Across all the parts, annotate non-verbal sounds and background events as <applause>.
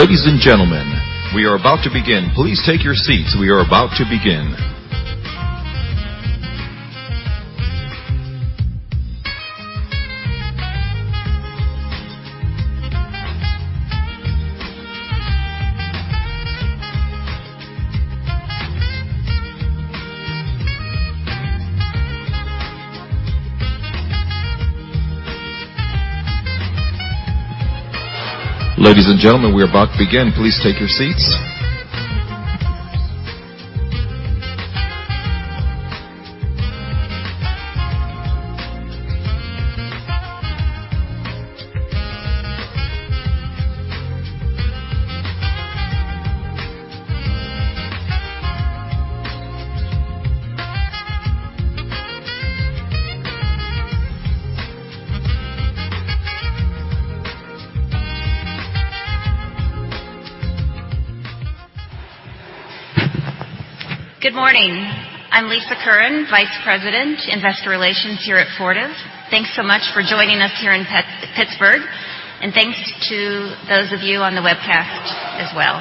Ladies and gentlemen, we are about to begin. Please take your seats. We are about to begin. Ladies and gentlemen, we're about to begin. Please take your seats. Good morning. I'm Lisa Curran, Vice President, Investor Relations here at Fortive. Thanks so much for joining us here in Pittsburgh, thanks to those of you on the webcast as well.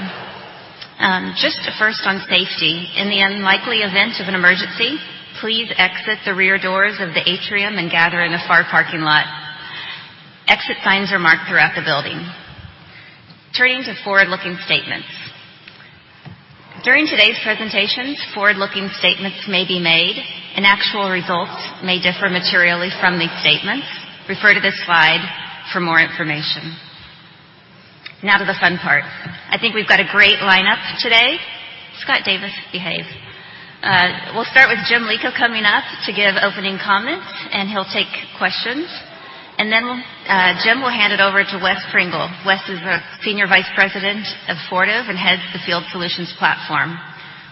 Just first on safety, in the unlikely event of an emergency, please exit the rear doors of the atrium and gather in the far parking lot. Exit signs are marked throughout the building. Turning to forward-looking statements. During today's presentations, forward-looking statements may be made and actual results may differ materially from these statements. Refer to this slide for more information. Now to the fun part. I think we've got a great lineup today. Scott Davis, behave. We'll start with Jim Lico coming up to give opening comments, and he'll take questions. Then Jim will hand it over to Wes Pringle. Wes is a Senior Vice President of Fortive and heads the Field Solutions platform.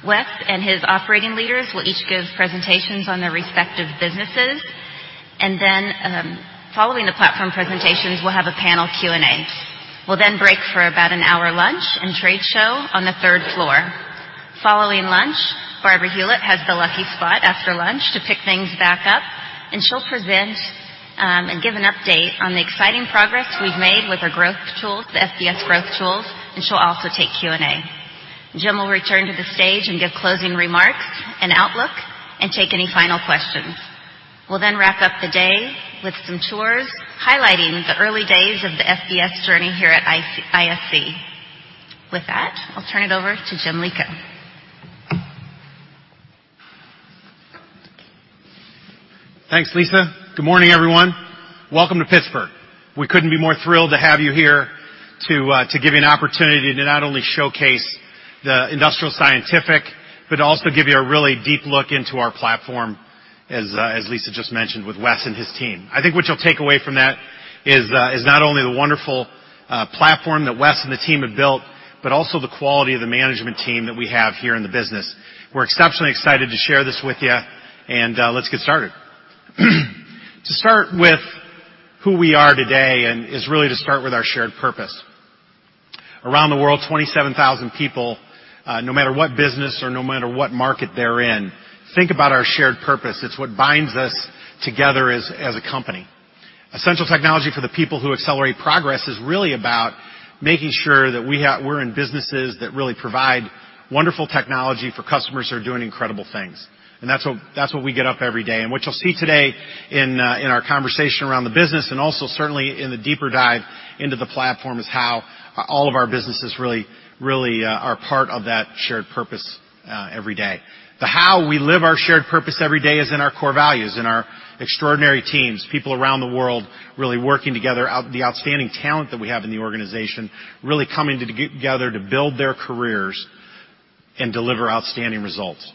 Wes and his operating leaders will each give presentations on their respective businesses. Then, following the platform presentations, we'll have a panel Q&A. We'll break for about an hour lunch and trade show on the third floor. Following lunch, Barbara Hulit has the lucky spot after lunch to pick things back up, and she'll present, and give an update on the exciting progress we've made with our growth tools, the FBS growth tools, and she'll also take Q&A. Jim will return to the stage and give closing remarks and outlook and take any final questions. We'll then wrap up the day with some tours highlighting the early days of the FBS journey here at ISC. With that, I'll turn it over to Jim Lico. Thanks, Lisa. Good morning, everyone. Welcome to Pittsburgh. We couldn't be more thrilled to have you here to give you an opportunity to not only showcase the Industrial Scientific, but also give you a really deep look into our platform, as Lisa just mentioned with Wes and his team. I think what you'll take away from that is not only the wonderful platform that Wes and the team have built, but also the quality of the management team that we have here in the business. We're exceptionally excited to share this with you, and let's get started. To start with who we are today and is really to start with our shared purpose. Around the world, 27,000 people, no matter what business or no matter what market they're in, think about our shared purpose. It's what binds us together as a company. Essential technology for the people who accelerate progress is really about making sure that we're in businesses that really provide wonderful technology for customers who are doing incredible things. That's what we get up every day. What you'll see today in our conversation around the business and also certainly in the deeper dive into the platform, is how all of our businesses really are part of that shared purpose every day. The how we live our shared purpose every day is in our core values, in our extraordinary teams, people around the world really working together, the outstanding talent that we have in the organization, really coming together to build their careers and deliver outstanding results.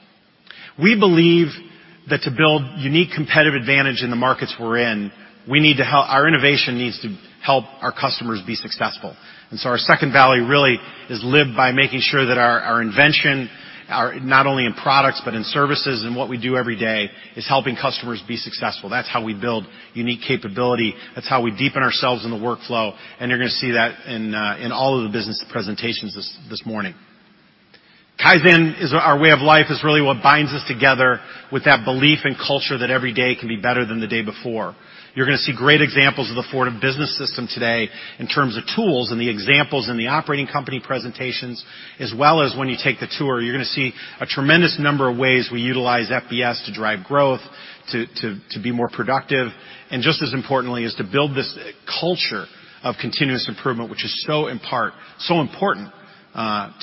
We believe that to build unique competitive advantage in the markets we're in, our innovation needs to help our customers be successful. Our second value really is lived by making sure that our invention not only in products but in services, and what we do every day is helping customers be successful. That's how we build unique capability. That's how we deepen ourselves in the workflow, and you're going to see that in all of the business presentations this morning. Kaizen is our way of life, is really what binds us together with that belief in culture that every day can be better than the day before. You're going to see great examples of the Fortive Business System today in terms of tools and the examples in the operating company presentations, as well as when you take the tour. You're going to see a tremendous number of ways we utilize FBS to drive growth, to be more productive, and just as importantly, is to build this culture of continuous improvement, which is so important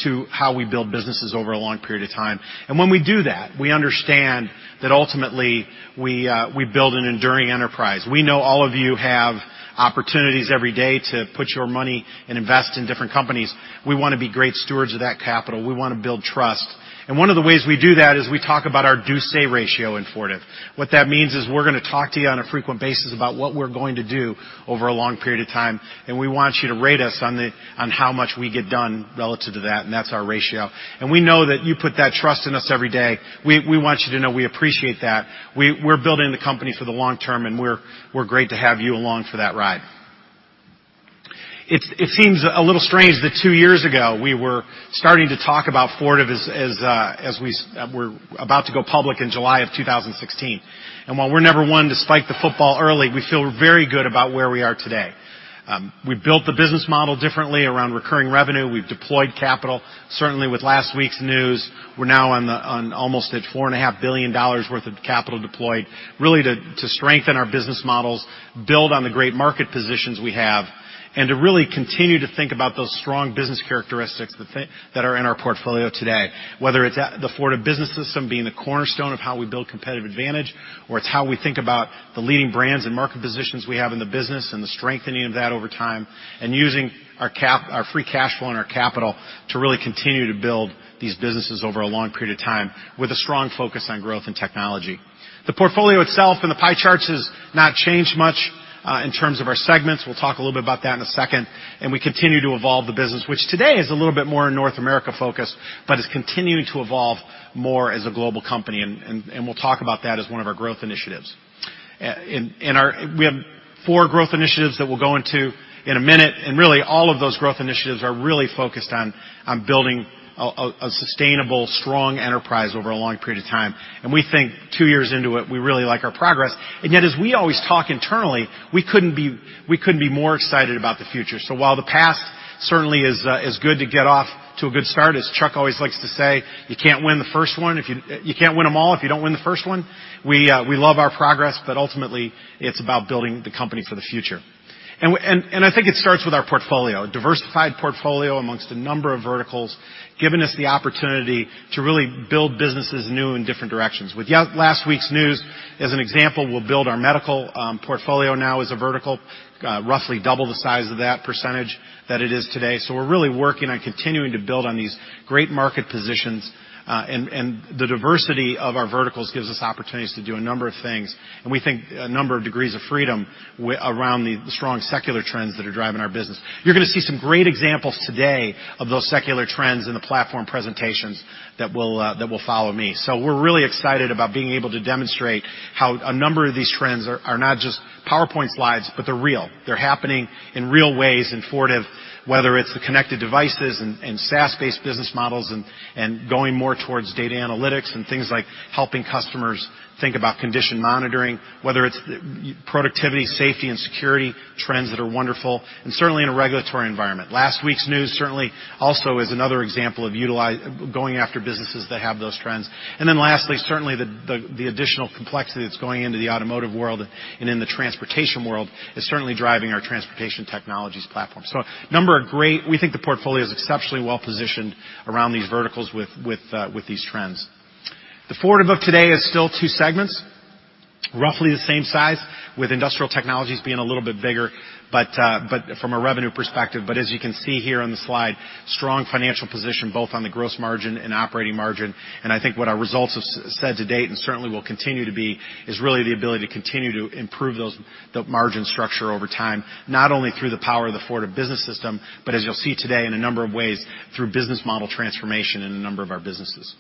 to how we build businesses over a long period of time. When we do that, we understand that ultimately, we build an enduring enterprise. We know all of you have opportunities every day to put your money and invest in different companies. We want to be great stewards of that capital. We want to build trust. One of the ways we do that is we talk about our do-say ratio in Fortive. What that means is we're going to talk to you on a frequent basis about what we're going to do over a long period of time, we want you to rate us on how much we get done relative to that, and that's our ratio. We know that you put that trust in us every day. We want you to know we appreciate that. We're building the company for the long term, we're great to have you along for that ride. It seems a little strange that two years ago, we were starting to talk about Fortive as we were about to go public in July of 2016. While we're number one to spike the football early, we feel very good about where we are today. We've built the business model differently around recurring revenue. We've deployed capital. Certainly, with last week's news, we're now on almost at $4.5 billion worth of capital deployed, really to strengthen our business models, build on the great market positions we have, and to really continue to think about those strong business characteristics that are in our portfolio today. Whether it's the Fortive Business System being the cornerstone of how we build competitive advantage, or it's how we think about the leading brands and market positions we have in the business and the strengthening of that over time, and using our free cash flow and our capital to really continue to build these businesses over a long period of time with a strong focus on growth and technology. The portfolio itself in the pie charts has not changed much in terms of our segments. We'll talk a little bit about that in a second. We continue to evolve the business, which today is a little bit more North America-focused, but is continuing to evolve more as a global company, and we'll talk about that as one of our growth initiatives. We have four growth initiatives that we'll go into in a minute, and really, all of those growth initiatives are really focused on building a sustainable, strong enterprise over a long period of time. We think two years into it, we really like our progress, and yet as we always talk internally, we couldn't be more excited about the future. While the past certainly is good to get off to a good start, as Chuck always likes to say, "You can't win them all if you don't win the first one." We love our progress, but ultimately, it's about building the company for the future. I think it starts with our portfolio. A diversified portfolio amongst a number of verticals, giving us the opportunity to really build businesses new in different directions. With last week's news, as an example, we'll build our medical portfolio now as a vertical, roughly double the size of that percentage that it is today. We're really working on continuing to build on these great market positions, and the diversity of our verticals gives us opportunities to do a number of things. We think a number of degrees of freedom around the strong secular trends that are driving our business. You're going to see some great examples today of those secular trends in the platform presentations that will follow me. We're really excited about being able to demonstrate how a number of these trends are not just PowerPoint slides, but they're real. They're happening in real ways in Fortive, whether it's the connected devices and SaaS-based business models and going more towards data analytics and things like helping customers think about condition monitoring, whether it's productivity, safety, and security trends that are wonderful, and certainly in a regulatory environment. Last week's news certainly also is another example of going after businesses that have those trends. Lastly, certainly the additional complexity that's going into the automotive world and in the transportation world is certainly driving our transportation technologies platform. We think the portfolio is exceptionally well-positioned around these verticals with these trends. The Fortive of today is still two segments, roughly the same size, with industrial technologies being a little bit bigger from a revenue perspective. As you can see here on the slide, strong financial position, both on the gross margin and operating margin. I think what our results have said to date, and certainly will continue to be, is really the ability to continue to improve the margin structure over time, not only through the power of the Fortive Business System, but as you'll see today in a number of ways through business model transformation in a number of our businesses.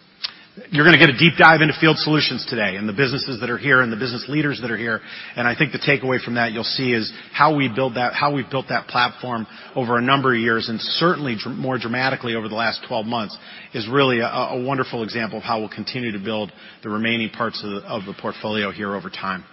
You're going to get a deep dive into Field Solutions today and the businesses that are here and the business leaders that are here, and I think the takeaway from that you'll see is how we've built that platform over a number of years and certainly more dramatically over the last 12 months, is really a wonderful example of how we'll continue to build the remaining parts of the portfolio here over time.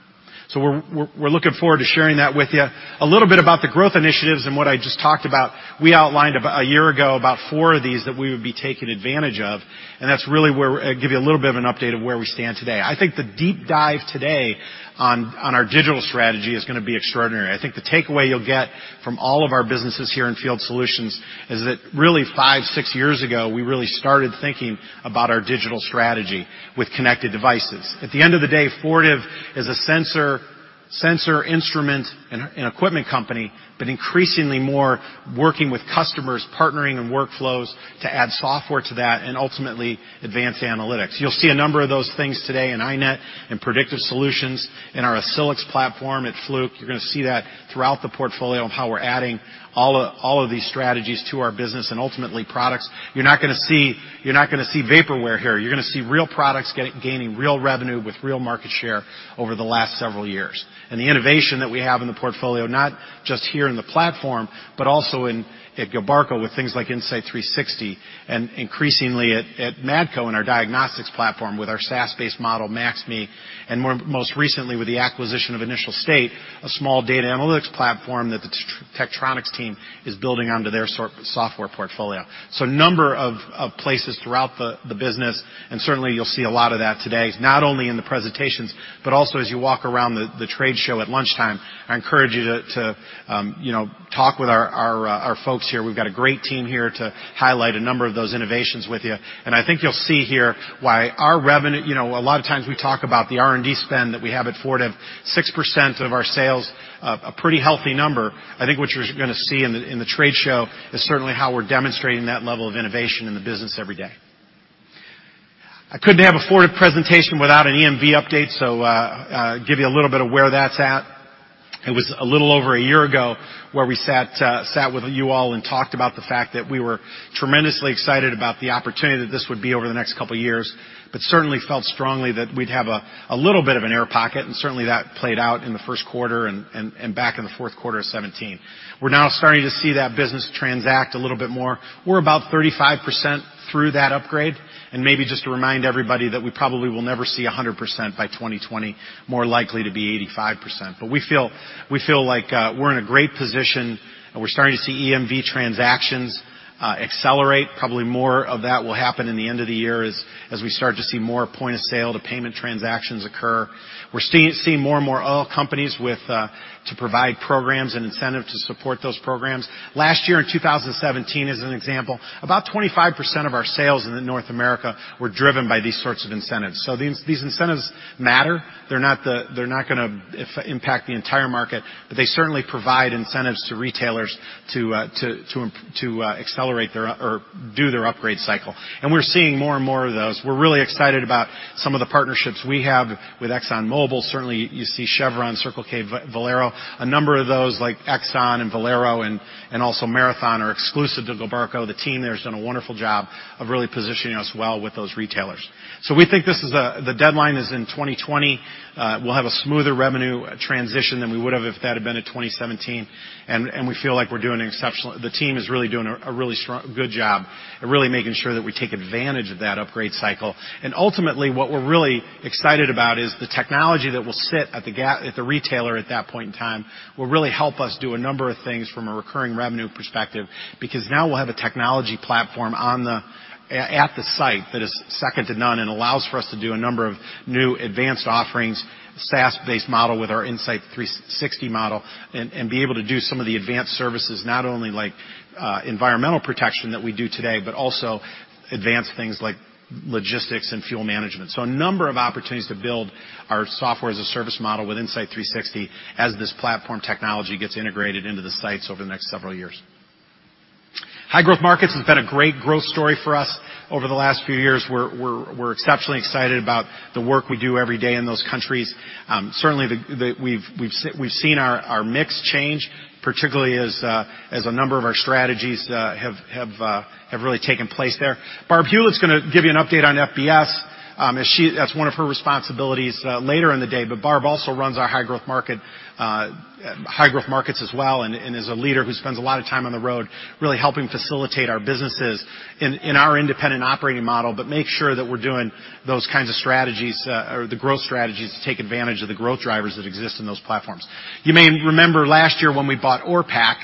We're looking forward to sharing that with you. A little bit about the growth initiatives and what I just talked about. We outlined a year ago about four of these that we would be taking advantage of, and that's really where I give you a little bit of an update of where we stand today. I think the deep dive today on our digital strategy is going to be extraordinary. I think the takeaway you'll get from all of our businesses here in Field Solutions is that really five, six years ago, we really started thinking about our digital strategy with connected devices. At the end of the day, Fortive is a sensor instrument and equipment company, but increasingly more working with customers, partnering in workflows to add software to that and ultimately advance analytics. You'll see a number of those things today in iNet, in Predictive Solutions, in our Accelix platform at Fluke. You're going to see that throughout the portfolio of how we're adding all of these strategies to our business and ultimately products. You're not going to see vaporware here. You're going to see real products gaining real revenue with real market share over the last several years. The innovation that we have in the portfolio, not just here in the platform, but also at Gilbarco with things like Insite360 and increasingly at Matco in our diagnostics platform with our SaaS-based model, MaxMe, and most recently with the acquisition of Initial State, a small data analytics platform that the Tektronix team is building onto their software portfolio. A number of places throughout the business, and certainly you'll see a lot of that today, not only in the presentations, but also as you walk around the trade show at lunchtime. I encourage you to talk with our folks here. We've got a great team here to highlight a number of those innovations with you. I think you'll see here why our revenue. A lot of times we talk about the R&D spend that we have at Fortive, 6% of our sales, a pretty healthy number. I think what you're going to see in the trade show is certainly how we're demonstrating that level of innovation in the business every day. I couldn't have a Fortive presentation without an EMV update, give you a little bit of where that's at. It was a little over a year ago where we sat with you all and talked about the fact that we were tremendously excited about the opportunity that this would be over the next couple of years, but certainly felt strongly that we'd have a little bit of an air pocket, and certainly that played out in the first quarter and back in the fourth quarter of 2017. We're now starting to see that business transact a little bit more. We're about 35% through that upgrade, and maybe just to remind everybody that we probably will never see 100% by 2020. More likely to be 85%. We feel like we're in a great position, and we're starting to see EMV transactions accelerate. Probably more of that will happen in the end of the year as we start to see more point of sale to payment transactions occur. We're seeing more and more oil companies to provide programs and incentive to support those programs. Last year in 2017, as an example, about 25% of our sales in the North America were driven by these sorts of incentives. These incentives matter. They're not going to impact the entire market, but they certainly provide incentives to retailers to accelerate or do their upgrade cycle. We're seeing more and more of those. We're really excited about some of the partnerships we have with ExxonMobil. Certainly, you see Chevron, Circle K, Valero. A number of those like Exxon and Valero and also Marathon are exclusive to Gilbarco. The team there has done a wonderful job of really positioning us well with those retailers. We think the deadline is in 2020. We'll have a smoother revenue transition than we would have if that had been a 2017. We feel like the team is really doing a really good job at really making sure that we take advantage of that upgrade cycle. Ultimately, what we're really excited about is the technology that will sit at the retailer at that point in time will really help us do a number of things from a recurring revenue perspective, because now we'll have a technology platform at the site that is second to none and allows for us to do a number of new advanced offerings, SaaS-based model with our Insite360 model, and be able to do some of the advanced services, not only like environmental protection that we do today, but also advanced things like logistics and fuel management. A number of opportunities to build our software-as-a-service model with Insite360 as this platform technology gets integrated into the sites over the next several years. High growth markets has been a great growth story for us over the last few years. We're exceptionally excited about the work we do every day in those countries. Certainly, we've seen our mix change, particularly as a number of our strategies have really taken place there. Barb Hulit is going to give you an update on FBS. That's one of her responsibilities later in the day. Barb also runs our high growth markets as well and is a leader who spends a lot of time on the road really helping facilitate our businesses in our independent operating model, but make sure that we're doing those kinds of strategies or the growth strategies to take advantage of the growth drivers that exist in those platforms. You may remember last year when we bought Orpak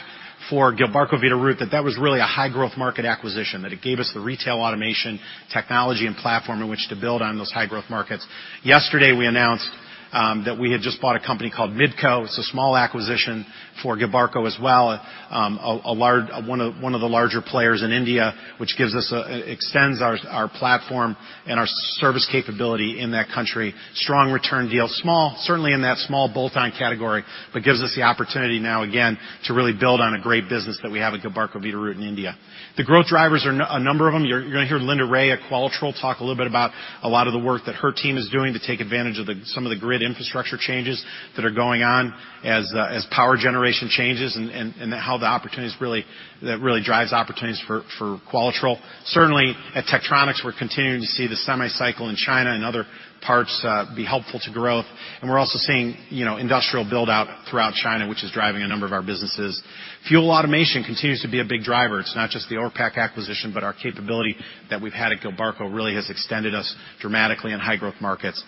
for Gilbarco Veeder-Root, that that was really a high growth market acquisition, that it gave us the retail automation technology and platform in which to build on those high growth markets. Yesterday, we announced that we had just bought a company called Midco. It's a small acquisition for Gilbarco as well, one of the larger players in India, which extends our platform and our service capability in that country. Strong return deal, certainly in that small bolt-on category, but gives us the opportunity now again to really build on a great business that we have at Gilbarco Veeder-Root in India. The growth drivers are a number of them. You're going to hear Linda Rae at Qualitrol talk a little bit about a lot of the work that her team is doing to take advantage of some of the grid infrastructure changes that are going on as power generation changes and how that really drives opportunities for Qualitrol. Certainly at Tektronix, we're continuing to see the semi cycle in China and other parts be helpful to growth. We're also seeing industrial build-out throughout China, which is driving a number of our businesses. Fuel automation continues to be a big driver. It's not just the Orpak acquisition, but our capability that we've had at Gilbarco really has extended us dramatically in high growth markets.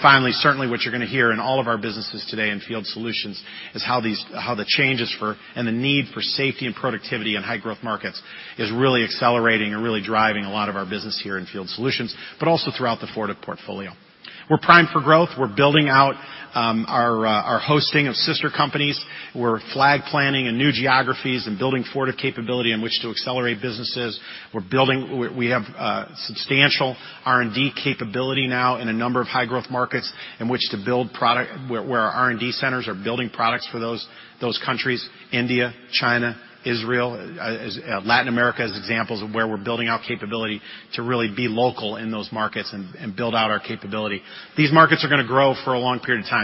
Finally, certainly what you're going to hear in all of our businesses today in Field Solutions is how the changes and the need for safety and productivity in high growth markets is really accelerating and really driving a lot of our business here in Field Solutions, but also throughout the Fortive portfolio. We're primed for growth. We're building out our hosting of sister companies. We're flag planning in new geographies and building Fortive capability in which to accelerate businesses. We have substantial R&D capability now in a number of high-growth markets in which to build product, where our R&D centers are building products for those countries, India, China, Israel, Latin America, as examples of where we're building out capability to really be local in those markets and build out our capability. These markets are going to grow for a long period of time.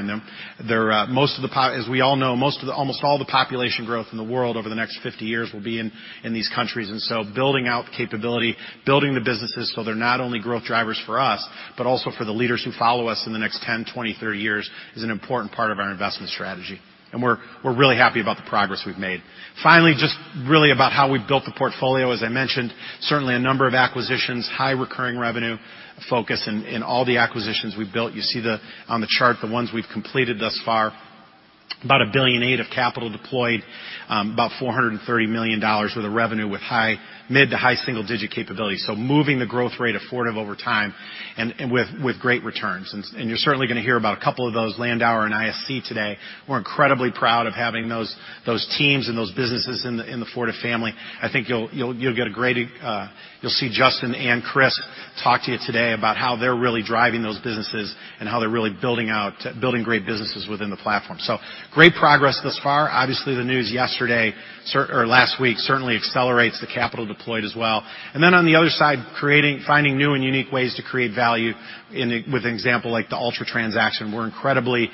As we all know, almost all the population growth in the world over the next 50 years will be in these countries. Building out capability, building the businesses so they're not only growth drivers for us, but also for the leaders who follow us in the next 10, 20, 30 years, is an important part of our investment strategy. We're really happy about the progress we've made. Finally, just really about how we've built the portfolio. As I mentioned, certainly a number of acquisitions, high recurring revenue focus in all the acquisitions we've built. You see on the chart the ones we've completed thus far. About $1.8 billion of capital deployed, about $430 million worth of revenue with mid to high single-digit capability. Moving the growth rate of Fortive over time and with great returns. You're certainly going to hear about a couple of those, Landauer and ISC today. We're incredibly proud of having those teams and those businesses in the Fortive family. I think you'll see Justin and Kris talk to you today about how they're really driving those businesses and how they're really building great businesses within the platform. Great progress thus far. Obviously, the news yesterday or last week certainly accelerates the capital deployed as well. On the other side, finding new and unique ways to create value with an example like the Altra transaction. We're incredibly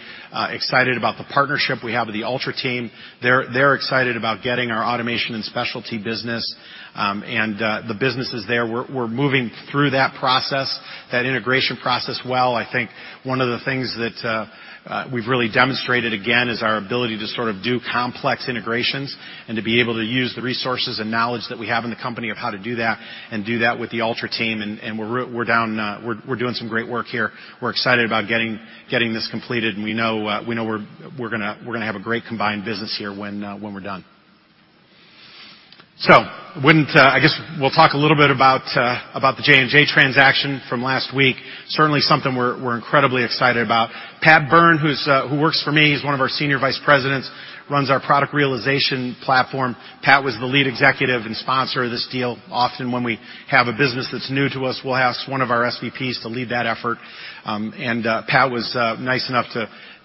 excited about the partnership we have with the Altra team. They're excited about getting our Automation & Specialty business. The business is there. We're moving through that process, that integration process well. I think one of the things that we've really demonstrated again is our ability to sort of do complex integrations and to be able to use the resources and knowledge that we have in the company of how to do that and do that with the Altra team. We're doing some great work here. We're excited about getting this completed, and we know we're going to have a great combined business here when we're done. I guess we'll talk a little bit about the J&J transaction from last week. Certainly, something we're incredibly excited about. Pat Byrne, who works for me, he's one of our Senior Vice Presidents, runs our Product Realization platform. Pat was the lead executive and sponsor of this deal. Often when we have a business that's new to us, we'll ask one of our SVPs to lead that effort. Pat was nice enough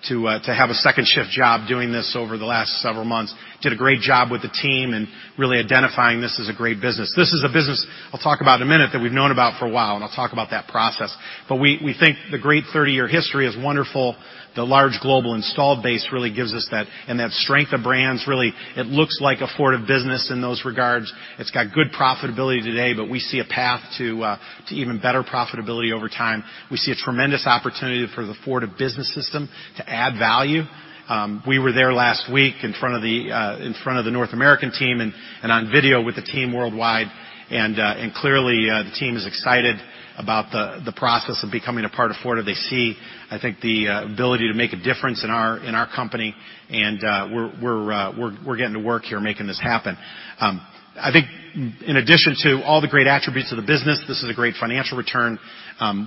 to have a second shift job doing this over the last several months. Did a great job with the team in really identifying this as a great business. This is a business I'll talk about in a minute that we've known about for a while, and I'll talk about that process. We think the great 30-year history is wonderful. The large global installed base really gives us that, and that strength of brands, really, it looks like a Fortive business in those regards. It's got good profitability today, but we see a path to even better profitability over time. We see a tremendous opportunity for the Fortive Business System to add value. We were there last week in front of the North American team and on video with the team worldwide, clearly, the team is excited about the process of becoming a part of Fortive. They see, I think, the ability to make a difference in our company, and we're getting to work here making this happen. I think in addition to all the great attributes of the business, this is a great financial return.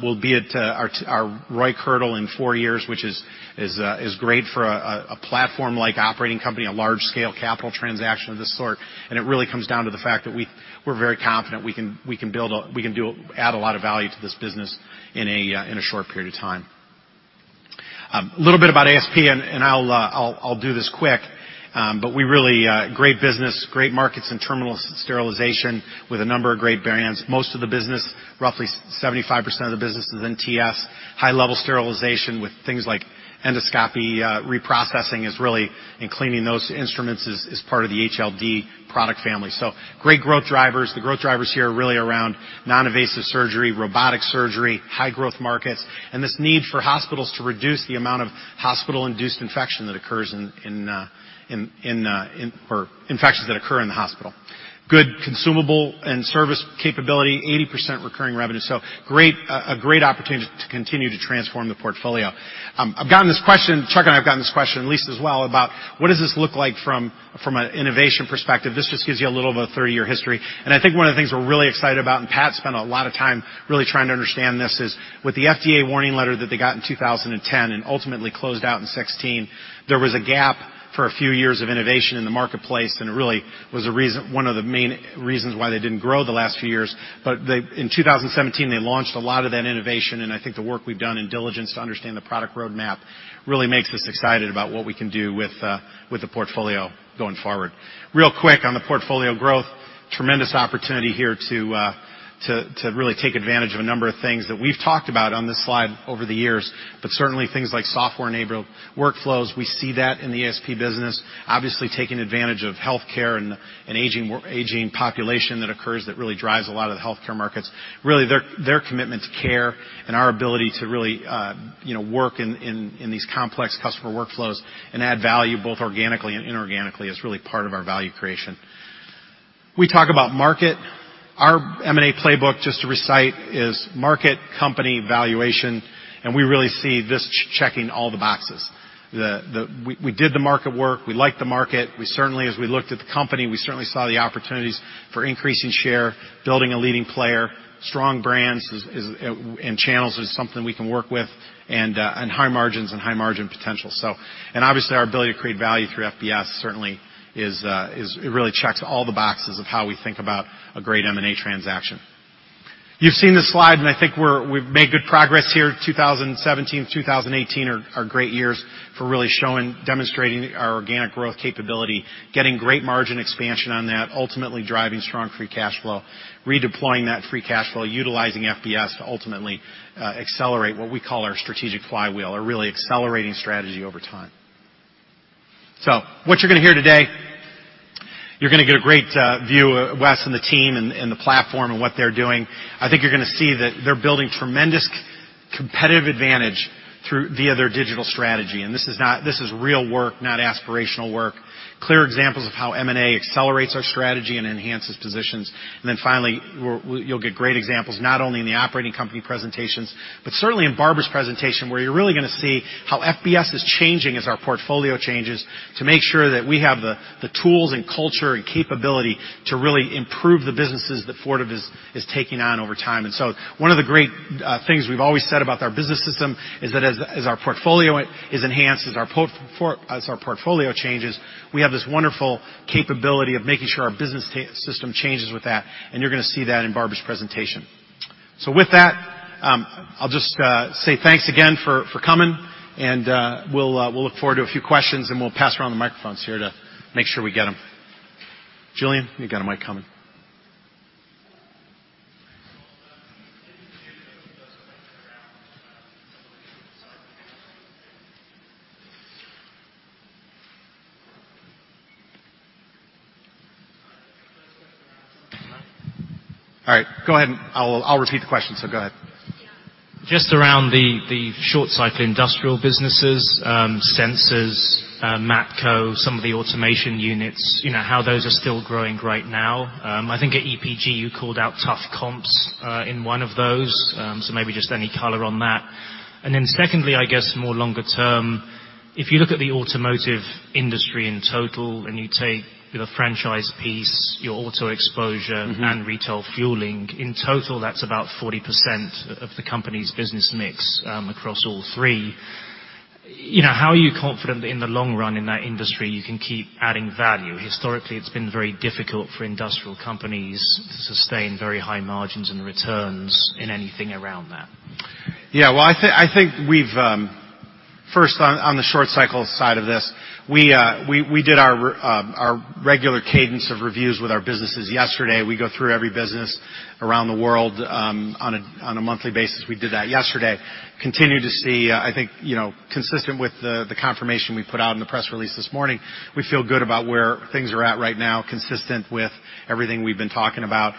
We'll be at our ROIC hurdle in four years, which is great for a platform like operating company, a large-scale capital transaction of this sort. It really comes down to the fact that we're very confident we can add a lot of value to this business in a short period of time. A little bit about ASP, and I'll do this quick. Great business, great markets in terminal sterilization with a number of great variants. Most of the business, roughly 75% of the business is in TS. High-level sterilization with things like endoscopy reprocessing and cleaning those instruments is part of the HLD product family. Great growth drivers. The growth drivers here are really around non-invasive surgery, robotic surgery, high growth markets, and this need for hospitals to reduce the amount of hospital-induced infection that occurs or infections that occur in the hospital. Good consumable and service capability, 80% recurring revenue. A great opportunity to continue to transform the portfolio. Chuck and I have gotten this question, Lisa as well, about what does this look like from an innovation perspective? This just gives you a little of a 30-year history. I think one of the things we're really excited about, and Pat spent a lot of time really trying to understand this, is with the FDA warning letter that they got in 2010 and ultimately closed out in 2016, there was a gap for a few years of innovation in the marketplace, and it really was one of the main reasons why they didn't grow the last few years. In 2017, they launched a lot of that innovation, and I think the work we've done in diligence to understand the product roadmap really makes us excited about what we can do with the portfolio going forward. Real quick on the portfolio growth, tremendous opportunity here to really take advantage of a number of things that we've talked about on this slide over the years. Certainly, things like software-enabled workflows, we see that in the ASP business. Obviously taking advantage of healthcare and aging population that occurs that really drives a lot of the healthcare markets. Really, their commitment to care and our ability to really work in these complex customer workflows and add value both organically and inorganically is really part of our value creation. We talk about market Our M&A playbook, just to recite, is market, company, valuation, and we really see this checking all the boxes. We did the market work. We liked the market. As we looked at the company, we certainly saw the opportunities for increasing share, building a leading player. Strong brands and channels is something we can work with, and high margins and high margin potential. Obviously, our ability to create value through FBS certainly, it really checks all the boxes of how we think about a great M&A transaction. You've seen this slide, I think we've made good progress here. 2017, 2018 are great years for really showing, demonstrating our organic growth capability, getting great margin expansion on that, ultimately driving strong free cash flow. Redeploying that free cash flow, utilizing FBS to ultimately accelerate what we call our strategic flywheel, a really accelerating strategy over time. What you're going to hear today, you're going to get a great view of Wes and the team and the platform and what they're doing. I think you're going to see that they're building tremendous competitive advantage via their digital strategy. This is real work, not aspirational work. Clear examples of how M&A accelerates our strategy and enhances positions. Finally, you'll get great examples, not only in the operating company presentations, but certainly in Barbara's presentation, where you're really going to see how FBS is changing as our portfolio changes to make sure that we have the tools and culture and capability to really improve the businesses that Fortive is taking on over time. One of the great things we've always said about our business system is that as our portfolio changes, we have this wonderful capability of making sure our business system changes with that, and you're going to see that in Barbara's presentation. With that, I'll just say thanks again for coming, and we'll look forward to a few questions, and we'll pass around the microphones here to make sure we get them. Julian, you got a mic coming. All right, go ahead. I'll repeat the question. Go ahead. Just around the short cycle industrial businesses, Sensors, Matco, some of the automation units, how those are still growing right now. I think at EPG, you called out tough comps, in one of those. Maybe just any color on that. Secondly, I guess, more longer term, if you look at the automotive industry in total, and you take your franchise piece, your auto exposure- Retail fueling, in total, that's about 40% of the company's business mix, across all three. How are you confident that in the long run in that industry you can keep adding value? Historically, it's been very difficult for industrial companies to sustain very high margins and returns in anything around that. Yeah. First, on the short cycle side of this, we did our regular cadence of reviews with our businesses yesterday. We go through every business around the world, on a monthly basis. We did that yesterday. Continue to see, I think, consistent with the confirmation we put out in the press release this morning, we feel good about where things are at right now, consistent with everything we've been talking about.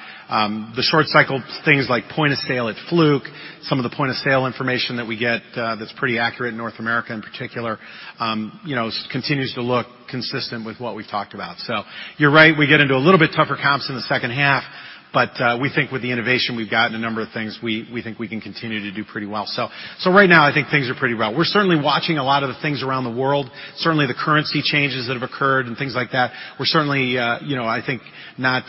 The short cycle things like point-of-sale at Fluke, some of the point-of-sale information that we get, that's pretty accurate in North America in particular, continues to look consistent with what we've talked about. You're right, we get into a little bit tougher comps in the second half, we think with the innovation we've got in a number of things, we think we can continue to do pretty well. Right now, I think things are pretty well. We're certainly watching a lot of the things around the world. Certainly, the currency changes that have occurred and things like that. We're certainly, I think, not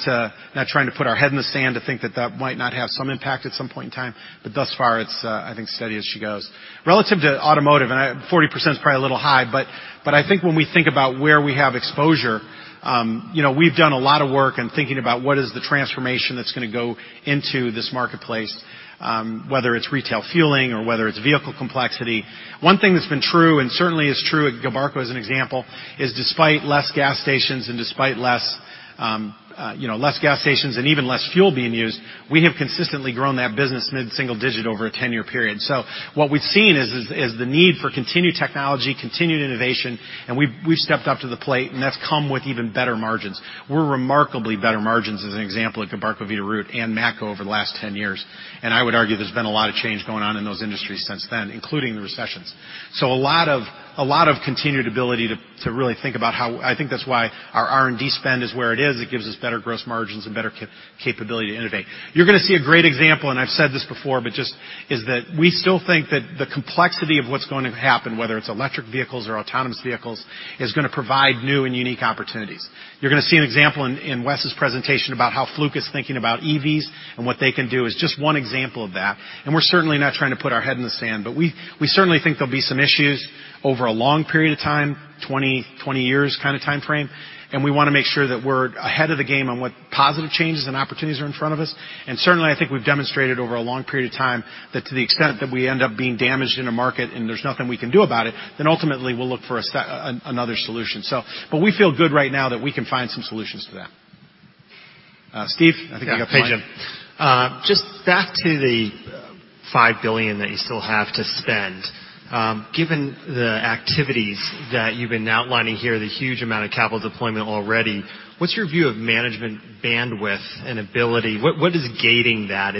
trying to put our head in the sand to think that that might not have some impact at some point in time. Thus far, it's, I think, steady as she goes. Relative to automotive, 40% is probably a little high, but I think when we think about where we have exposure, we've done a lot of work in thinking about what is the transformation that's going to go into this marketplace, whether it's retail fueling or whether it's vehicle complexity. One thing that's been true, and certainly is true at Gilbarco as an example, is despite less gas stations and even less fuel being used, we have consistently grown that business mid-single digit over a 10-year period. What we've seen is the need for continued technology, continued innovation, and we've stepped up to the plate, and that's come with even better margins. We're remarkably better margins as an example at Gilbarco, Veeder-Root, and Matco over the last 10 years. I would argue there's been a lot of change going on in those industries since then, including the recessions. A lot of continued ability to really think about how I think that's why our R&D spend is where it is. It gives us better gross margins and better capability to innovate. You're going to see a great example, and I've said this before, but just is that we still think that the complexity of what's going to happen, whether it's electric vehicles or autonomous vehicles, is going to provide new and unique opportunities. You're going to see an example in Wes's presentation about how Fluke is thinking about EVs and what they can do, is just one example of that. We're certainly not trying to put our head in the sand. We certainly think there'll be some issues over a long period of time, 20 years kind of timeframe, and we want to make sure that we're ahead of the game on what positive changes and opportunities are in front of us. Certainly, I think we've demonstrated over a long period of time that to the extent that we end up being damaged in a market and there's nothing we can do about it, then ultimately we'll look for another solution. We feel good right now that we can find some solutions for that. Steve, I think you got your mic. Yeah. Hey, Jim. Just back to the $5 billion that you still have to spend. Given the activities that you've been outlining here, the huge amount of capital deployment already, what's your view of management bandwidth and ability? What is gating that?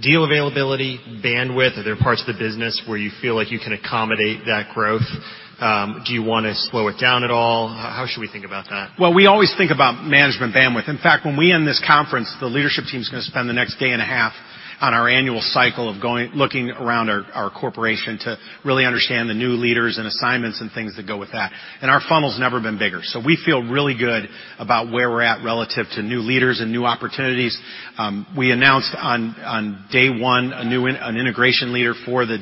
Deal availability, bandwidth? Are there parts of the business where you feel like you can accommodate that growth? Do you want to slow it down at all? How should we think about that? Well, we always think about management bandwidth. In fact, when we end this conference, the leadership team is going to spend the next day and a half on our annual cycle of looking around our corporation to really understand the new leaders and assignments and things that go with that. Our funnel's never been bigger. We feel really good about where we're at relative to new leaders and new opportunities. We announced on day one an integration leader for the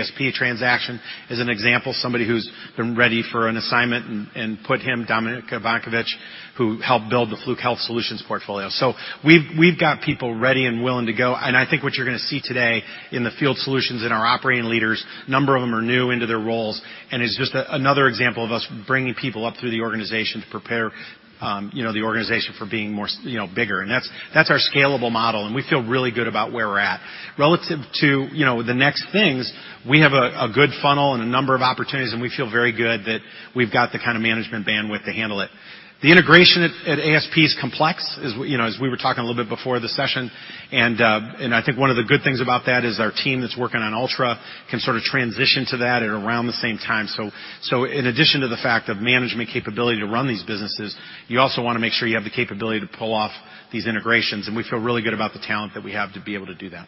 ASP transaction. As an example, somebody who's been ready for an assignment and put him, Dominic Ivankovich, who helped build the Fluke Health Solutions portfolio. We've got people ready and willing to go, and I think what you're going to see today in the Field Solutions and our operating leaders, a number of them are new into their roles, and it's just another example of us bringing people up through the organization to prepare the organization for being bigger. That's our scalable model, and we feel really good about where we're at. Relative to the next things, we have a good funnel and a number of opportunities, and we feel very good that we've got the kind of management bandwidth to handle it. The integration at ASP is complex, as we were talking a little bit before the session, and I think one of the good things about that is our team that's working on Altra can sort of transition to that at around the same time. In addition to the fact of management capability to run these businesses, you also want to make sure you have the capability to pull off these integrations, and we feel really good about the talent that we have to be able to do that.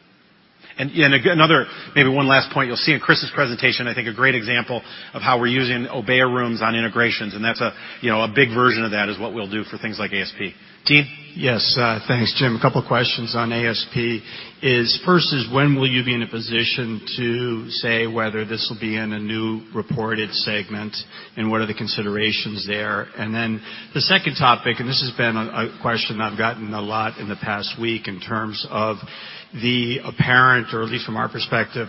Maybe one last point. You'll see in Kris's presentation, I think, a great example of how we're using Obeya rooms on integrations, and a big version of that is what we'll do for things like ASP. Dean? Yes. Thanks, Jim. A couple of questions on ASP is, first is, when will you be in a position to say whether this will be in a new reported segment, and what are the considerations there? Then the second topic, and this has been a question I've gotten a lot in the past week in terms of the apparent, or at least from our perspective,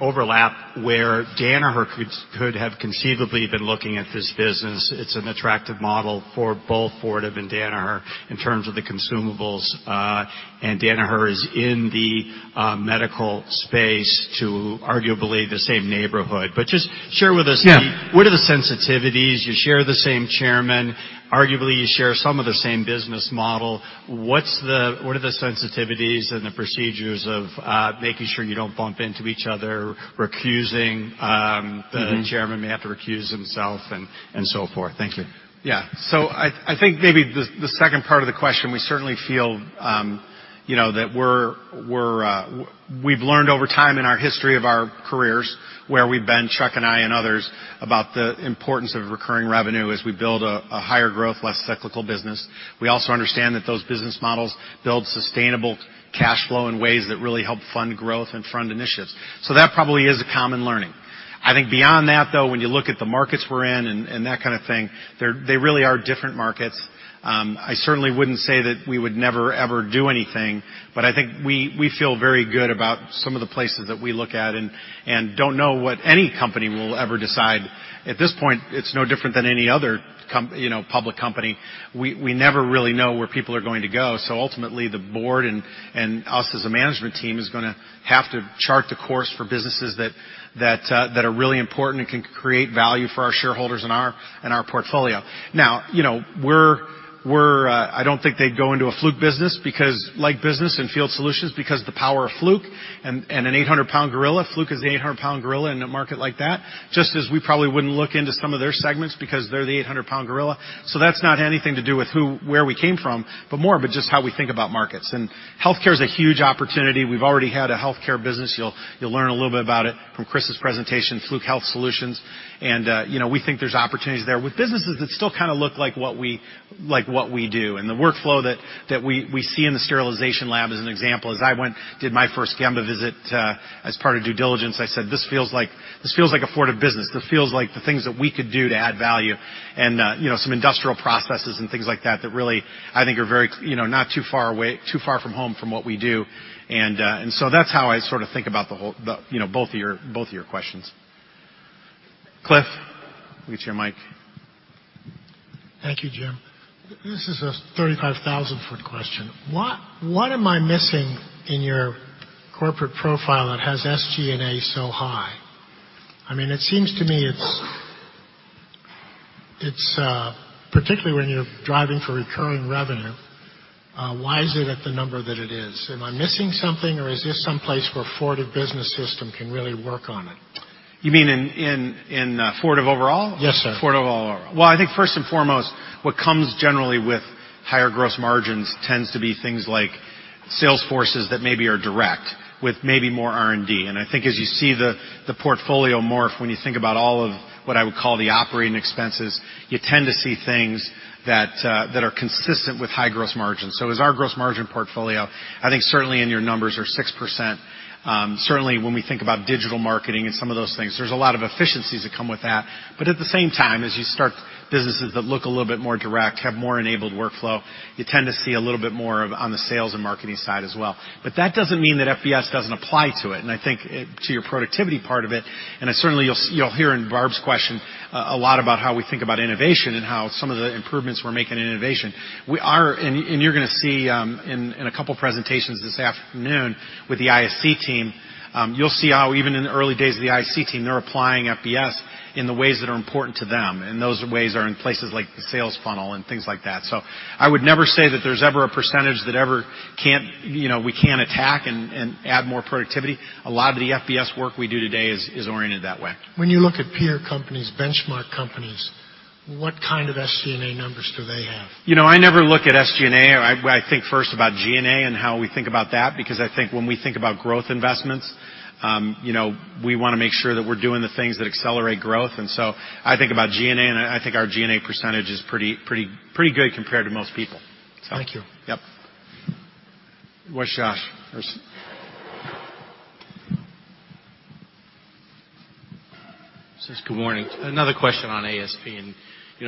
overlap where Danaher could have conceivably been looking at this business. It's an attractive model for both Fortive and Danaher in terms of the consumables. Danaher is in the medical space to arguably the same neighborhood. Just share with us- Yeah What are the sensitivities? You share the same chairman. Arguably, you share some of the same business model. What are the sensitivities and the procedures of making sure you don't bump into each other, recusing, the chairman may have to recuse himself, and so forth? Thank you. I think maybe the second part of the question, we certainly feel that we've learned over time in our history of our careers where we've been, Chuck and I and others, about the importance of recurring revenue as we build a higher growth, less cyclical business. We also understand that those business models build sustainable cash flow in ways that really help fund growth and fund initiatives. That probably is a common learning. I think beyond that, though, when you look at the markets we're in and that kind of thing, they really are different markets. I certainly wouldn't say that we would never, ever do anything, but I think we feel very good about some of the places that we look at and don't know what any company will ever decide. At this point, it's no different than any other public company. We never really know where people are going to go. Ultimately, the board and us as a management team is going to have to chart the course for businesses that are really important and can create value for our shareholders and our portfolio. I don't think they'd go into a Fluke business because, like business and Field Solutions, because of the power of Fluke and an 800-pound gorilla. Fluke is the 800-pound gorilla in a market like that, just as we probably wouldn't look into some of their segments because they're the 800-pound gorilla. That's not anything to do with where we came from, but more of just how we think about markets. Healthcare is a huge opportunity. We've already had a healthcare business. You'll learn a little bit about it from Kris's presentation, Fluke Health Solutions. We think there's opportunities there with businesses that still kind of look like what we do. The workflow that we see in the sterilization lab as an example, as I went, did my first Gemba visit as part of due diligence, I said, "This feels like a Fortive business. This feels like the things that we could do to add value," and some industrial processes and things like that that really, I think, are not too far from home from what we do. That's how I sort of think about both of your questions. Cliff, let me get you a mic. Thank you, Jim. This is a 35,000-foot question. What am I missing in your corporate profile that has SG&A so high? It seems to me it's particularly when you're driving for recurring revenue, why is it at the number that it is? Am I missing something, or is this someplace where Fortive Business System can really work on it? You mean in Fortive overall? Yes, sir. Fortive overall. Well, I think first and foremost, what comes generally with higher gross margins tends to be things like sales forces that maybe are direct with maybe more R&D. I think as you see the portfolio morph, when you think about all of what I would call the operating expenses, you tend to see things that are consistent with high gross margins. As our gross margin portfolio, I think certainly in your numbers are 6%. Certainly, when we think about digital marketing and some of those things, there's a lot of efficiencies that come with that. At the same time, as you start businesses that look a little bit more direct, have more enabled workflow, you tend to see a little bit more on the sales and marketing side as well. That doesn't mean that FBS doesn't apply to it, and I think to your productivity part of it, and certainly you'll hear in Barb's question a lot about how we think about innovation and how some of the improvements we're making in innovation. You're going to see in a couple of presentations this afternoon with the ISC team, you'll see how even in the early days of the ISC team, they're applying FBS in the ways that are important to them, and those ways are in places like the sales funnel and things like that. I would never say that there's ever a percentage that we can't attack and add more productivity. A lot of the FBS work we do today is oriented that way. When you look at peer companies, benchmark companies What kind of SG&A numbers do they have? I never look at SG&A. I think first about G&A and how we think about that, because I think when we think about growth investments, we want to make sure that we're doing the things that accelerate growth. I think about G&A, and I think our G&A percentage is pretty good compared to most people. Thank you. Yep. Where's Josh? Good morning. Another question on ASP.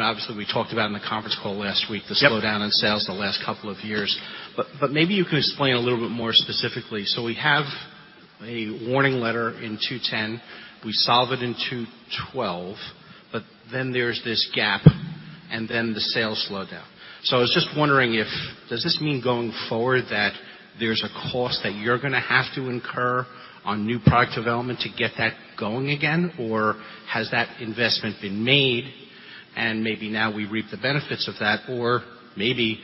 Obviously, we talked about in the conference call last week. Yep The slowdown in sales the last couple of years, maybe you could explain a little bit more specifically. We have a warning letter in 2010, we solve it in 2012, then there's this gap, then the sales slow down. I was just wondering if, does this mean, going forward, that there's a cost that you're going to have to incur on new product development to get that going again? Or has that investment been made, and maybe now we reap the benefits of that? Or maybe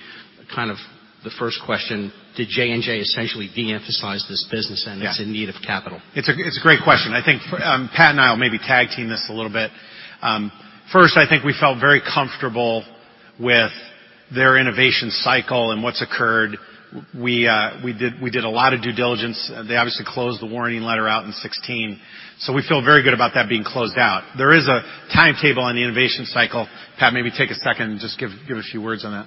kind of the first question, did J&J essentially de-emphasize this business. Yeah It's in need of capital? It's a great question. I think Pat and I will maybe tag team this a little bit. First, I think we felt very comfortable with their innovation cycle and what's occurred. We did a lot of due diligence. They obviously closed the warning letter out in 2016. We feel very good about that being closed out. There is a timetable on the innovation cycle. Pat, maybe take a second and just give a few words on that.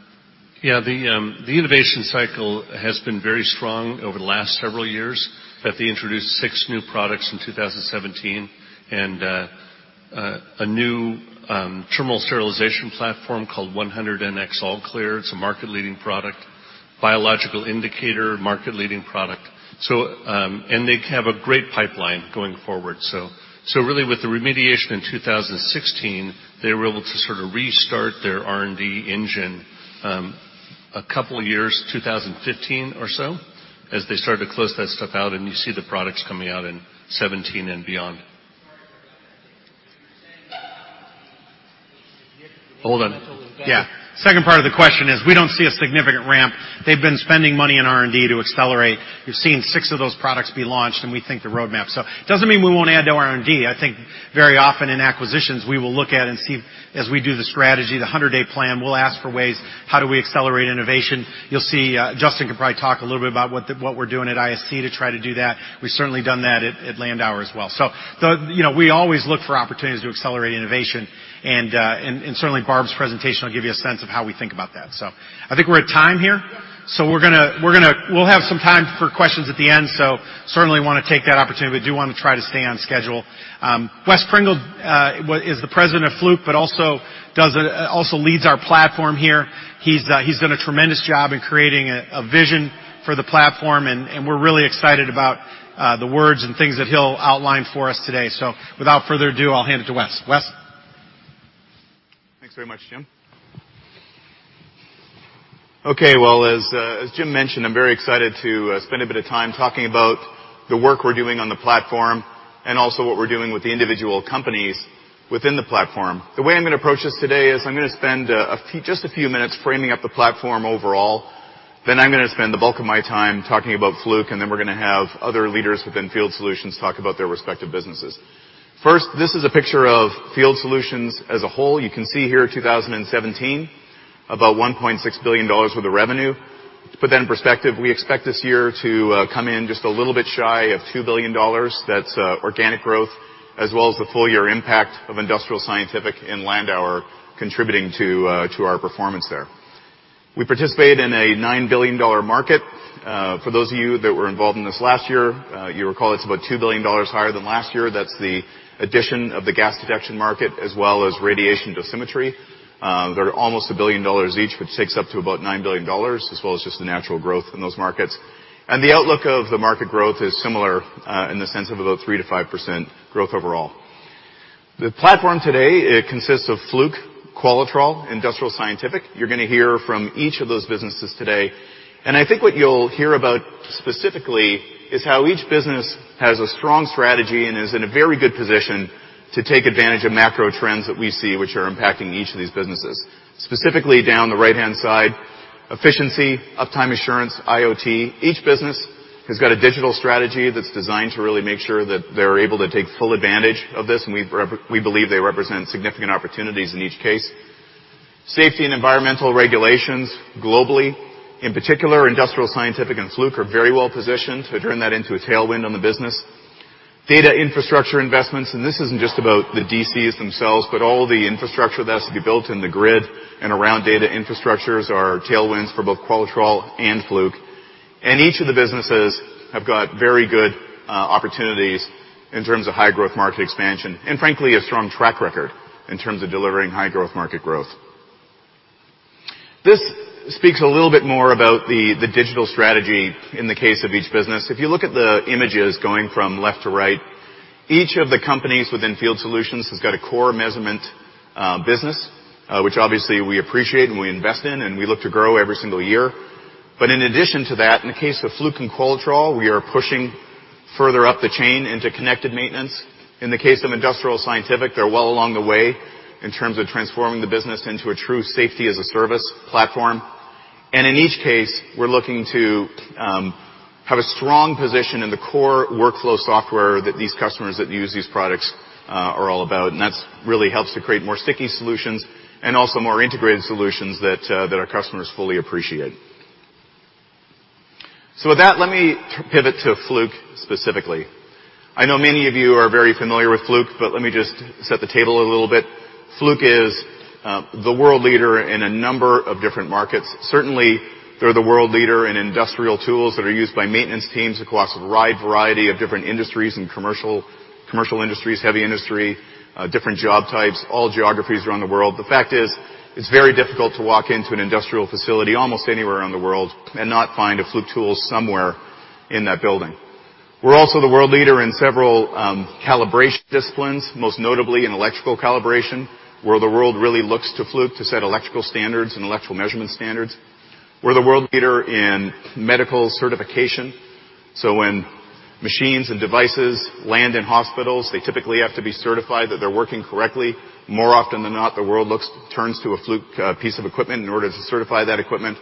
Yeah. The innovation cycle has been very strong over the last several years, that they introduced six new products in 2017 and a new terminal sterilization platform called 100NX ALLClear. It's a market-leading product. Biological indicator, market-leading product. They have a great pipeline going forward. Really, with the remediation in 2016, they were able to sort of restart their R&D engine a couple of years, 2015 or so, as they started to close that stuff out, and you see the products coming out in 2017 and beyond. Sorry about that. You were saying Hold on. Yeah. Second part of the question is, we don't see a significant ramp. They've been spending money in R&D to accelerate. You're seeing six of those products be launched, and we think the roadmap. It doesn't mean we won't add to R&D. I think very often in acquisitions, we will look at and see as we do the strategy, the 100-day plan, we'll ask for ways, how do we accelerate innovation? You'll see Justin can probably talk a little bit about what we're doing at ISC to try to do that. We've certainly done that at Landauer as well. We always look for opportunities to accelerate innovation, and certainly, Barb's presentation will give you a sense of how we think about that. I think we're at time here. We'll have some time for questions at the end, so certainly want to take that opportunity. We do want to try to stay on schedule. Wes Pringle is the President of Fluke, but also leads our platform here. He's done a tremendous job in creating a vision for the platform, and we're really excited about the words and things that he'll outline for us today. Without further ado, I'll hand it to Wes. Wes? Thanks very much, Jim. Well, as Jim mentioned, I'm very excited to spend a bit of time talking about the work we're doing on the platform and also what we're doing with the individual companies within the platform. The way I'm going to approach this today is I'm going to spend just a few minutes framing up the platform overall. I'm going to spend the bulk of my time talking about Fluke, and then we're going to have other leaders within Field Solutions talk about their respective businesses. This is a picture of Field Solutions as a whole. You can see here 2017, about $1.6 billion worth of revenue. To put that in perspective, we expect this year to come in just a little bit shy of $2 billion. That's organic growth, as well as the full year impact of Industrial Scientific and Landauer contributing to our performance there. We participate in a $9 billion market. For those of you that were involved in this last year, you'll recall it's about $2 billion higher than last year. That's the addition of the gas detection market, as well as radiation dosimetry. They're almost $1 billion each, which takes up to about $9 billion, as well as just the natural growth in those markets. The outlook of the market growth is similar in the sense of about 3%-5% growth overall. The platform today consists of Fluke, Qualitrol, Industrial Scientific. You're going to hear from each of those businesses today, and I think what you'll hear about specifically is how each business has a strong strategy and is in a very good position to take advantage of macro trends that we see which are impacting each of these businesses. Specifically down the right-hand side, efficiency, uptime assurance, IoT. Each business has got a digital strategy that's designed to really make sure that they're able to take full advantage of this, and we believe they represent significant opportunities in each case. Safety and environmental regulations globally. In particular, Industrial Scientific and Fluke are very well positioned to turn that into a tailwind on the business. Data infrastructure investments. This isn't just about the DCs themselves, but all the infrastructure that has to be built in the grid and around data infrastructures are tailwinds for both Qualitrol and Fluke. Each of the businesses have got very good opportunities in terms of high-growth market expansion, and frankly, a strong track record in terms of delivering high-growth market growth. This speaks a little bit more about the digital strategy in the case of each business. If you look at the images going from left to right, each of the companies within Field Solutions has got a core measurement business, which obviously we appreciate and we invest in, and we look to grow every single year. In addition to that, in the case of Fluke and Qualitrol, we are pushing further up the chain into connected maintenance. In the case of Industrial Scientific, they're well along the way in terms of transforming the business into a true safety-as-a-service platform. In each case, we're looking to have a strong position in the core workflow software that these customers that use these products are all about. That really helps to create more sticky solutions and also more integrated solutions that our customers fully appreciate. With that, let me pivot to Fluke specifically. I know many of you are very familiar with Fluke, but let me just set the table a little bit. Fluke is the world leader in a number of different markets. Certainly, they're the world leader in industrial tools that are used by maintenance teams across a wide variety of different industries, in commercial industries, heavy industry, different job types, all geographies around the world. The fact is, it's very difficult to walk into an industrial facility almost anywhere around the world and not find a Fluke tool somewhere in that building. We're also the world leader in several calibration disciplines, most notably in electrical calibration, where the world really looks to Fluke to set electrical standards and electrical measurement standards. We're the world leader in medical certification. When machines and devices land in hospitals, they typically have to be certified that they're working correctly. More often than not, the world turns to a Fluke piece of equipment in order to certify that equipment.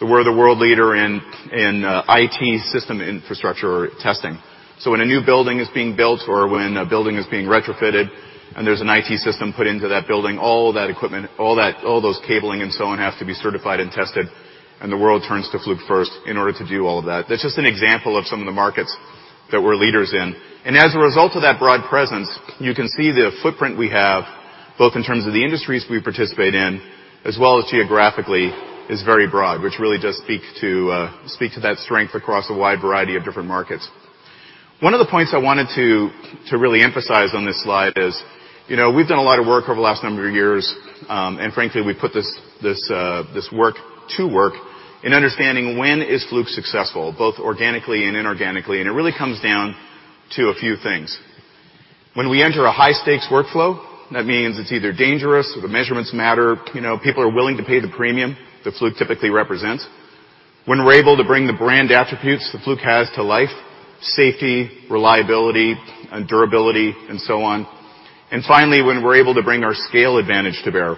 We're the world leader in IT system infrastructure testing. When a new building is being built or when a building is being retrofitted and there's an IT system put into that building, all of that equipment, all those cabling and so on, has to be certified and tested, and the world turns to Fluke first in order to do all of that. That's just an example of some of the markets that we're leaders in. As a result of that broad presence, you can see the footprint we have, both in terms of the industries we participate in as well as geographically, is very broad, which really does speak to that strength across a wide variety of different markets. One of the points I wanted to really emphasize on this slide is, we've done a lot of work over the last number of years, and frankly, we put this work to work in understanding when is Fluke successful, both organically and inorganically. It really comes down to a few things. When we enter a high-stakes workflow, that means it's either dangerous or the measurements matter. People are willing to pay the premium that Fluke typically represents. When we're able to bring the brand attributes that Fluke has to life, safety, reliability, and durability, and so on. Finally, when we're able to bring our scale advantage to bear.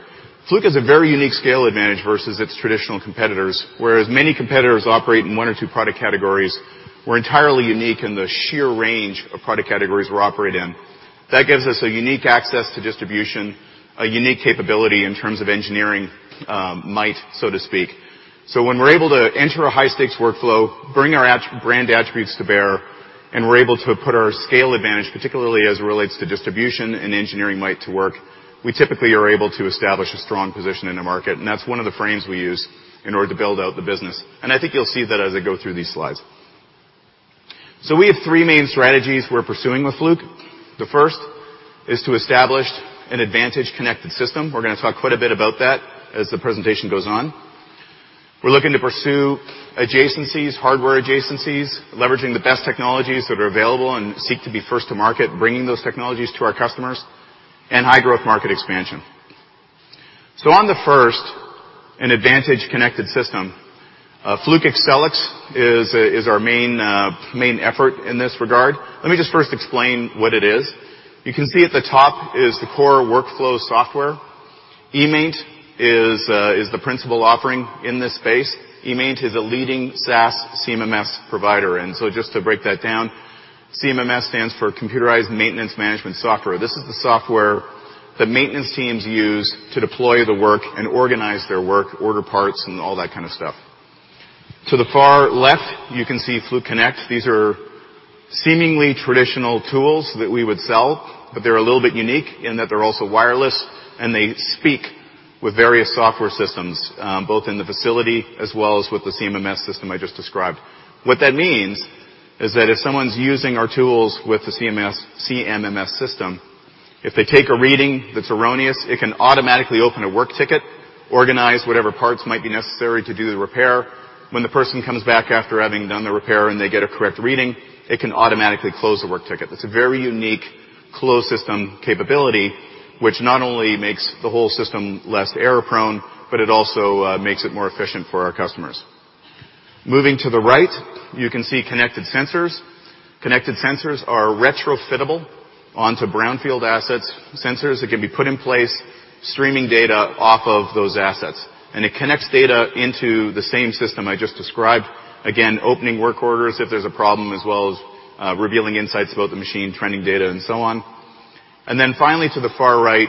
Fluke has a very unique scale advantage versus its traditional competitors. Whereas many competitors operate in one or two product categories, we're entirely unique in the sheer range of product categories we operate in. That gives us a unique access to distribution, a unique capability in terms of engineering might, so to speak. When we're able to enter a high-stakes workflow, bring our brand attributes to bear, and we're able to put our scale advantage, particularly as it relates to distribution and engineering might to work, we typically are able to establish a strong position in the market, and that's one of the frames we use in order to build out the business. I think you'll see that as I go through these slides. We have three main strategies we're pursuing with Fluke. The first is to establish an advantage connected system. We're going to talk quite a bit about that as the presentation goes on. We're looking to pursue adjacencies, hardware adjacencies, leveraging the best technologies that are available, and seek to be first to market, bringing those technologies to our customers, and high-growth market expansion. On the first, an advantage connected system, Fluke Accelix is our main effort in this regard. Let me just first explain what it is. You can see at the top is the core workflow software. eMaint is the principal offering in this space. eMaint is a leading SaaS CMMS provider. Just to break that down, CMMS stands for computerized maintenance management software. This is the software that maintenance teams use to deploy the work and organize their work, order parts, and all that kind of stuff. To the far left, you can see Fluke Connect. These are seemingly traditional tools that we would sell, but they're a little bit unique in that they're also wireless, and they speak with various software systems, both in the facility as well as with the CMMS system I just described. What that means is that if someone's using our tools with the CMMS system, if they take a reading that's erroneous, it can automatically open a work ticket, organize whatever parts might be necessary to do the repair. When the person comes back after having done the repair and they get a correct reading, it can automatically close the work ticket. That's a very unique closed system capability, which not only makes the whole system less error-prone, but it also makes it more efficient for our customers. Moving to the right, you can see connected sensors. Connected sensors are retrofittable onto brownfield assets. Sensors that can be put in place, streaming data off of those assets. It connects data into the same system I just described. Again, opening work orders if there's a problem, as well as revealing insights about the machine, trending data, and so on. Finally, to the far right,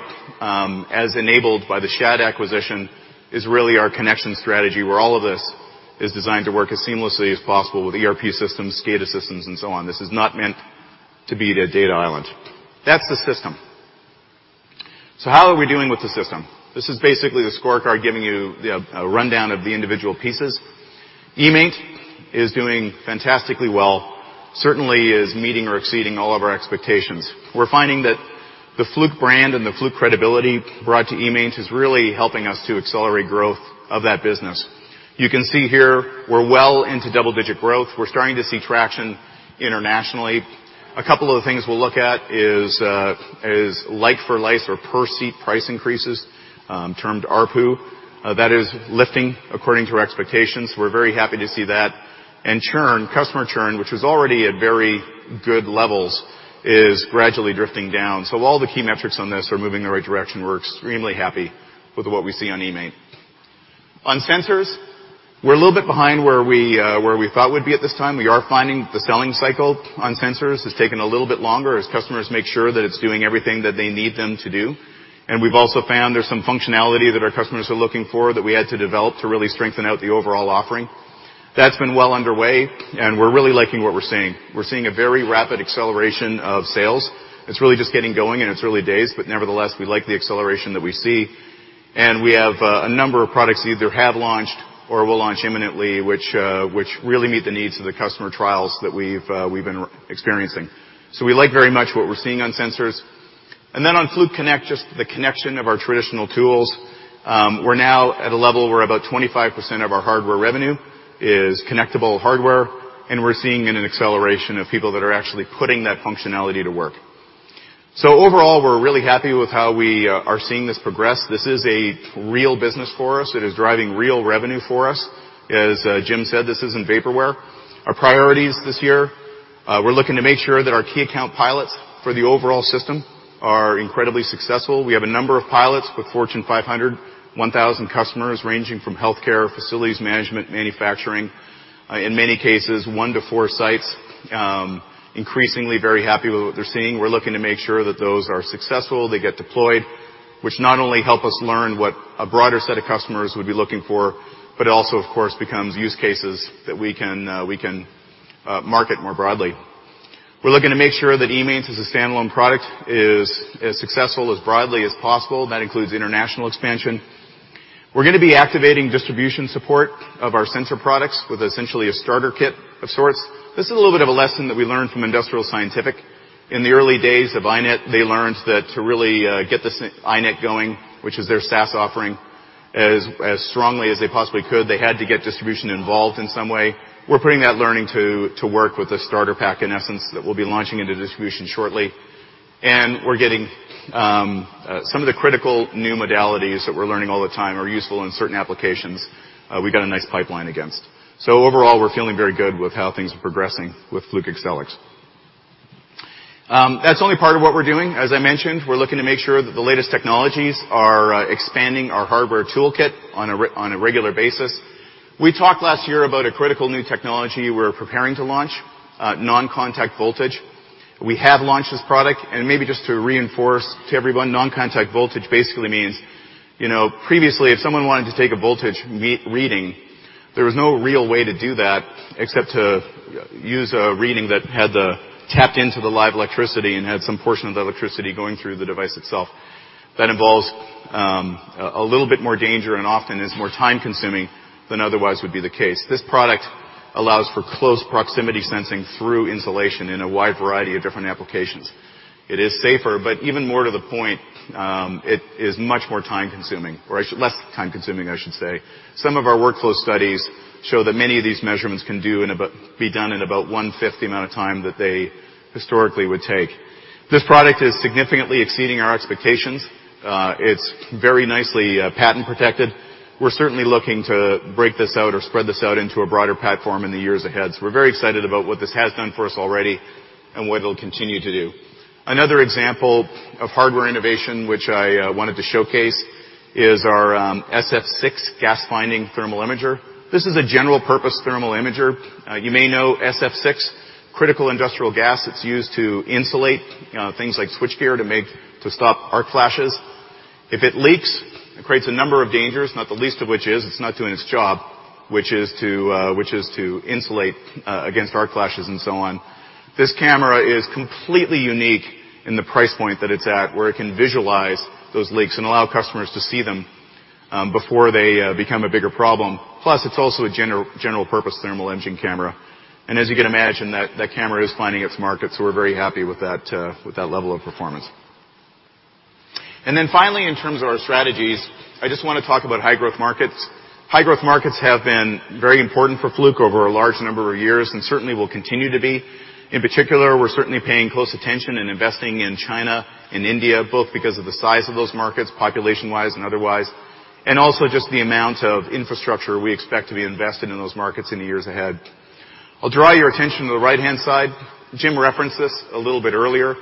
as enabled by the <inaudible> acquisition, is really our connection strategy, where all of this is designed to work as seamlessly as possible with ERP systems, SCADA systems, and so on. This is not meant to be a data island. That's the system. How are we doing with the system? This is basically the scorecard giving you a rundown of the individual pieces. eMaint is doing fantastically well, certainly is meeting or exceeding all of our expectations. We're finding that the Fluke brand and the Fluke credibility brought to eMaint is really helping us to accelerate growth of that business. You can see here we're well into double-digit growth. We're starting to see traction internationally. A couple of things we'll look at is like for like or per-seat price increases, termed ARPU. That is lifting according to our expectations. We're very happy to see that. Customer churn, which was already at very good levels, is gradually drifting down. All the key metrics on this are moving in the right direction. We're extremely happy with what we see on eMaint. On sensors, we're a little bit behind where we thought we'd be at this time. We are finding the selling cycle on sensors is taking a little bit longer as customers make sure that it's doing everything that they need them to do. We've also found there's some functionality that our customers are looking for that we had to develop to really strengthen out the overall offering. That's been well underway, and we're really liking what we're seeing. We're seeing a very rapid acceleration of sales. It's really just getting going in its early days, but nevertheless, we like the acceleration that we see. We have a number of products that either have launched or will launch imminently, which really meet the needs of the customer trials that we've been experiencing. We like very much what we're seeing on sensors. On Fluke Connect, just the connection of our traditional tools. We're now at a level where about 25% of our hardware revenue is connectable hardware, and we're seeing an acceleration of people that are actually putting that functionality to work. Overall, we're really happy with how we are seeing this progress. This is a real business for us. It is driving real revenue for us. As Jim said, this isn't vaporware. Our priorities this year, we're looking to make sure that our key account pilots for the overall system are incredibly successful. We have a number of pilots with Fortune 500, 1,000 customers, ranging from healthcare, facilities management, manufacturing. In many cases, one to four sites. Increasingly very happy with what they're seeing. We're looking to make sure that those are successful, they get deployed, which not only help us learn what a broader set of customers would be looking for, but it also, of course, becomes use cases that we can market more broadly. We're looking to make sure that eMaint, as a standalone product, is as successful as broadly as possible. That includes international expansion. We're going to be activating distribution support of our sensor products with essentially a starter kit of sorts. This is a little bit of a lesson that we learned from Industrial Scientific. In the early days of iNet, they learned that to really get this iNet going, which is their SaaS offering, as strongly as they possibly could, they had to get distribution involved in some way. We're putting that learning to work with a starter pack, in essence, that we'll be launching into distribution shortly. We're getting some of the critical new modalities that we're learning all the time are useful in certain applications, we got a nice pipeline against. Overall, we're feeling very good with how things are progressing with Fluke Accelix. That's only part of what we're doing. As I mentioned, we're looking to make sure that the latest technologies are expanding our hardware toolkit on a regular basis. We talked last year about a critical new technology we're preparing to launch, non-contact voltage. We have launched this product. Maybe just to reinforce to everyone, non-contact voltage basically means, previously, if someone wanted to take a voltage reading, there was no real way to do that except to use a reading that tapped into the live electricity and had some portion of the electricity going through the device itself. That involves a little bit more danger and often is more time-consuming than otherwise would be the case. This product allows for close proximity sensing through insulation in a wide variety of different applications. It is safer. Even more to the point, it is much more time-consuming, or less time-consuming, I should say. Some of our workflow studies show that many of these measurements can be done in about one-fifth the amount of time that they historically would take. This product is significantly exceeding our expectations. It's very nicely patent protected. We're certainly looking to break this out or spread this out into a broader platform in the years ahead. We're very excited about what this has done for us already and what it'll continue to do. Another example of hardware innovation, which I wanted to showcase, is our SF6 gas-finding thermal imager. This is a general-purpose thermal imager. You may know SF6, critical industrial gas that's used to insulate things like switchgear to stop arc flashes. If it leaks, it creates a number of dangers, not the least of which is it's not doing its job, which is to insulate against arc flashes and so on. This camera is completely unique in the price point that it's at, where it can visualize those leaks and allow customers to see them before they become a bigger problem. It's also a general-purpose thermal imaging camera. As you can imagine, that camera is finding its market. We're very happy with that level of performance. Finally, in terms of our strategies, I just want to talk about high-growth markets. High-growth markets have been very important for Fluke over a large number of years and certainly will continue to be. In particular, we're certainly paying close attention and investing in China and India, both because of the size of those markets, population-wise and otherwise, and also just the amount of infrastructure we expect to be invested in those markets in the years ahead. I'll draw your attention to the right-hand side. Jim referenced this a little bit earlier.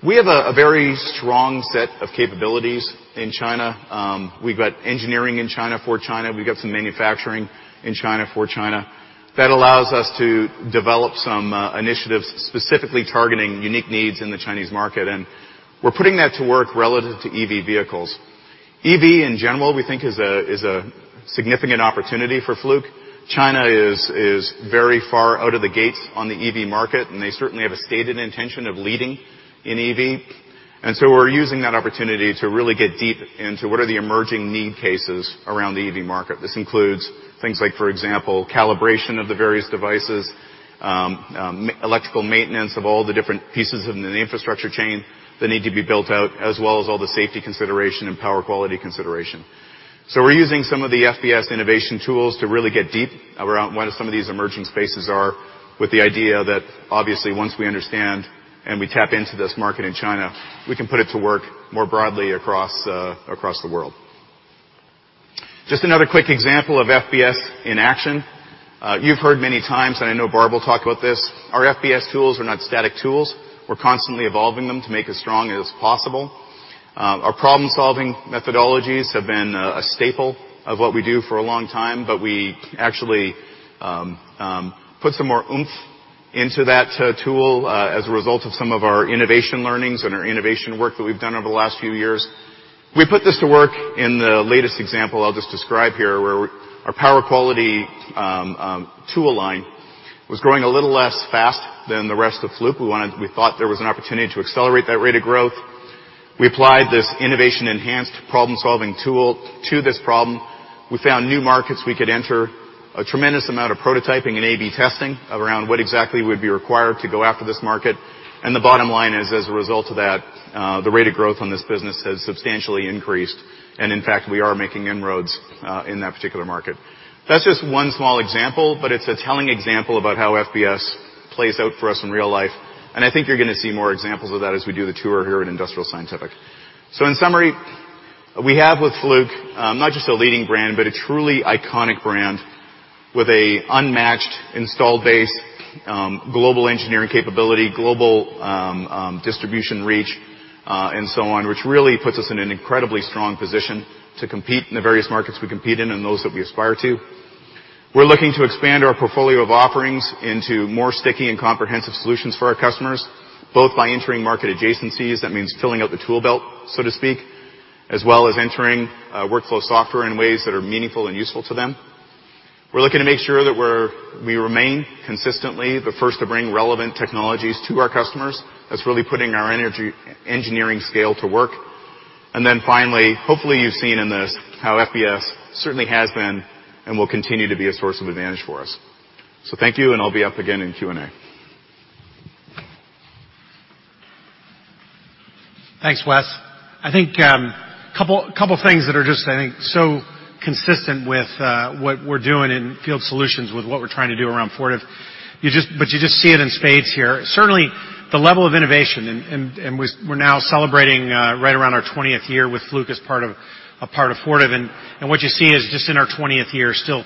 We have a very strong set of capabilities in China. We've got engineering in China for China. We've got some manufacturing in China for China. That allows us to develop some initiatives specifically targeting unique needs in the Chinese market, and we're putting that to work relative to EV vehicles. EV, in general, we think is a significant opportunity for Fluke. China is very far out of the gates on the EV market, and they certainly have a stated intention of leading in EV. We're using that opportunity to really get deep into what are the emerging need cases around the EV market. This includes things like, for example, calibration of the various devices, electrical maintenance of all the different pieces in the infrastructure chain that need to be built out, as well as all the safety consideration and power quality consideration. We're using some of the FBS innovation tools to really get deep around what some of these emerging spaces are with the idea that obviously once we understand and we tap into this market in China, we can put it to work more broadly across the world. Just another quick example of FBS in action. You've heard many times, and I know Barb will talk about this, our FBS tools are not static tools. We're constantly evolving them to make as strong as possible. Our problem-solving methodologies have been a staple of what we do for a long time, but we actually put some more oomph into that tool as a result of some of our innovation learnings and our innovation work that we've done over the last few years. We put this to work in the latest example I'll just describe here, where our power quality tool align was growing a little less fast than the rest of Fluke. We thought there was an opportunity to accelerate that rate of growth. We applied this innovation enhanced problem-solving tool to this problem. We found new markets we could enter, a tremendous amount of prototyping and A/B testing around what exactly would be required to go after this market, and the bottom line is, as a result of that, the rate of growth on this business has substantially increased. In fact, we are making inroads in that particular market. That's just one small example, but it's a telling example about how FBS plays out for us in real life. I think you're going to see more examples of that as we do the tour here at Industrial Scientific. In summary, we have with Fluke, not just a leading brand, but a truly iconic brand with an unmatched install base, global engineering capability, global distribution reach, and so on, which really puts us in an incredibly strong position to compete in the various markets we compete in and those that we aspire to. We're looking to expand our portfolio of offerings into more sticky and comprehensive solutions for our customers, both by entering market adjacencies. That means filling out the tool belt, so to speak, as well as entering workflow software in ways that are meaningful and useful to them. We're looking to make sure that we remain consistently the first to bring relevant technologies to our customers. That's really putting our engineering scale to work. Finally, hopefully you've seen in this how FBS certainly has been and will continue to be a source of advantage for us. Thank you, and I'll be up again in Q&A. Thanks, Wes. I think couple of things that are just, I think, so consistent with what we're doing in Field Solutions with what we're trying to do around Fortive. You just see it in spades here. Certainly, the level of innovation, and we're now celebrating right around our 20th year with Fluke as a part of Fortive, and what you see is just in our 20th year, still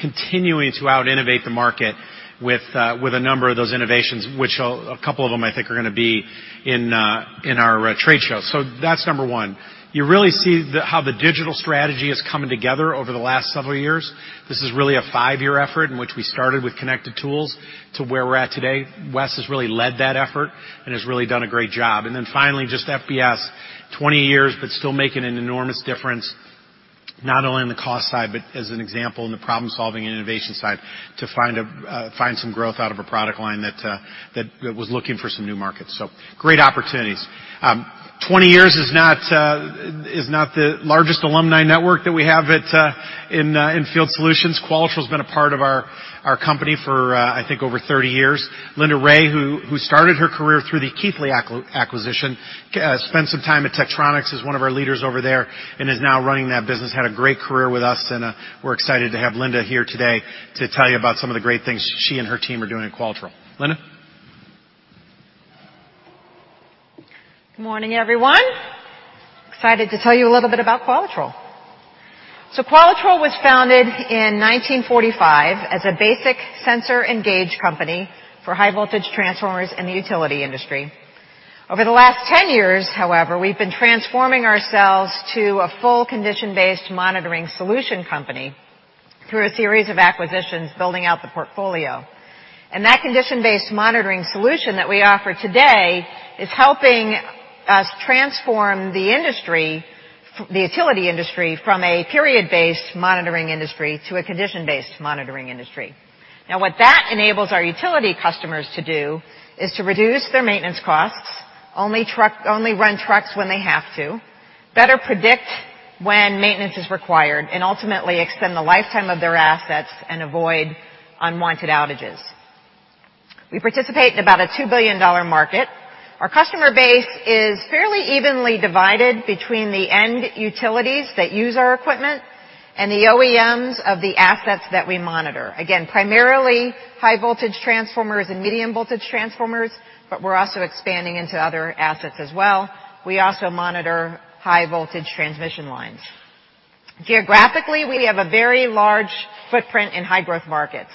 continuing to out-innovate the market with a number of those innovations, which a couple of them, I think are going to be in our trade show. That's number 1. You really see how the digital strategy has come together over the last several years. This is really a 5-year effort in which we started with connected tools to where we're at today. Wes has really led that effort and has really done a great job. Finally, just FBS, 20 years, but still making an enormous difference not only on the cost side, but as an example in the problem-solving and innovation side, to find some growth out of a product line that was looking for some new markets. Great opportunities. 20 years is not the largest alumni network that we have in Field Solutions. Qualitrol has been a part of our company for, I think, over 30 years. Linda Rae, who started her career through the Keithley Instruments acquisition, spent some time at Tektronix, is one of our leaders over there and is now running that business. Had a great career with us, and we're excited to have Linda here today to tell you about some of the great things she and her team are doing at Qualitrol. Linda. Good morning, everyone. Excited to tell you a little bit about Qualitrol. Qualitrol was founded in 1945 as a basic sensor and gauge company for high voltage transformers in the utility industry. Over the last 10 years, however, we've been transforming ourselves to a full condition-based monitoring solution company through a series of acquisitions, building out the portfolio. That condition-based monitoring solution that we offer today is helping us transform the industry, the utility industry, from a period-based monitoring industry to a condition-based monitoring industry. What that enables our utility customers to do is to reduce their maintenance costs, only run trucks when they have to, better predict when maintenance is required, and ultimately extend the lifetime of their assets and avoid unwanted outages. We participate in about a $2 billion market. Our customer base is fairly evenly divided between the end utilities that use our equipment and the OEMs of the assets that we monitor. Again, primarily high voltage transformers and medium voltage transformers, but we're also expanding into other assets as well. We also monitor high voltage transmission lines. Geographically, we have a very large footprint in high growth markets.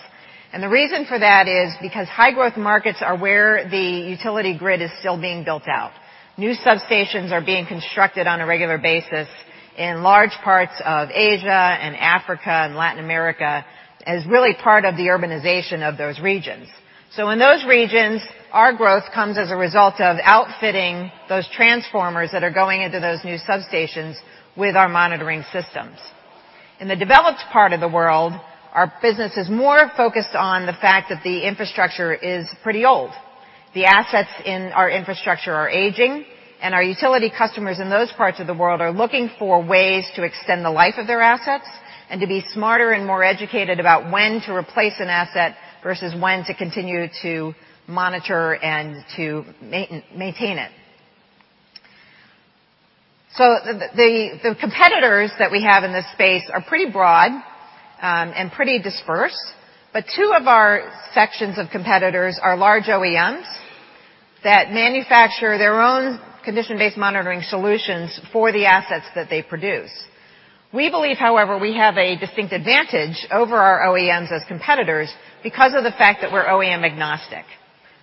The reason for that is because high growth markets are where the utility grid is still being built out. New substations are being constructed on a regular basis in large parts of Asia and Africa and Latin America as really part of the urbanization of those regions. In those regions, our growth comes as a result of outfitting those transformers that are going into those new substations with our monitoring systems. In the developed part of the world, our business is more focused on the fact that the infrastructure is pretty old. The assets in our infrastructure are aging, and our utility customers in those parts of the world are looking for ways to extend the life of their assets and to be smarter and more educated about when to replace an asset versus when to continue to monitor and to maintain it. The competitors that we have in this space are pretty broad and pretty dispersed, but two of our sections of competitors are large OEMs that manufacture their own condition-based monitoring solutions for the assets that they produce. We believe, however, we have a distinct advantage over our OEMs as competitors because of the fact that we're OEM agnostic.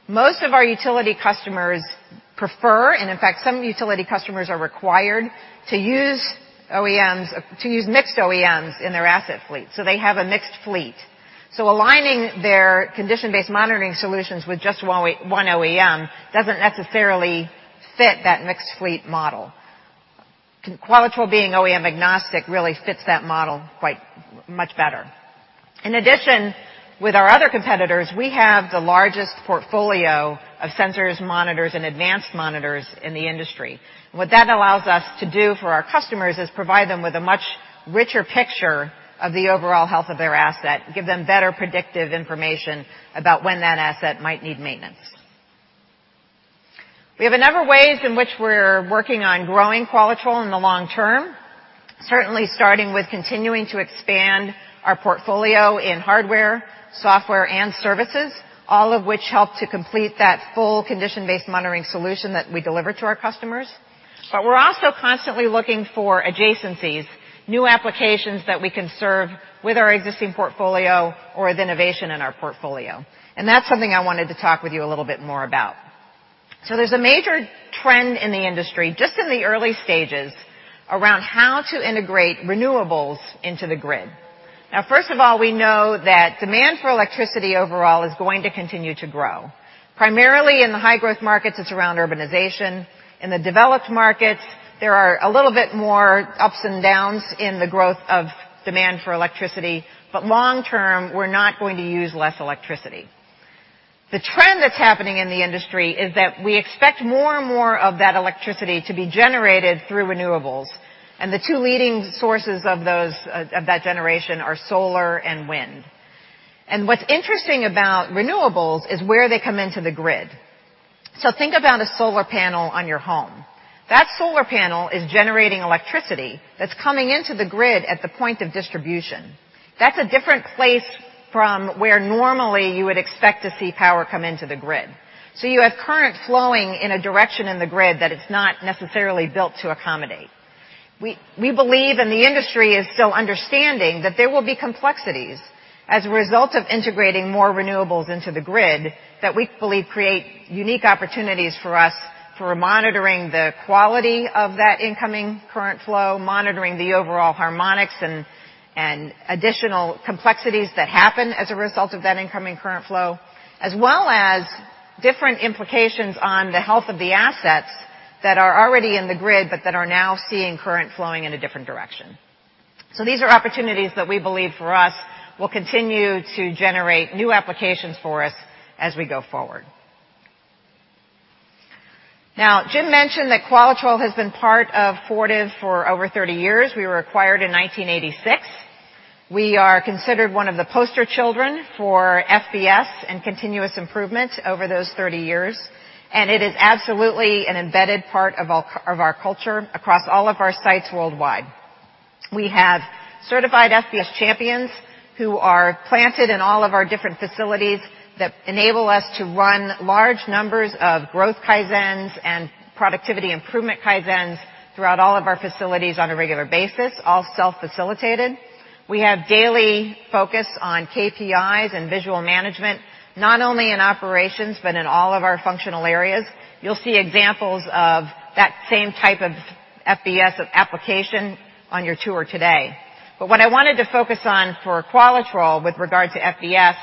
Most of our utility customers prefer, and in fact, some utility customers are required to use mixed OEMs in their asset fleet, so they have a mixed fleet. Aligning their condition-based monitoring solutions with just one OEM doesn't necessarily fit that mixed fleet model. Qualitrol being OEM agnostic really fits that model much better. In addition, with our other competitors, we have the largest portfolio of sensors, monitors, and advanced monitors in the industry. What that allows us to do for our customers is provide them with a much richer picture of the overall health of their asset, give them better predictive information about when that asset might need maintenance. We have a number of ways in which we're working on growing Qualitrol in the long term. Certainly starting with continuing to expand our portfolio in hardware, software, and services, all of which help to complete that full condition-based monitoring solution that we deliver to our customers. We're also constantly looking for adjacencies, new applications that we can serve with our existing portfolio or with innovation in our portfolio. That's something I wanted to talk with you a little bit more about. There's a major trend in the industry, just in the early stages, around how to integrate renewables into the grid. Now, first of all, we know that demand for electricity overall is going to continue to grow, primarily in the high-growth markets that surround urbanization. In the developed markets, there are a little bit more ups and downs in the growth of demand for electricity. Long term, we're not going to use less electricity. The trend that's happening in the industry is that we expect more and more of that electricity to be generated through renewables, the two leading sources of that generation are solar and wind. What's interesting about renewables is where they come into the grid. Think about a solar panel on your home. That solar panel is generating electricity that's coming into the grid at the point of distribution. That's a different place from where normally you would expect to see power come into the grid. You have current flowing in a direction in the grid that it's not necessarily built to accommodate. We believe, the industry is still understanding, that there will be complexities as a result of integrating more renewables into the grid that we believe create unique opportunities for us for monitoring the quality of that incoming current flow, monitoring the overall harmonics and additional complexities that happen as a result of that incoming current flow. As well as different implications on the health of the assets that are already in the grid but that are now seeing current flowing in a different direction. These are opportunities that we believe for us will continue to generate new applications for us as we go forward. Jim mentioned that Qualitrol has been part of Fortive for over 30 years. We were acquired in 1986. We are considered one of the poster children for FBS and continuous improvement over those 30 years, it is absolutely an embedded part of our culture across all of our sites worldwide. We have certified FBS champions who are planted in all of our different facilities that enable us to run large numbers of growth Kaizens and productivity improvement Kaizens throughout all of our facilities on a regular basis, all self-facilitated. We have daily focus on KPIs and visual management, not only in operations, but in all of our functional areas. You'll see examples of that same type of FBS application on your tour today. What I wanted to focus on for Qualitrol with regard to FBS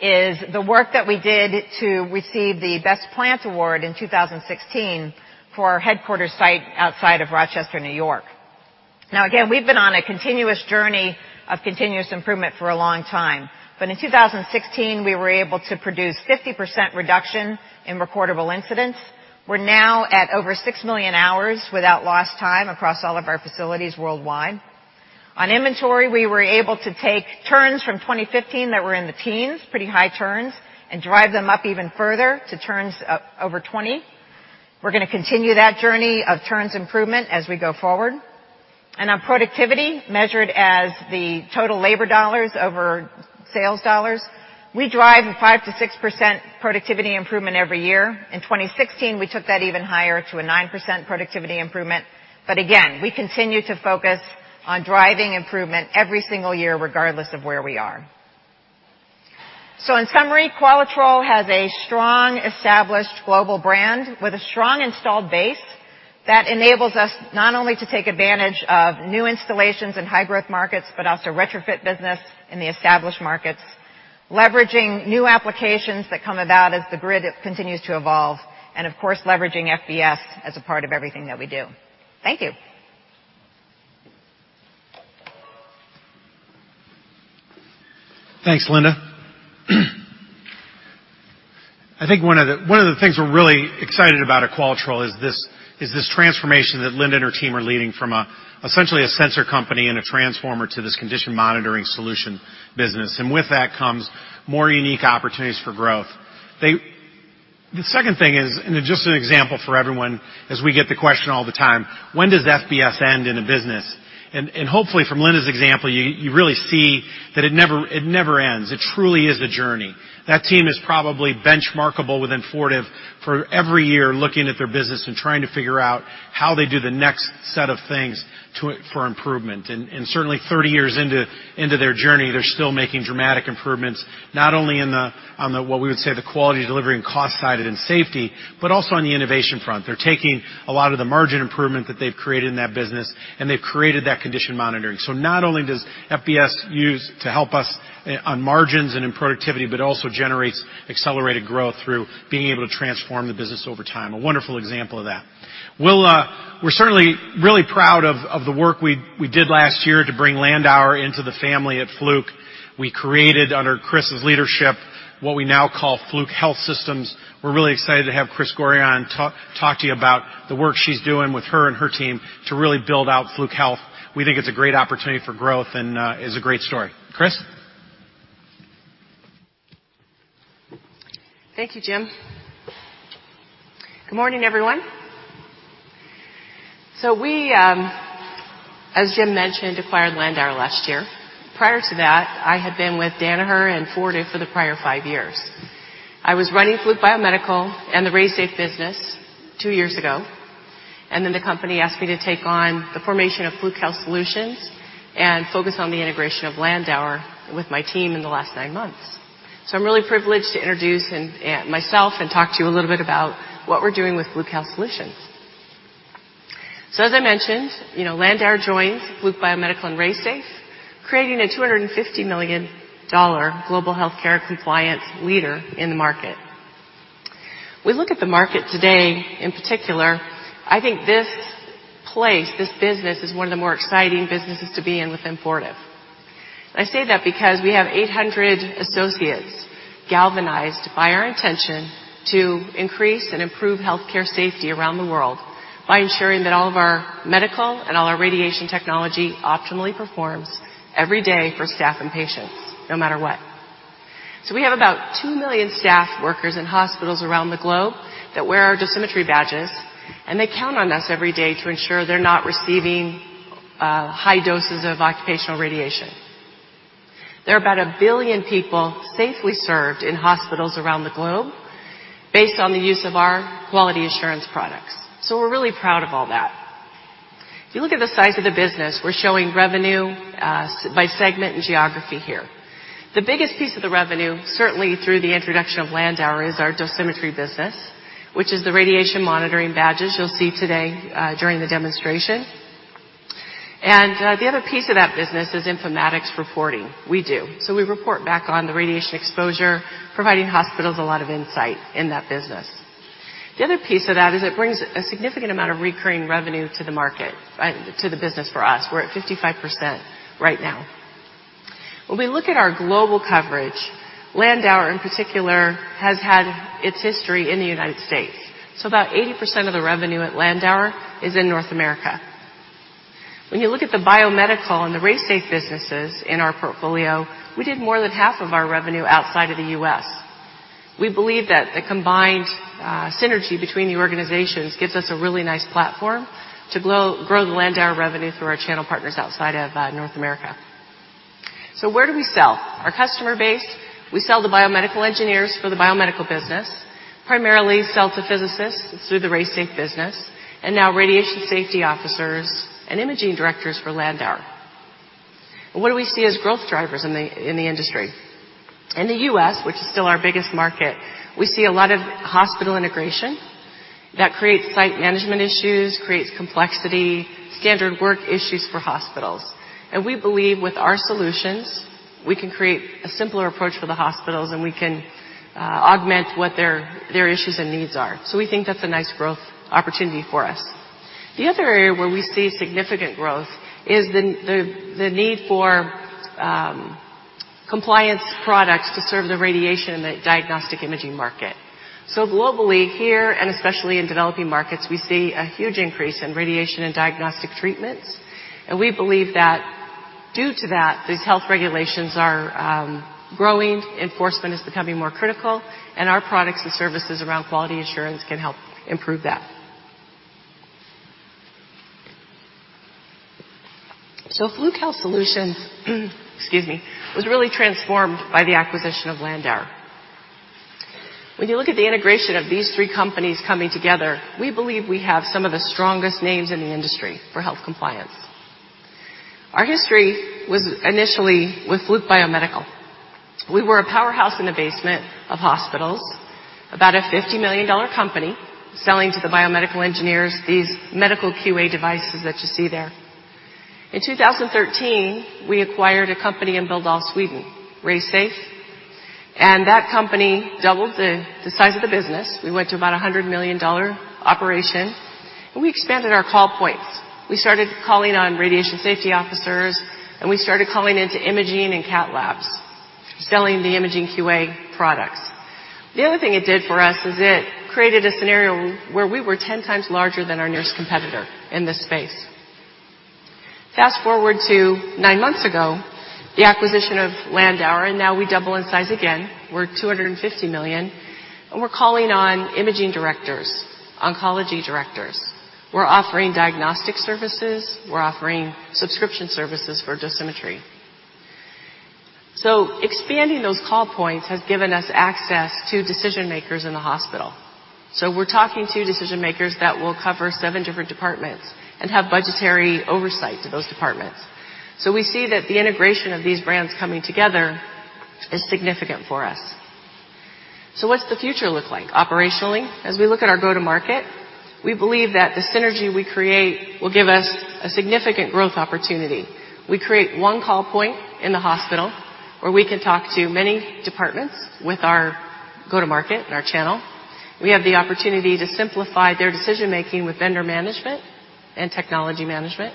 is the work that we did to receive the Best Plants Award in 2016 for our headquarters site outside of Rochester, N.Y. Again, we've been on a continuous journey of continuous improvement for a long time. In 2016, we were able to produce 50% reduction in recordable incidents. We're now at over 6 million hours without lost time across all of our facilities worldwide. On inventory, we were able to take turns from 2015 that were in the teens, pretty high turns, drive them up even further to turns over 20. We're going to continue that journey of turns improvement as we go forward. On productivity, measured as the total labor dollars over sales dollars, we drive a 5%-6% productivity improvement every year. In 2016, we took that even higher to a 9% productivity improvement. Again, we continue to focus on driving improvement every single year, regardless of where we are. In summary, Qualitrol has a strong, established global brand with a strong installed base that enables us not only to take advantage of new installations in high-growth markets, but also retrofit business in the established markets, leveraging new applications that come about as the grid continues to evolve, and of course, leveraging FBS as a part of everything that we do. Thank you. Thanks, Linda. I think one of the things we're really excited about at Qualitrol is this transformation that Linda and her team are leading from essentially a sensor company and a transformer to this condition monitoring solution business. With that comes more unique opportunities for growth. The second thing is, and just an example for everyone, as we get the question all the time: When does FBS end in a business? Hopefully from Linda's example, you really see that it never ends. It truly is a journey. That team is probably benchmarkable within Fortive for every year looking at their business and trying to figure out how they do the next set of things for improvement. Certainly, 30 years into their journey, they're still making dramatic improvements, not only on what we would say the quality of delivery and cost side and safety, but also on the innovation front. They're taking a lot of the margin improvement that they've created in that business, and they've created that condition monitoring. Not only does FBS use to help us on margins and in productivity, but also generates accelerated growth through being able to transform the business over time. A wonderful example of that. We're certainly really proud of the work we did last year to bring Landauer into the family at Fluke. We created under Kris's leadership, what we now call Fluke Health Solutions. We're really excited to have Kris Gorriaran talk to you about the work she's doing with her and her team to really build out Fluke Health. We think it's a great opportunity for growth and is a great story. Kris? Thank you, Jim. Good morning, everyone. We, as Jim mentioned, acquired Landauer last year. Prior to that, I had been with Danaher and Fortive for the prior 5 years. I was running Fluke Biomedical and the RaySafe business 2 years ago, the company asked me to take on the formation of Fluke Health Solutions and focus on the integration of Landauer with my team in the last 9 months. I'm really privileged to introduce myself and talk to you a little bit about what we're doing with Fluke Health Solutions. As I mentioned, Landauer joins Fluke Biomedical and RaySafe, creating a $250 million global healthcare compliance leader in the market. We look at the market today, in particular, I think this place, this business, is one of the more exciting businesses to be in within Fortive. I say that because we have 800 associates galvanized by our intention to increase and improve healthcare safety around the world by ensuring that all of our medical and all our radiation technology optimally performs every day for staff and patients, no matter what. We have about 2 million staff workers in hospitals around the globe that wear our dosimetry badges, they count on us every day to ensure they're not receiving high doses of occupational radiation. There are about 1 billion people safely served in hospitals around the globe based on the use of our quality assurance products. We're really proud of all that. If you look at the size of the business, we're showing revenue by segment and geography here. The biggest piece of the revenue, certainly through the introduction of Landauer, is our dosimetry business, which is the radiation monitoring badges you'll see today during the demonstration. The other piece of that business is informatics reporting. We do. We report back on the radiation exposure, providing hospitals a lot of insight in that business. The other piece of that is it brings a significant amount of recurring revenue to the business for us. We're at 55% right now. When we look at our global coverage, Landauer, in particular, has had its history in the U.S. About 80% of the revenue at Landauer is in North America. When you look at the biomedical and the RaySafe businesses in our portfolio, we did more than half of our revenue outside of the U.S. We believe that the combined synergy between the organizations gives us a really nice platform to grow the Landauer revenue through our channel partners outside of North America. Where do we sell? Our customer base, we sell to biomedical engineers for the biomedical business, primarily sell to physicists through the RaySafe business, and now radiation safety officers and imaging directors for Landauer. What do we see as growth drivers in the industry? In the U.S., which is still our biggest market, we see a lot of hospital integration. That creates site management issues, creates complexity, standard work issues for hospitals. We believe with our solutions, we can create a simpler approach for the hospitals, we can augment what their issues and needs are. We think that's a nice growth opportunity for us. The other area where we see significant growth is the need for compliance products to serve the radiation in the diagnostic imaging market. Globally, here, and especially in developing markets, we see a huge increase in radiation and diagnostic treatments, and we believe that due to that, these health regulations are growing, enforcement is becoming more critical, and our products and services around quality assurance can help improve that. Fluke Health Solutions, excuse me, was really transformed by the acquisition of Landauer. When you look at the integration of these three companies coming together, we believe we have some of the strongest names in the industry for health compliance. Our history was initially with Fluke Biomedical. We were a powerhouse in the basement of hospitals, about a $50 million company selling to the biomedical engineers these medical QA devices that you see there. In 2013, we acquired a company in Billdal, Sweden, RaySafe, and that company doubled the size of the business. We went to about a $100 million operation, and we expanded our call points. We started calling on radiation safety officers, and we started calling into imaging and cat labs, selling the imaging QA products. The other thing it did for us is it created a scenario where we were 10 times larger than our nearest competitor in this space. Fast-forward to nine months ago. The acquisition of Landauer, and now we double in size again. We're $250 million, and we're calling on imaging directors, oncology directors. We're offering diagnostic services. We're offering subscription services for dosimetry. Expanding those call points has given us access to decision-makers in the hospital. We're talking to decision-makers that will cover seven different departments and have budgetary oversight to those departments. We see that the integration of these brands coming together is significant for us. What's the future look like? Operationally, as we look at our go-to-market, we believe that the synergy we create will give us a significant growth opportunity. We create one call point in the hospital where we can talk to many departments with our go-to-market and our channel. We have the opportunity to simplify their decision-making with vendor management and technology management.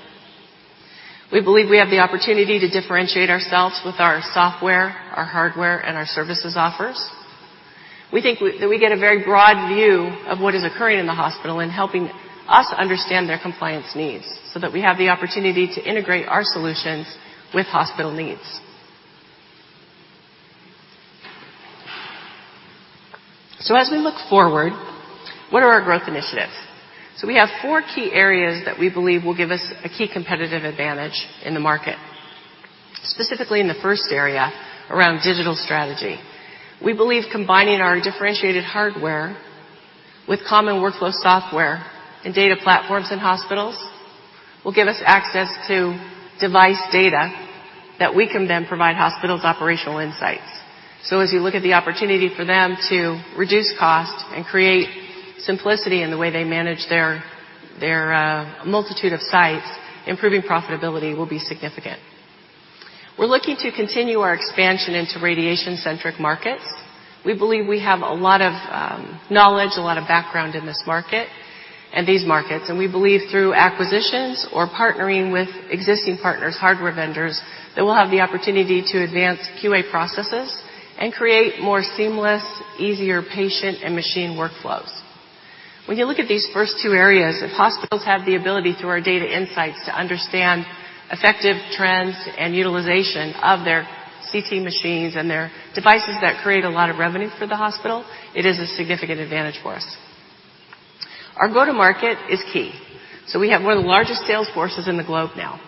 We believe we have the opportunity to differentiate ourselves with our software, our hardware, and our services offers. We think that we get a very broad view of what is occurring in the hospital and helping us understand their compliance needs that we have the opportunity to integrate our solutions with hospital needs. As we look forward, what are our growth initiatives? We have four key areas that we believe will give us a key competitive advantage in the market, specifically in the first area around digital strategy. We believe combining our differentiated hardware with common workflow software and data platforms in hospitals will give us access to device data that we can then provide hospitals operational insights. As you look at the opportunity for them to reduce cost and create simplicity in the way they manage their multitude of sites, improving profitability will be significant. We're looking to continue our expansion into radiation-centric markets. We believe we have a lot of knowledge, a lot of background in this market and these markets, and we believe through acquisitions or partnering with existing partners, hardware vendors, that we'll have the opportunity to advance QA processes and create more seamless, easier patient and machine workflows. When you look at these first two areas, if hospitals have the ability through our data insights to understand effective trends and utilization of their CT machines and their devices that create a lot of revenue for the hospital, it is a significant advantage for us. Our go-to-market is key. We have one of the largest sales forces in the globe now,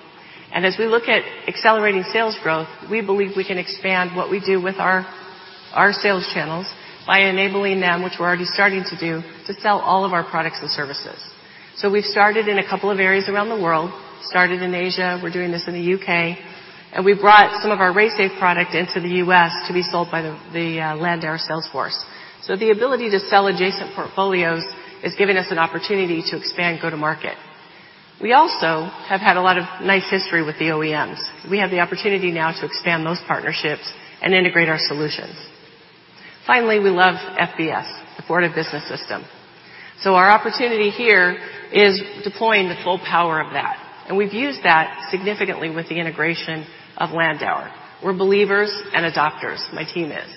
and as we look at accelerating sales growth, we believe we can expand what we do with our sales channels by enabling them, which we're already starting to do, to sell all of our products and services. We've started in a couple of areas around the world, started in Asia, we're doing this in the U.K., and we brought some of our RaySafe product into the U.S. to be sold by the Landauer sales force. The ability to sell adjacent portfolios has given us an opportunity to expand go-to-market. We also have had a lot of nice history with the OEMs. We have the opportunity now to expand those partnerships and integrate our solutions. Finally, we love FBS, the Fortive Business System. Our opportunity here is deploying the full power of that, and we've used that significantly with the integration of Landauer. We're believers and adopters, my team is.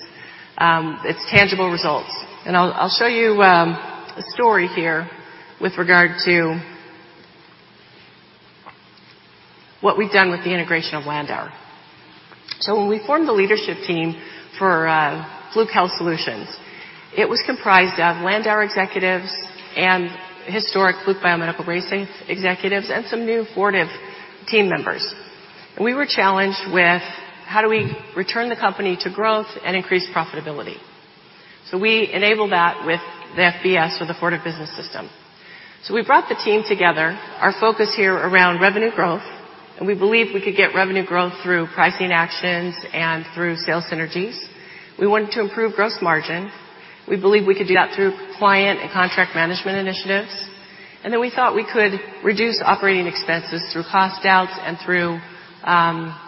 It's tangible results. I'll show you, a story here with regard to what we've done with the integration of Landauer. When we formed the leadership team for Fluke Health Solutions, it was comprised of Landauer executives and historic Fluke Biomedical RaySafe executives, and some new Fortive team members. We were challenged with, how do we return the company to growth and increase profitability? We enabled that with the FBS or the Fortive Business System. We brought the team together, our focus here around revenue growth, and we believe we could get revenue growth through pricing actions and through sales synergies. We wanted to improve gross margin. We believe we could do that through client and contract management initiatives. We thought we could reduce operating expenses through cost downs and through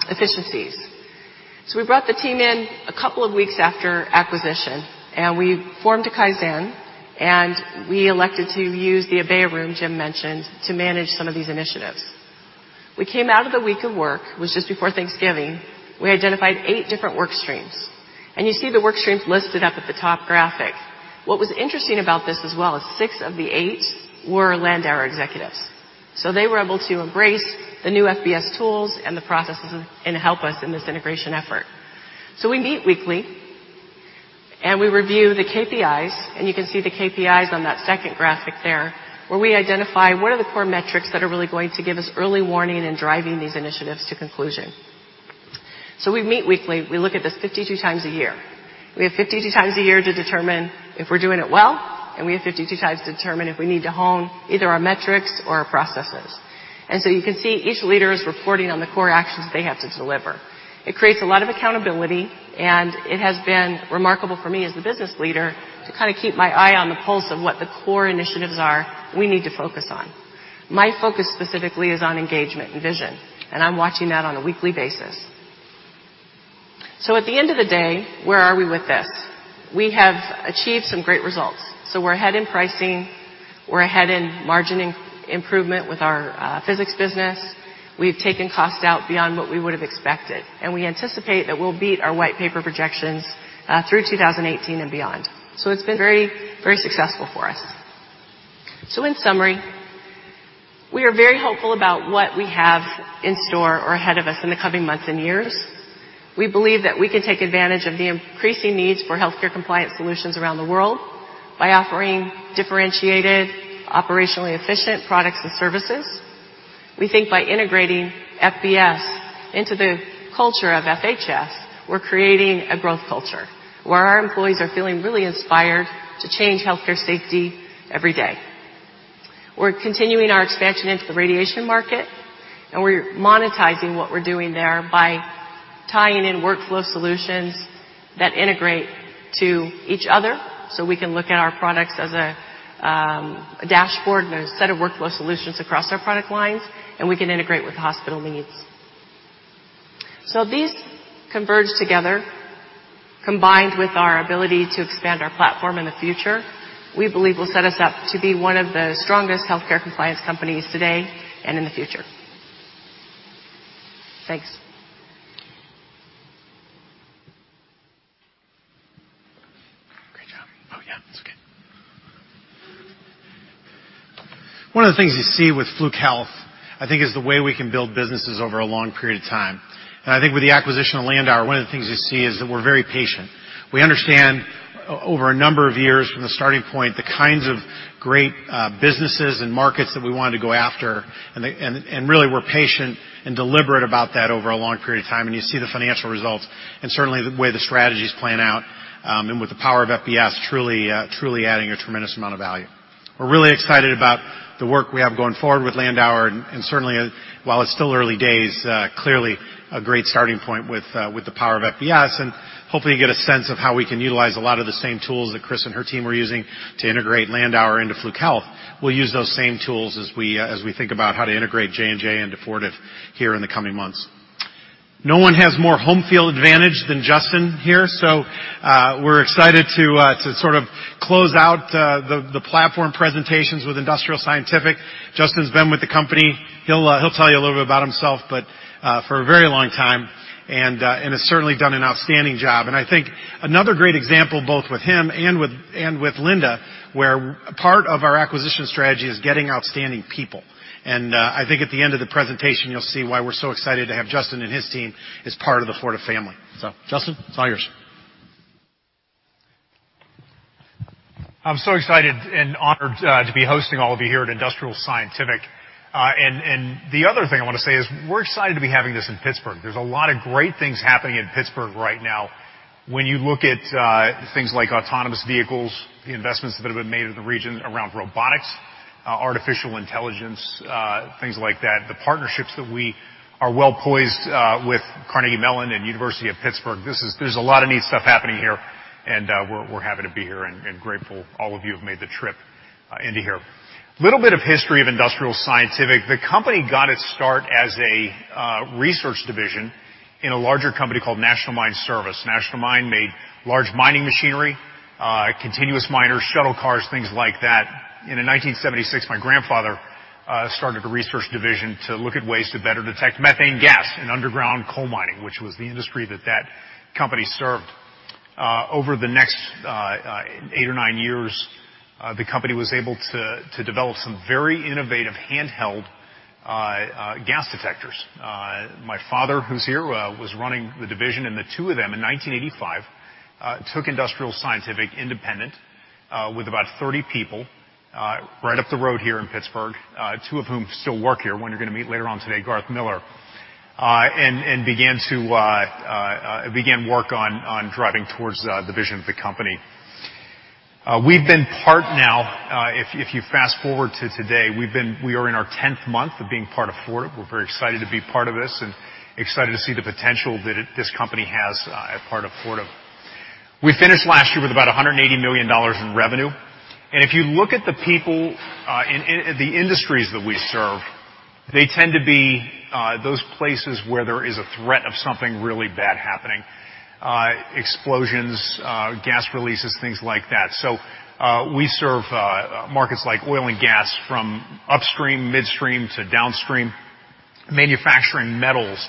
efficiencies. We brought the team in a couple of weeks after acquisition, and we formed a Kaizen, and we elected to use the Obeya room Jim mentioned to manage some of these initiatives. We came out of the week of work, it was just before Thanksgiving. We identified eight different work streams, and you see the work streams listed up at the top graphic. What was interesting about this as well is six of the eight were Landauer executives. They were able to embrace the new FBS tools and the processes and help us in this integration effort. We meet weekly, and we review the KPIs, and you can see the KPIs on that second graphic there, where we identify what are the core metrics that are really going to give us early warning in driving these initiatives to conclusion. We meet weekly. We look at this 52 times a year. We have 52 times a year to determine if we're doing it well, and we have 52 times to determine if we need to hone either our metrics or our processes. You can see each leader is reporting on the core actions they have to deliver. It creates a lot of accountability, and it has been remarkable for me as the business leader to kind of keep my eye on the pulse of what the core initiatives are we need to focus on. My focus specifically is on engagement and vision, and I'm watching that on a weekly basis. At the end of the day, where are we with this? We have achieved some great results. We're ahead in pricing. We're ahead in margin improvement with our physics business. We've taken cost out beyond what we would have expected, and we anticipate that we'll beat our white paper projections through 2018 and beyond. It's been very successful for us. In summary, We are very hopeful about what we have in store or ahead of us in the coming months and years. We believe that we can take advantage of the increasing needs for healthcare compliance solutions around the world by offering differentiated, operationally efficient products and services. We think by integrating FBS into the culture of FHS, we're creating a growth culture, where our employees are feeling really inspired to change healthcare safety every day. We're continuing our expansion into the radiation market, and we're monetizing what we're doing there by tying in workflow solutions that integrate to each other, so we can look at our products as a dashboard and a set of workflow solutions across our product lines, and we can integrate with hospital needs. These converged together, combined with our ability to expand our platform in the future, we believe will set us up to be one of the strongest healthcare compliance companies today and in the future. Thanks. Great job. Oh, yeah. It's okay. One of the things you see with Fluke Health, I think, is the way we can build businesses over a long period of time. I think with the acquisition of Landauer, one of the things you see is that we're very patient. We understand, over a number of years from the starting point, the kinds of great businesses and markets that we wanted to go after. Really, we're patient and deliberate about that over a long period of time. You see the financial results and certainly the way the strategies plan out, and with the power of FBS truly adding a tremendous amount of value. We're really excited about the work we have going forward with Landauer. Certainly, while it's still early days, clearly a great starting point with the power of FBS. Hopefully you get a sense of how we can utilize a lot of the same tools that Kris and her team are using to integrate Landauer into Fluke Health. We'll use those same tools as we think about how to integrate J&J into Fortive here in the coming months. No one has more home field advantage than Justin here. We're excited to sort of close out the platform presentations with Industrial Scientific. Justin's been with the company, he'll tell you a little bit about himself, but for a very long time, and has certainly done an outstanding job. I think another great example, both with him and with Linda, where part of our acquisition strategy is getting outstanding people. I think at the end of the presentation, you'll see why we're so excited to have Justin and his team as part of the Fortive family. Justin, it's all yours. I'm so excited and honored to be hosting all of you here at Industrial Scientific. The other thing I want to say is we're excited to be having this in Pittsburgh. There's a lot of great things happening in Pittsburgh right now. When you look at things like autonomous vehicles, the investments that have been made in the region around robotics, artificial intelligence, things like that, the partnerships that we are well-poised with Carnegie Mellon and University of Pittsburgh. There's a lot of neat stuff happening here. We're happy to be here and grateful all of you have made the trip into here. Little bit of history of Industrial Scientific. The company got its start as a research division in a larger company called National Mine Service. National Mine made large mining machinery, continuous miners, shuttle cars, things like that. In 1976, my grandfather started a research division to look at ways to better detect methane gas in underground coal mining, which was the industry that that company served. Over the next eight or nine years, the company was able to develop some very innovative handheld gas detectors. My father, who's here, was running the division, and the two of them, in 1985, took Industrial Scientific independent with about 30 people right up the road here in Pittsburgh, two of whom still work here, one you're going to meet later on today, Garth Miller, and began work on driving towards the vision of the company. We've been part now, if you fast-forward to today, we are in our 10th month of being part of Fortive. We're very excited to be part of this and excited to see the potential that this company has as part of Fortive. We finished last year with about $180 million in revenue. If you look at the people in the industries that we serve, they tend to be those places where there is a threat of something really bad happening, explosions, gas releases, things like that. We serve markets like oil and gas from upstream, midstream to downstream, manufacturing metals,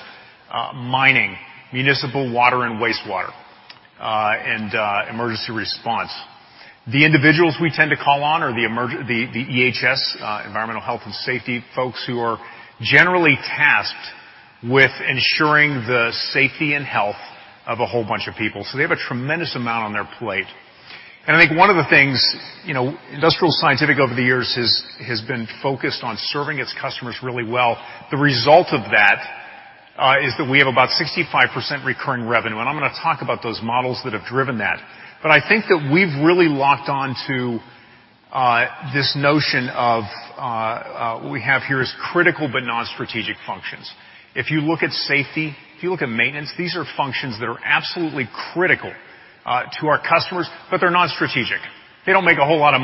mining, municipal water and wastewater, and emergency response. The individuals we tend to call on are the EHS, environmental health and safety folks who are generally tasked with ensuring the safety and health of a whole bunch of people. I think one of the things Industrial Scientific over the years has been focused on serving its customers really well. The result of that is that we have about 65% recurring revenue, I'm going to talk about those models that have driven that. I think that we've really locked on to this notion of what we have here is critical but non-strategic functions. If you look at safety, if you look at maintenance, these are functions that are absolutely critical to our customers, but they're non-strategic. They don't make a whole lot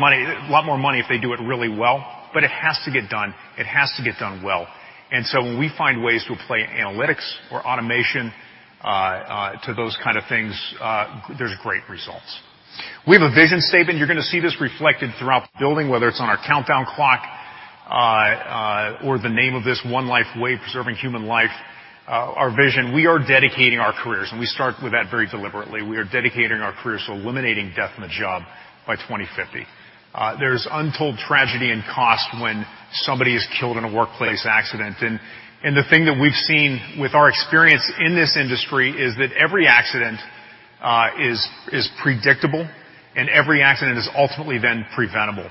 more money if they do it really well, but it has to get done. It has to get done well. When we find ways to apply analytics or automation to those kind of things, there's great results. We have a vision statement. You're going to see this reflected throughout the building, whether it's on our countdown clock or the name of this One Life Way, preserving human life. Our vision, we are dedicating our careers, we start with that very deliberately. We are dedicating our careers to eliminating death in the job by 2050. There's untold tragedy and cost when somebody is killed in a workplace accident. The thing that we've seen with our experience in this industry is that every accident is predictable and every accident is ultimately then preventable.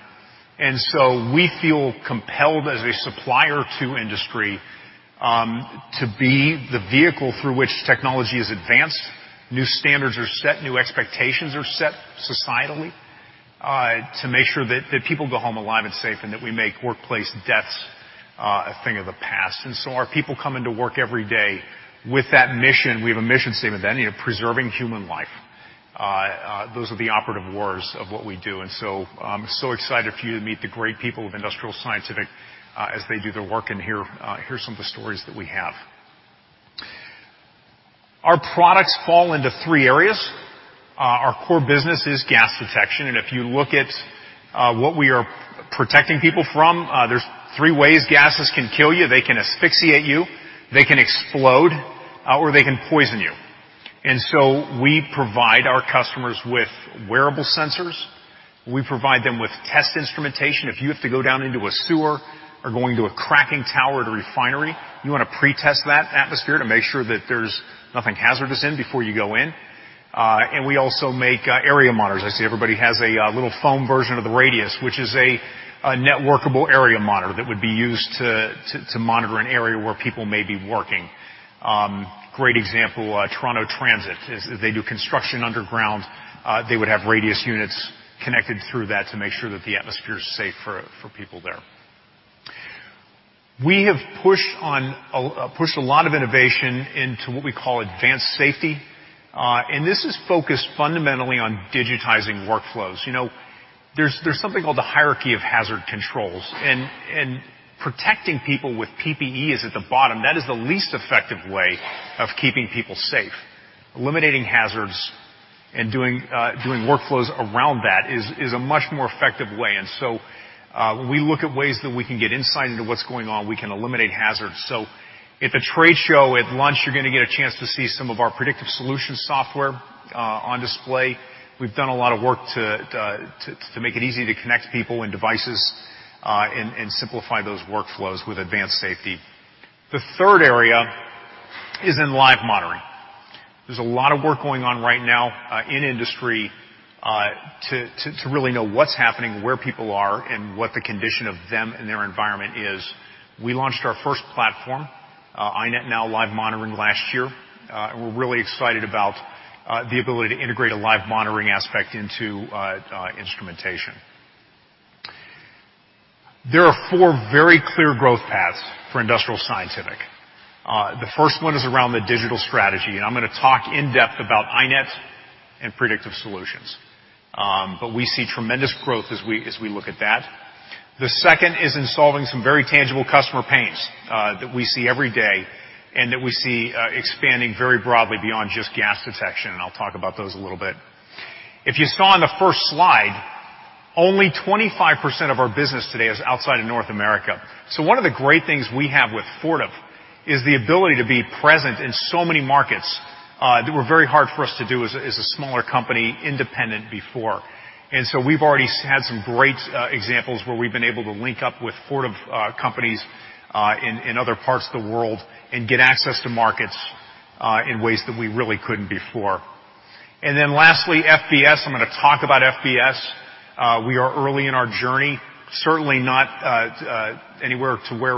We feel compelled as a supplier to industry to be the vehicle through which technology is advanced, new standards are set, new expectations are set societally, to make sure that people go home alive and safe, and that we make workplace deaths a thing of the past. Our people come into work every day with that mission. We have a mission statement then, preserving human life. Those are the operative words of what we do. I'm so excited for you to meet the great people of Industrial Scientific as they do their work, and here are some of the stories that we have. Our products fall into three areas. Our core business is gas detection, and if you look at what we are protecting people from, there's three ways gases can kill you. They can asphyxiate you, they can explode, or they can poison you. We provide our customers with wearable sensors. We provide them with test instrumentation. If you have to go down into a sewer or going to a cracking tower at a refinery, you want to pre-test that atmosphere to make sure that there's nothing hazardous in before you go in. We also make area monitors. I see everybody has a little foam version of the Radius, which is a networkable area monitor that would be used to monitor an area where people may be working. Great example, Toronto Transit. As they do construction underground, they would have Radius units connected through that to make sure that the atmosphere is safe for people there. We have pushed a lot of innovation into what we call Advanced Safety, and this is focused fundamentally on digitizing workflows. There's something called the Hierarchy of Hazard Controls, and protecting people with PPE is at the bottom. That is the least effective way of keeping people safe. Eliminating hazards and doing workflows around that is a much more effective way. We look at ways that we can get insight into what's going on. We can eliminate hazards. At the trade show, at lunch, you're going to get a chance to see some of our Predictive Solutions software on display. We've done a lot of work to make it easy to connect people and devices and simplify those workflows with Advanced Safety. The third area is in Live Monitoring. There's a lot of work going on right now in industry to really know what's happening, where people are, and what the condition of them and their environment is. We launched our first platform, iNet Now Live Monitoring, last year. We're really excited about the ability to integrate a live monitoring aspect into instrumentation. There are four very clear growth paths for Industrial Scientific. The first one is around the Digital Strategy, and I'm going to talk in depth about iNet and Predictive Solutions. But we see tremendous growth as we look at that. The second is in solving some very tangible customer pains that we see every day and that we see expanding very broadly beyond just gas detection. I'll talk about those a little bit. If you saw on the first slide, only 25% of our business today is outside of North America. One of the great things we have with Fortive is the ability to be present in so many markets that were very hard for us to do as a smaller company, independent before. We've already had some great examples where we've been able to link up with Fortive companies in other parts of the world and get access to markets in ways that we really couldn't before. Then lastly, FBS. I'm going to talk about FBS. We are early in our journey. Certainly not anywhere to where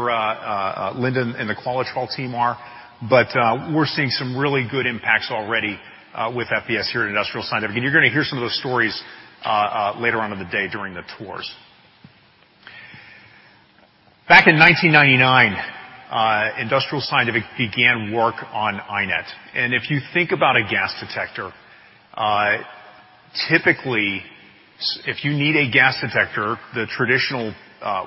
Linda Rae and the Qualitrol team are, but we're seeing some really good impacts already with FBS here at Industrial Scientific. You're going to hear some of those stories later on in the day during the tours. Back in 1999, Industrial Scientific began work on iNet. If you think about a gas detector, typically, if you need a gas detector, the traditional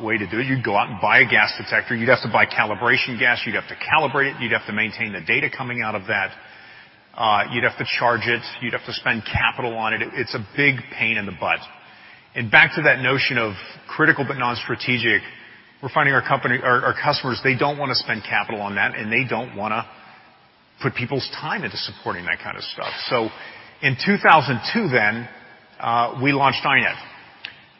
way to do it, you'd go out and buy a gas detector. You'd have to buy calibration gas. You'd have to calibrate it. You'd have to maintain the data coming out of that. You'd have to charge it. You'd have to spend capital on it. It's a big pain in the butt. Back to that notion of critical but non-strategic, we're finding our customers, they don't want to spend capital on that. They don't want to put people's time into supporting that kind of stuff. In 2002, we launched iNet.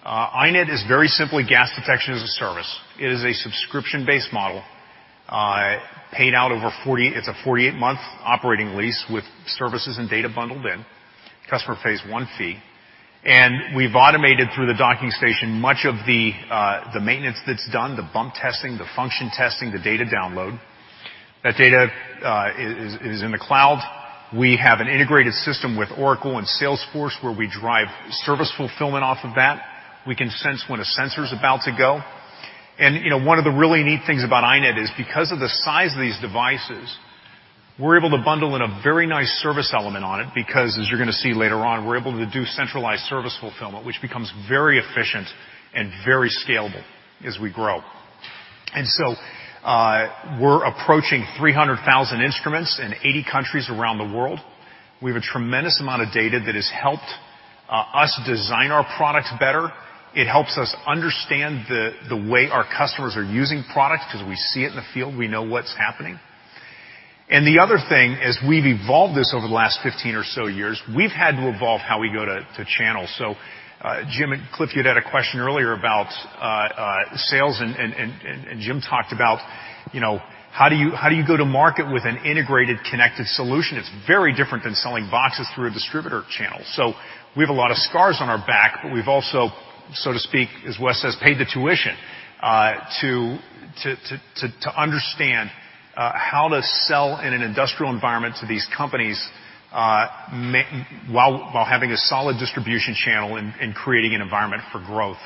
iNet is very simply gas detection as a service. It is a subscription-based model, paid out over. It's a 48-month operating lease with services and data bundled in. Customer pays one fee. We've automated through the docking station much of the maintenance that's done, the bump testing, the function testing, the data download. That data is in the cloud. We have an integrated system with Oracle and Salesforce where we drive service fulfillment off of that. We can sense when a sensor is about to go. One of the really neat things about iNet is because of the size of these devices, we're able to bundle in a very nice service element on it because, as you're going to see later on, we're able to do centralized service fulfillment, which becomes very efficient and very scalable as we grow. We're approaching 300,000 instruments in 80 countries around the world. We have a tremendous amount of data that has helped us design our products better. It helps us understand the way our customers are using products because we see it in the field, we know what's happening. The other thing is, we've evolved this over the last 15 or so years. We've had to evolve how we go to channel. Jim and Cliff, you'd had a question earlier about sales. Jim talked about how do you go to market with an integrated connected solution? It's very different than selling boxes through a distributor channel. We have a lot of scars on our back. We've also, so to speak, as Wes says, paid the tuition to understand how to sell in an industrial environment to these companies while having a solid distribution channel and creating an environment for growth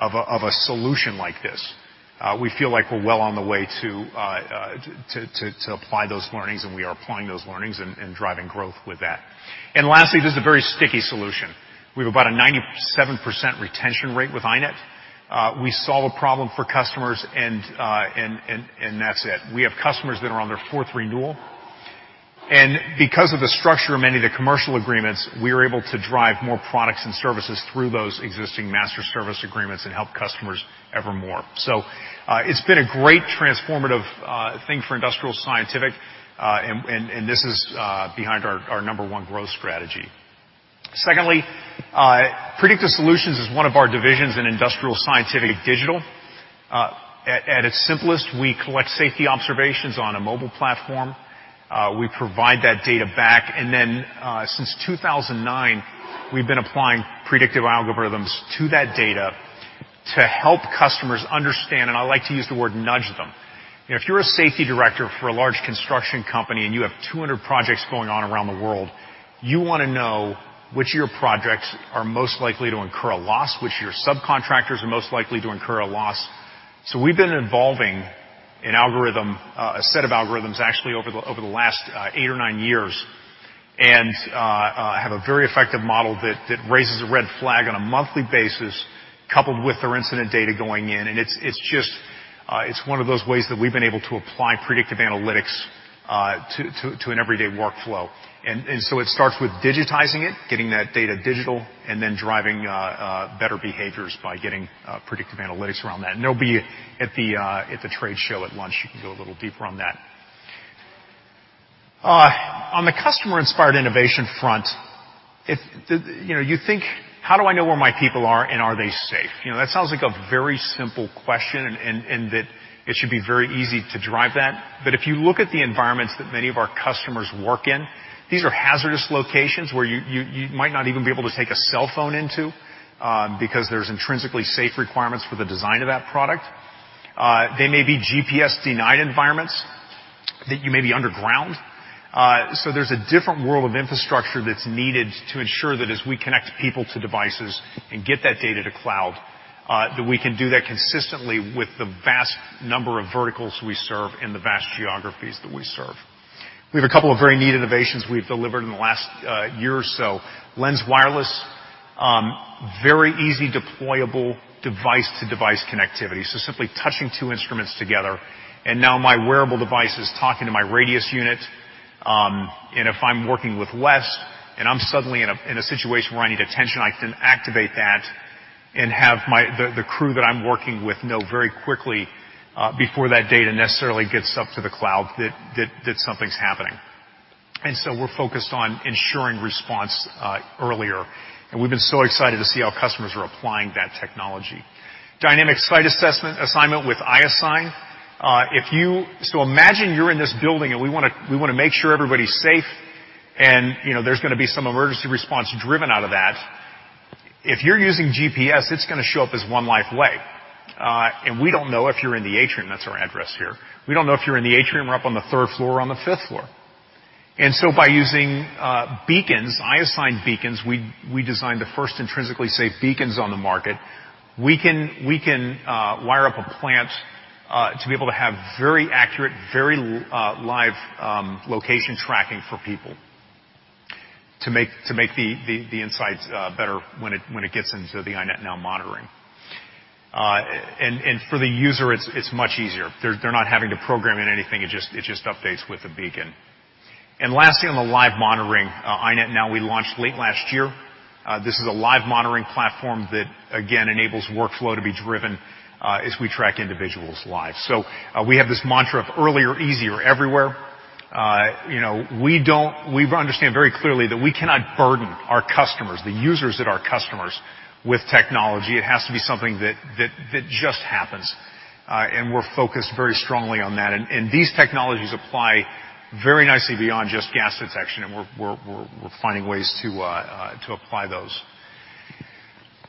of a solution like this. We feel like we're well on the way to apply those learnings. We are applying those learnings and driving growth with that. Lastly, this is a very sticky solution. We have about a 97% retention rate with iNet. We solve a problem for customers. That's it. We have customers that are on their fourth renewal. Because of the structure of many of the commercial agreements, we are able to drive more products and services through those existing master service agreements and help customers evermore. It's been a great transformative thing for Industrial Scientific, and this is behind our number one growth strategy. Secondly, Predictive Solutions is one of our divisions in Industrial Scientific Digital. At its simplest, we collect safety observations on a mobile platform. We provide that data back, and then since 2009, we've been applying predictive algorithms to that data to help customers understand, and I like to use the word nudge them. If you're a safety director for a large construction company and you have 200 projects going on around the world, you want to know which of your projects are most likely to incur a loss, which of your subcontractors are most likely to incur a loss. We've been evolving a set of algorithms, actually, over the last eight or nine years, and have a very effective model that raises a red flag on a monthly basis, coupled with our incident data going in. It's one of those ways that we've been able to apply predictive analytics to an everyday workflow. It starts with digitizing it, getting that data digital, and then driving better behaviors by getting predictive analytics around that. They'll be at the trade show at lunch. You can go a little deeper on that. On the customer-inspired innovation front, you think, how do I know where my people are, and are they safe? That sounds like a very simple question, and that it should be very easy to drive that. If you look at the environments that many of our customers work in, these are hazardous locations where you might not even be able to take a cell phone into, because there's intrinsically safe requirements for the design of that product. They may be GPS-denied environments that you may be underground. There's a different world of infrastructure that's needed to ensure that as we connect people to devices and get that data to cloud, that we can do that consistently with the vast number of verticals we serve and the vast geographies that we serve. We have a couple of very neat innovations we've delivered in the last year or so. LENS Wireless, very easy deployable device-to-device connectivity. Simply touching two instruments together, and now my wearable device is talking to my Radius unit. If I'm working with Wes and I'm suddenly in a situation where I need attention, I can activate that and have the crew that I'm working with know very quickly, before that data necessarily gets up to the cloud, that something's happening. We're focused on ensuring response earlier, and we've been so excited to see how customers are applying that technology. Dynamic site assessment assignment with iAssign. Imagine you're in this building and we want to make sure everybody's safe, and there's going to be some emergency response driven out of that. If you're using GPS, it's going to show up as One Life Way. We don't know if you're in the atrium. That's our address here. We don't know if you're in the atrium or up on the third floor or on the fifth floor. By using beacons, iAssign beacons, we designed the first intrinsically safe beacons on the market. We can wire up a plant to be able to have very accurate, very live location tracking for people to make the insights better when it gets into the iNet Now monitoring. For the user, it's much easier. They're not having to program in anything. It just updates with a beacon. Lastly, on the live monitoring, iNet Now we launched late last year. This is a live monitoring platform that, again, enables workflow to be driven as we track individuals live. We have this mantra of earlier, easier, everywhere. We understand very clearly that we cannot burden our customers, the users that are customers, with technology. It has to be something that just happens. We're focused very strongly on that. These technologies apply very nicely beyond just gas detection, and we're finding ways to apply those.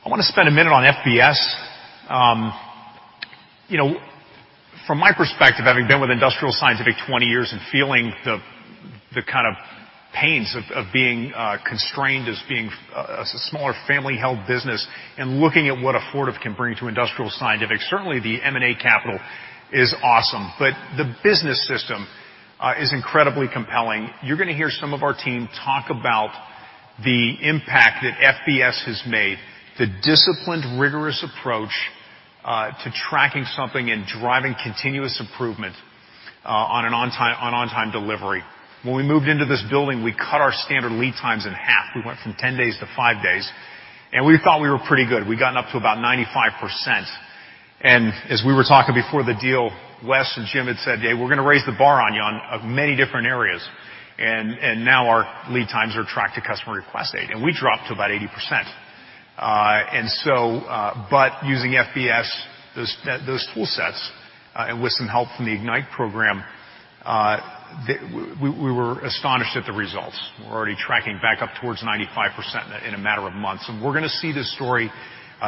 I want to spend a minute on FBS. From my perspective, having been with Industrial Scientific 20 years and feeling the kind of pains of being constrained as being a smaller family-held business and looking at what Fortive can bring to Industrial Scientific, certainly, the M&A capital is awesome, but the business system is incredibly compelling. You're going to hear some of our team talk about the impact that FBS has made, the disciplined, rigorous approach to tracking something and driving continuous improvement on an on-time delivery. When we moved into this building, we cut our standard lead times in half. We went from 10 days to five days, and we thought we were pretty good. We'd gotten up to about 95%. As we were talking before the deal, Wes and Jim had said, "Hey, we're going to raise the bar on you on many different areas." Now our lead times are tracked to customer request date, and we dropped to about 80%. Using FBS, those tool sets, and with some help from the Ignite program, we were astonished at the results. We're already tracking back up towards 95% in a matter of months. We're going to see this story.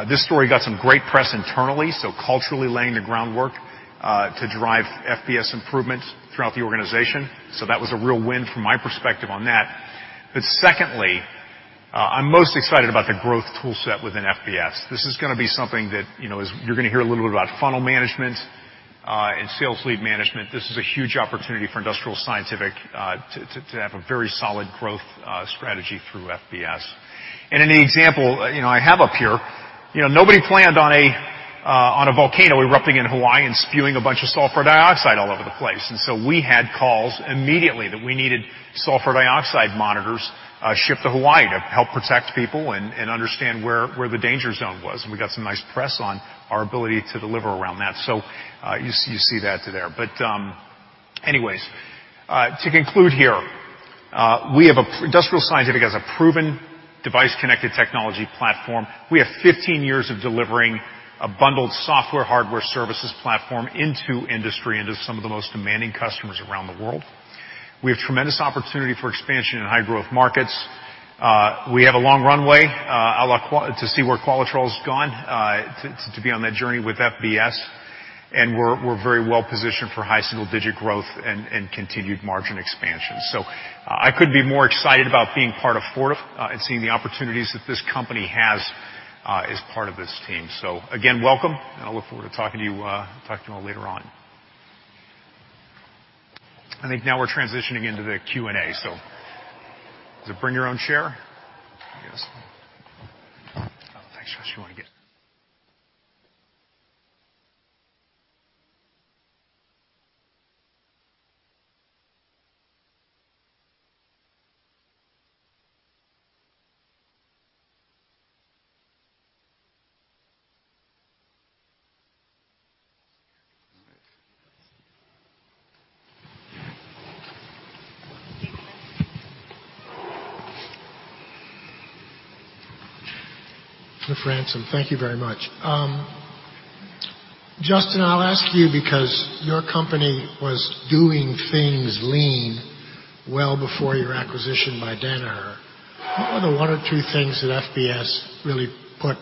This story got some great press internally, culturally laying the groundwork, to drive FBS improvements throughout the organization. That was a real win from my perspective on that. Secondly, I'm most excited about the growth tool set within FBS. This is going to be something that you're going to hear a little bit about funnel management, and sales lead management. This is a huge opportunity for Industrial Scientific to have a very solid growth strategy through FBS. In the example I have up here, nobody planned on a volcano erupting in Hawaii and spewing a bunch of sulfur dioxide all over the place. We had calls immediately that we needed sulfur dioxide monitors shipped to Hawaii to help protect people and understand where the danger zone was. We got some nice press on our ability to deliver around that. You see that there. Anyways, to conclude here, Industrial Scientific has a proven device-connected technology platform. We have 15 years of delivering a bundled software hardware services platform into industry, into some of the most demanding customers around the world. We have tremendous opportunity for expansion in high-growth markets. We have a long runway to see where Qualitrol's gone, to be on that journey with FBS. We're very well-positioned for high single-digit growth and continued margin expansion. I couldn't be more excited about being part of Fortive, and seeing the opportunities that this company has as part of this team. Again, welcome, and I look forward to talking to you all later on. I think now we're transitioning into the Q&A. Is it bring your own chair? I guess. Thanks, Josh. You want to get Frandsen, thank you very much. Justin, I'll ask you because your company was doing things lean well before your acquisition by Danaher. What were the one or two things that FBS really put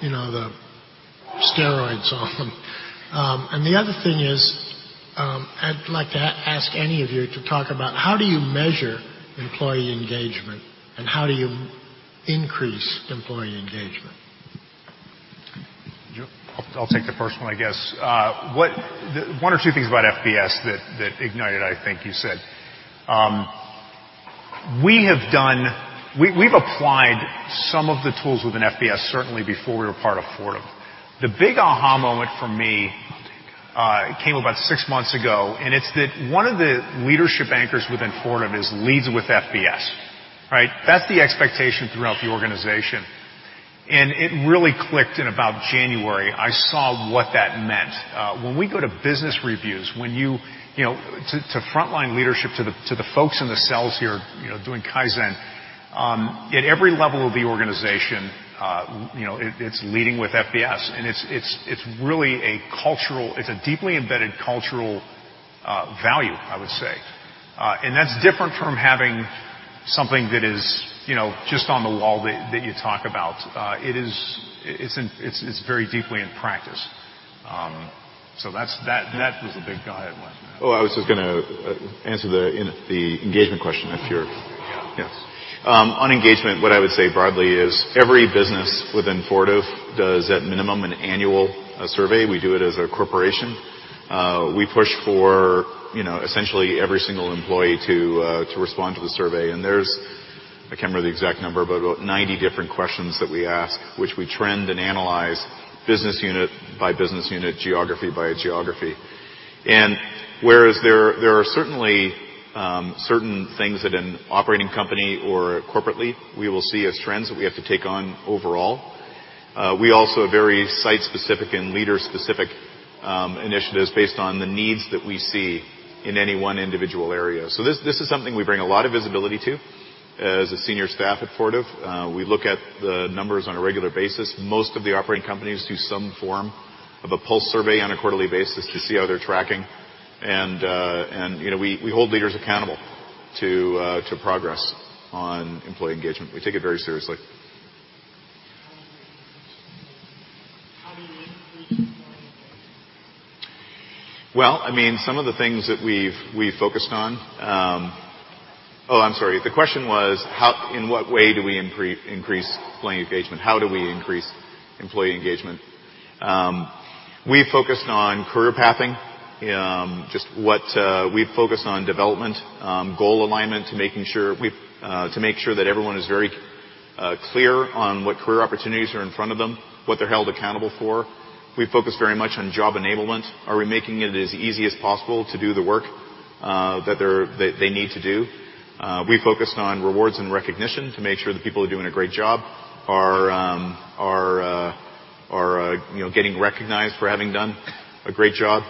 the steroids on? The other thing is, I'd like to ask any of you to talk about how do you measure employee engagement, and how do you increase employee engagement? I'll take the first one, I guess. One or two things about FBS that Ignited, I think you said. We've applied some of the tools within FBS, certainly before we were part of Fortive. The big aha moment for me came about six months ago, and it's that one of the leadership anchors within Fortive is leads with FBS. Right? That's the expectation throughout the organization. It really clicked in about January. I saw what that meant. When we go to business reviews, to frontline leadership, to the folks in the cells here doing Kaizen, at every level of the organization, it's leading with FBS. It's a deeply embedded cultural value, I would say. That's different from having something that is just on the wall that you talk about. It's very deeply in practice. That was a big aha moment. I was just going to answer the engagement question if you're Yeah. Yes. On engagement, what I would say broadly is every business within Fortive does at minimum an annual survey. We do it as a corporation. We push for essentially every single employee to respond to the survey. There's, I can't remember the exact number, but about 90 different questions that we ask, which we trend and analyze business unit by business unit, geography by geography. Whereas there are certainly certain things that an operating company or corporately we will see as trends that we have to take on overall, we also are very site-specific and leader-specific initiatives based on the needs that we see in any one individual area. This is something we bring a lot of visibility to as a senior staff at Fortive. We look at the numbers on a regular basis. Most of the operating companies do some form of a pulse survey on a quarterly basis to see how they're tracking. We hold leaders accountable to progress on employee engagement. We take it very seriously. How do you make employee engagement? Well, some of the things that we've focused on. Oh, I'm sorry. The question was, in what way do we increase employee engagement? How do we increase employee engagement? We focused on career pathing. We've focused on development, goal alignment to make sure that everyone is very clear on what career opportunities are in front of them, what they're held accountable for. We focused very much on job enablement. Are we making it as easy as possible to do the work that they need to do? We focused on rewards and recognition to make sure the people who are doing a great job are getting recognized for having done a great job.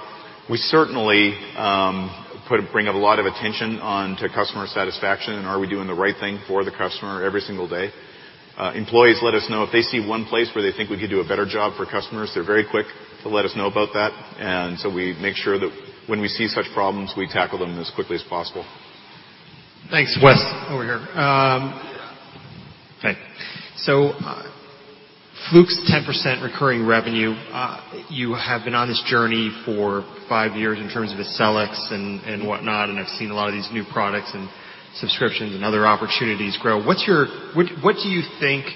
We certainly bring up a lot of attention onto customer satisfaction and are we doing the right thing for the customer every single day. Employees let us know. If they see one place where they think we could do a better job for customers, they're very quick to let us know about that. We make sure that when we see such problems, we tackle them as quickly as possible. Thanks. Wes, over here. Hi. Fluke's 10% recurring revenue, you have been on this journey for 5 years in terms of Accelix and whatnot, and I've seen a lot of these new products and subscriptions and other opportunities grow. What do you think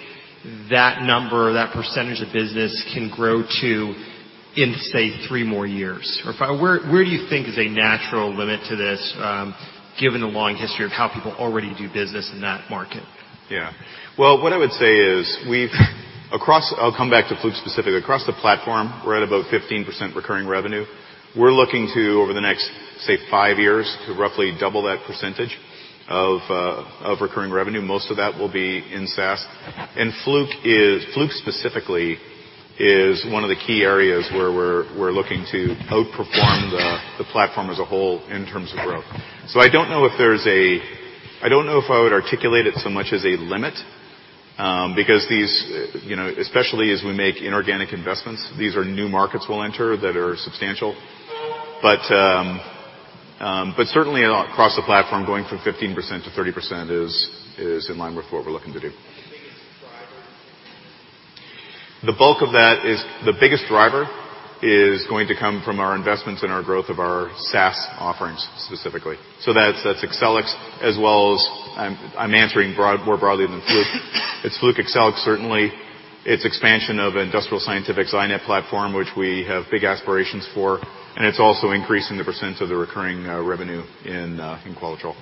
that number or that percentage of business can grow to in, say, 3 more years? Or where do you think is a natural limit to this given the long history of how people already do business in that market? Yeah. Well, what I would say is, I'll come back to Fluke specifically. Across the platform, we're at about 15% recurring revenue. We're looking to, over the next, say, 5 years, to roughly double that percentage of recurring revenue. Most of that will be in SaaS. Fluke specifically is one of the key areas where we're looking to outperform the platform as a whole in terms of growth. I don't know if I would articulate it so much as a limit, because especially as we make inorganic investments, these are new markets we'll enter that are substantial. Certainly across the platform, going from 15% to 30% is in line with what we're looking to do. The biggest driver? The biggest driver is going to come from our investments and our growth of our SaaS offerings specifically. That's Accelix as well as I'm answering more broadly than Fluke. It's Fluke Accelix, certainly. It's expansion of Industrial Scientific's iNet platform, which we have big aspirations for, and it's also increasing the % of the recurring revenue in Qualitrol.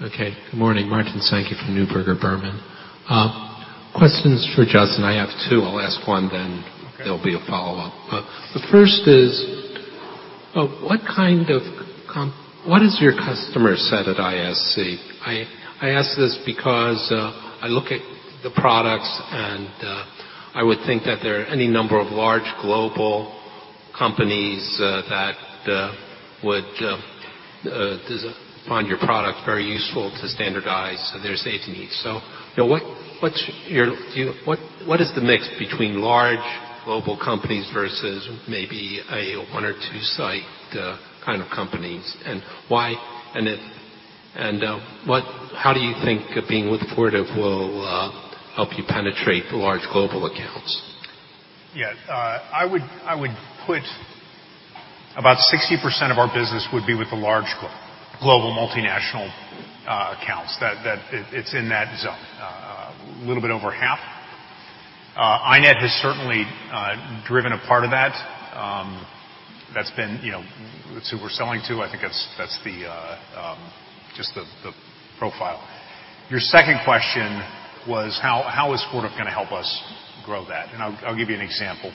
Okay. Good morning. Martin Sankey from Neuberger Berman. Questions for Justin. I have 2. I'll ask 1, then there'll be a follow-up. The first is, what is your customer set at ISC? I ask this because I look at the products, and I would think that there are any number of large global companies that would find your product very useful to standardize their safety needs. What is the mix between large global companies versus maybe a 1 or 2-site kind of companies, and how do you think being with Fortive will help you penetrate large global accounts? Yeah. I would put about 60% of our business would be with the large global multinational accounts. It's in that zone, a little bit over half. iNet has certainly driven a part of that. That's who we're selling to. I think that's just the profile. Your second question was how is Fortive going to help us grow that? I'll give you an example.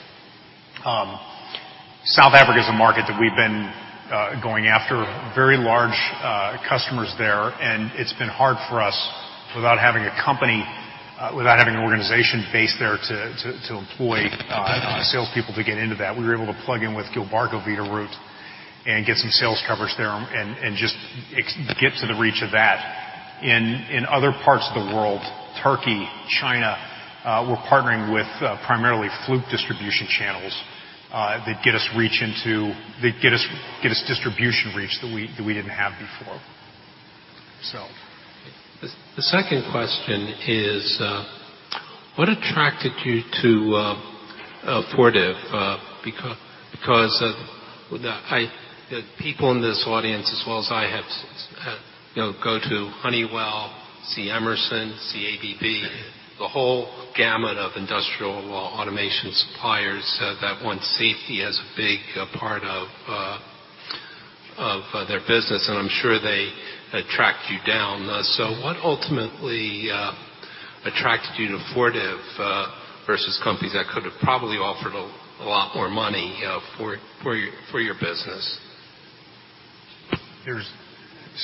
South Africa is a market that we've been going after, very large customers there, and it's been hard for us without having an organization based there to employ salespeople to get into that. We were able to plug in with Gilbarco Veeder-Root and get some sales coverage there and just get to the reach of that. In other parts of the world, Turkey, China, we're partnering with primarily Fluke distribution channels that get us distribution reach that we didn't have before. The second question is, what attracted you to Fortive? The people in this audience, as well as I, go to Honeywell, see Emerson, see ABB, the whole gamut of industrial automation suppliers that want safety as a big part of their business, and I'm sure they tracked you down. What ultimately attracted you to Fortive versus companies that could have probably offered a lot more money for your business?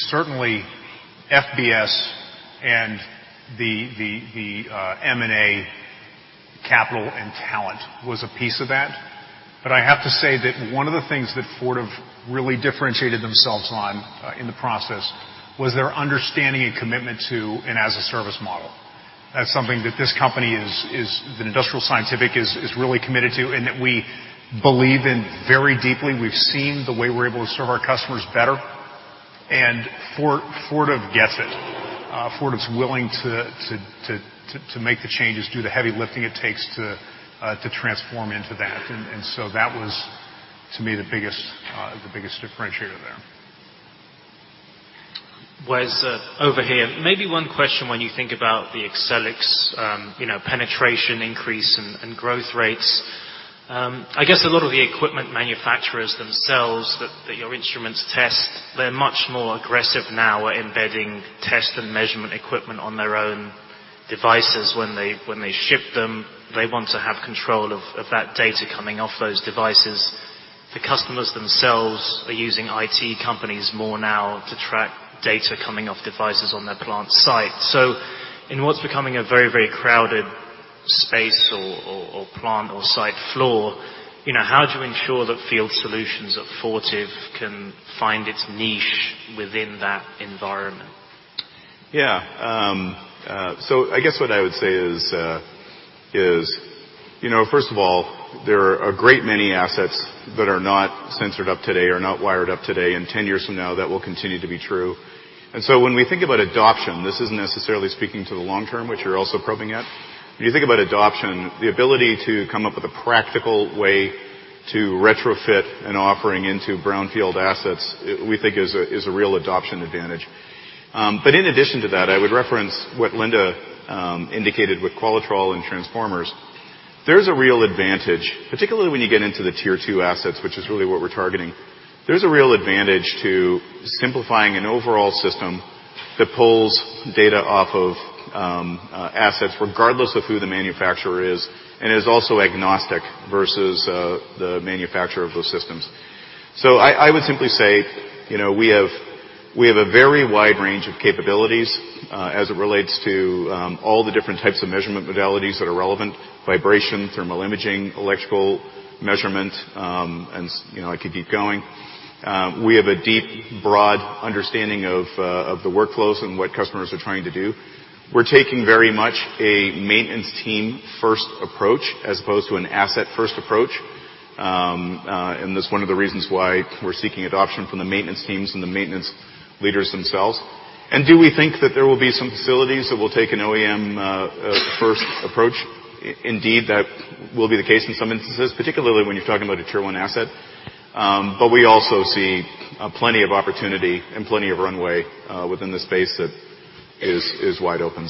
Certainly, FBS and the M&A capital and talent was a piece of that. I have to say that one of the things that Fortive really differentiated themselves on in the process was their understanding and commitment to an as a service model. That's something that this company, that Industrial Scientific, is really committed to and that we believe in very deeply. We've seen the way we're able to serve our customers better. Fortive gets it. Fortive's willing to make the changes, do the heavy lifting it takes to transform into that. That was, to me, the biggest differentiator there. Wes, over here. Maybe one question when you think about the Accelix penetration increase and growth rates. I guess a lot of the equipment manufacturers themselves that your instruments test, they're much more aggressive now at embedding test and measurement equipment on their own devices. When they ship them, they want to have control of that data coming off those devices. The customers themselves are using IT companies more now to track data coming off devices on their plant site. In what's becoming a very crowded space or plant or site floor, how do you ensure that Field Solutions at Fortive can find its niche within that environment? Yeah. I guess what I would say is, first of all, there are a great many assets that are not sensored up today, are not wired up today, and 10 years from now, that will continue to be true. When we think about adoption, this isn't necessarily speaking to the long term, which you're also probing at. When you think about adoption, the ability to come up with a practical way to retrofit an offering into brownfield assets, we think is a real adoption advantage. In addition to that, I would reference what Linda indicated with Qualitrol and transformers. There's a real advantage, particularly when you get into the tier 2 assets, which is really what we're targeting. There's a real advantage to simplifying an overall system that pulls data off of assets regardless of who the manufacturer is, and is also agnostic versus the manufacturer of those systems. I would simply say, we have a very wide range of capabilities, as it relates to all the different types of measurement modalities that are relevant, vibration, thermal imaging, electrical measurement, and I could keep going. We have a deep, broad understanding of the workflows and what customers are trying to do. We're taking very much a maintenance team first approach as opposed to an asset first approach. That's one of the reasons why we're seeking adoption from the maintenance teams and the maintenance leaders themselves. Do we think that there will be some facilities that will take an OEM first approach? Indeed, that will be the case in some instances, particularly when you're talking about a tier 1 asset. We also see plenty of opportunity and plenty of runway within the space that is wide open.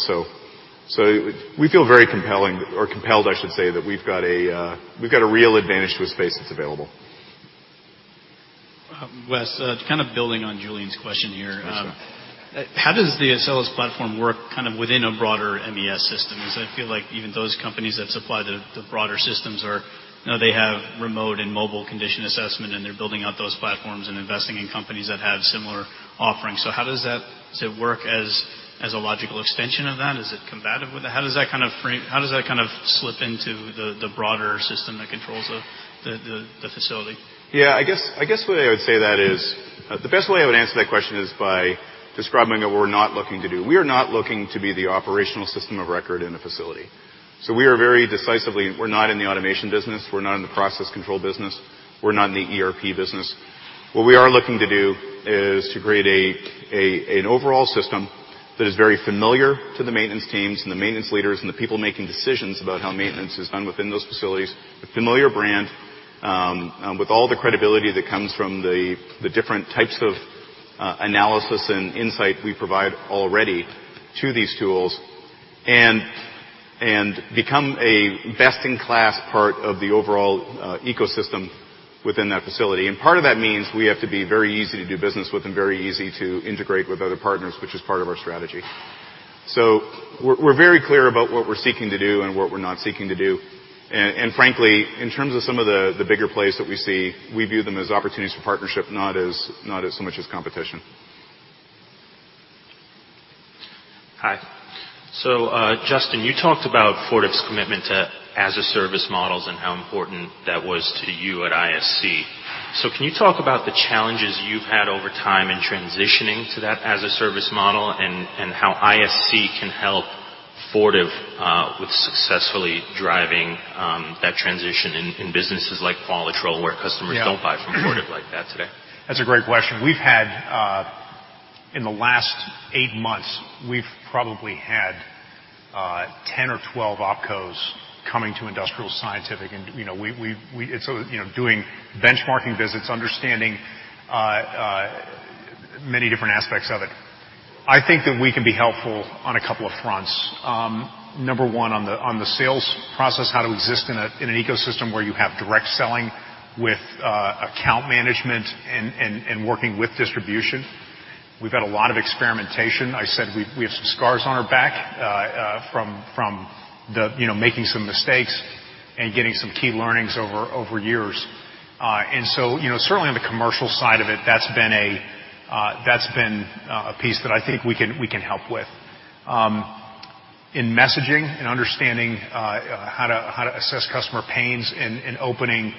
We feel very compelling or compelled, I should say, that we've got a real advantage to a space that's available. Wes, kind of building on Julian's question here. Yes, sir. How does the Accelix platform work within a broader MES system? Because I feel like even those companies that supply the broader systems are, they have remote and mobile condition assessment, and they're building out those platforms and investing in companies that have similar offerings. How does that work as a logical extension of that? Is it combative with it? How does that kind of slip into the broader system that controls the facility? I guess the best way I would answer that question is by describing what we're not looking to do. We are not looking to be the operational system of record in a facility. We are very decisively, we're not in the automation business. We're not in the process control business. We're not in the ERP business. What we are looking to do is to create an overall system that is very familiar to the maintenance teams and the maintenance leaders and the people making decisions about how maintenance is done within those facilities. A familiar brand, with all the credibility that comes from the different types of analysis and insight we provide already to these tools, and become a best-in-class part of the overall ecosystem within that facility. Part of that means we have to be very easy to do business with and very easy to integrate with other partners, which is part of our strategy. We're very clear about what we're seeking to do and what we're not seeking to do. Frankly, in terms of some of the bigger plays that we see, we view them as opportunities for partnership, not so much as competition. Hi. Justin, you talked about Fortive's commitment to as-a-service models and how important that was to you at ISC. Can you talk about the challenges you've had over time in transitioning to that as-a-service model and how ISC can help Fortive with successfully driving that transition in businesses like Qualitrol, where customers don't buy from Fortive like that today? That's a great question. In the last eight months, we've probably had 10 or 12 opcos coming to Industrial Scientific, doing benchmarking visits, understanding many different aspects of it. I think that we can be helpful on a couple of fronts. Number one, on the sales process, how to exist in an ecosystem where you have direct selling with account management and working with distribution. We've had a lot of experimentation. I said we have some scars on our back from making some mistakes and getting some key learnings over years. Certainly on the commercial side of it, that's been a piece that I think we can help with. In messaging and understanding how to assess customer pains and opening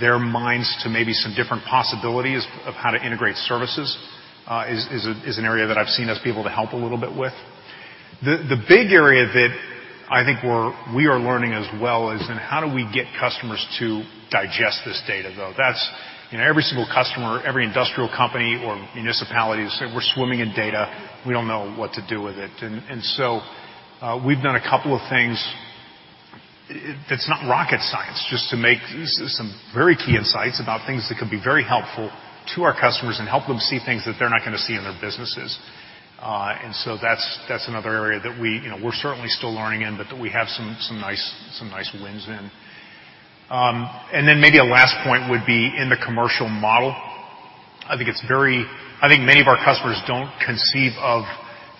their minds to maybe some different possibilities of how to integrate services is an area that I've seen us be able to help a little bit with. The big area that I think we are learning as well is in how do we get customers to digest this data, though? Every single customer, every industrial company or municipality will say, "We're swimming in data. We don't know what to do with it." We've done a couple of things. It's not rocket science just to make some very key insights about things that could be very helpful to our customers and help them see things that they're not going to see in their businesses. That's another area that we're certainly still learning in, but that we have some nice wins in. Maybe a last point would be in the commercial model. I think many of our customers don't conceive of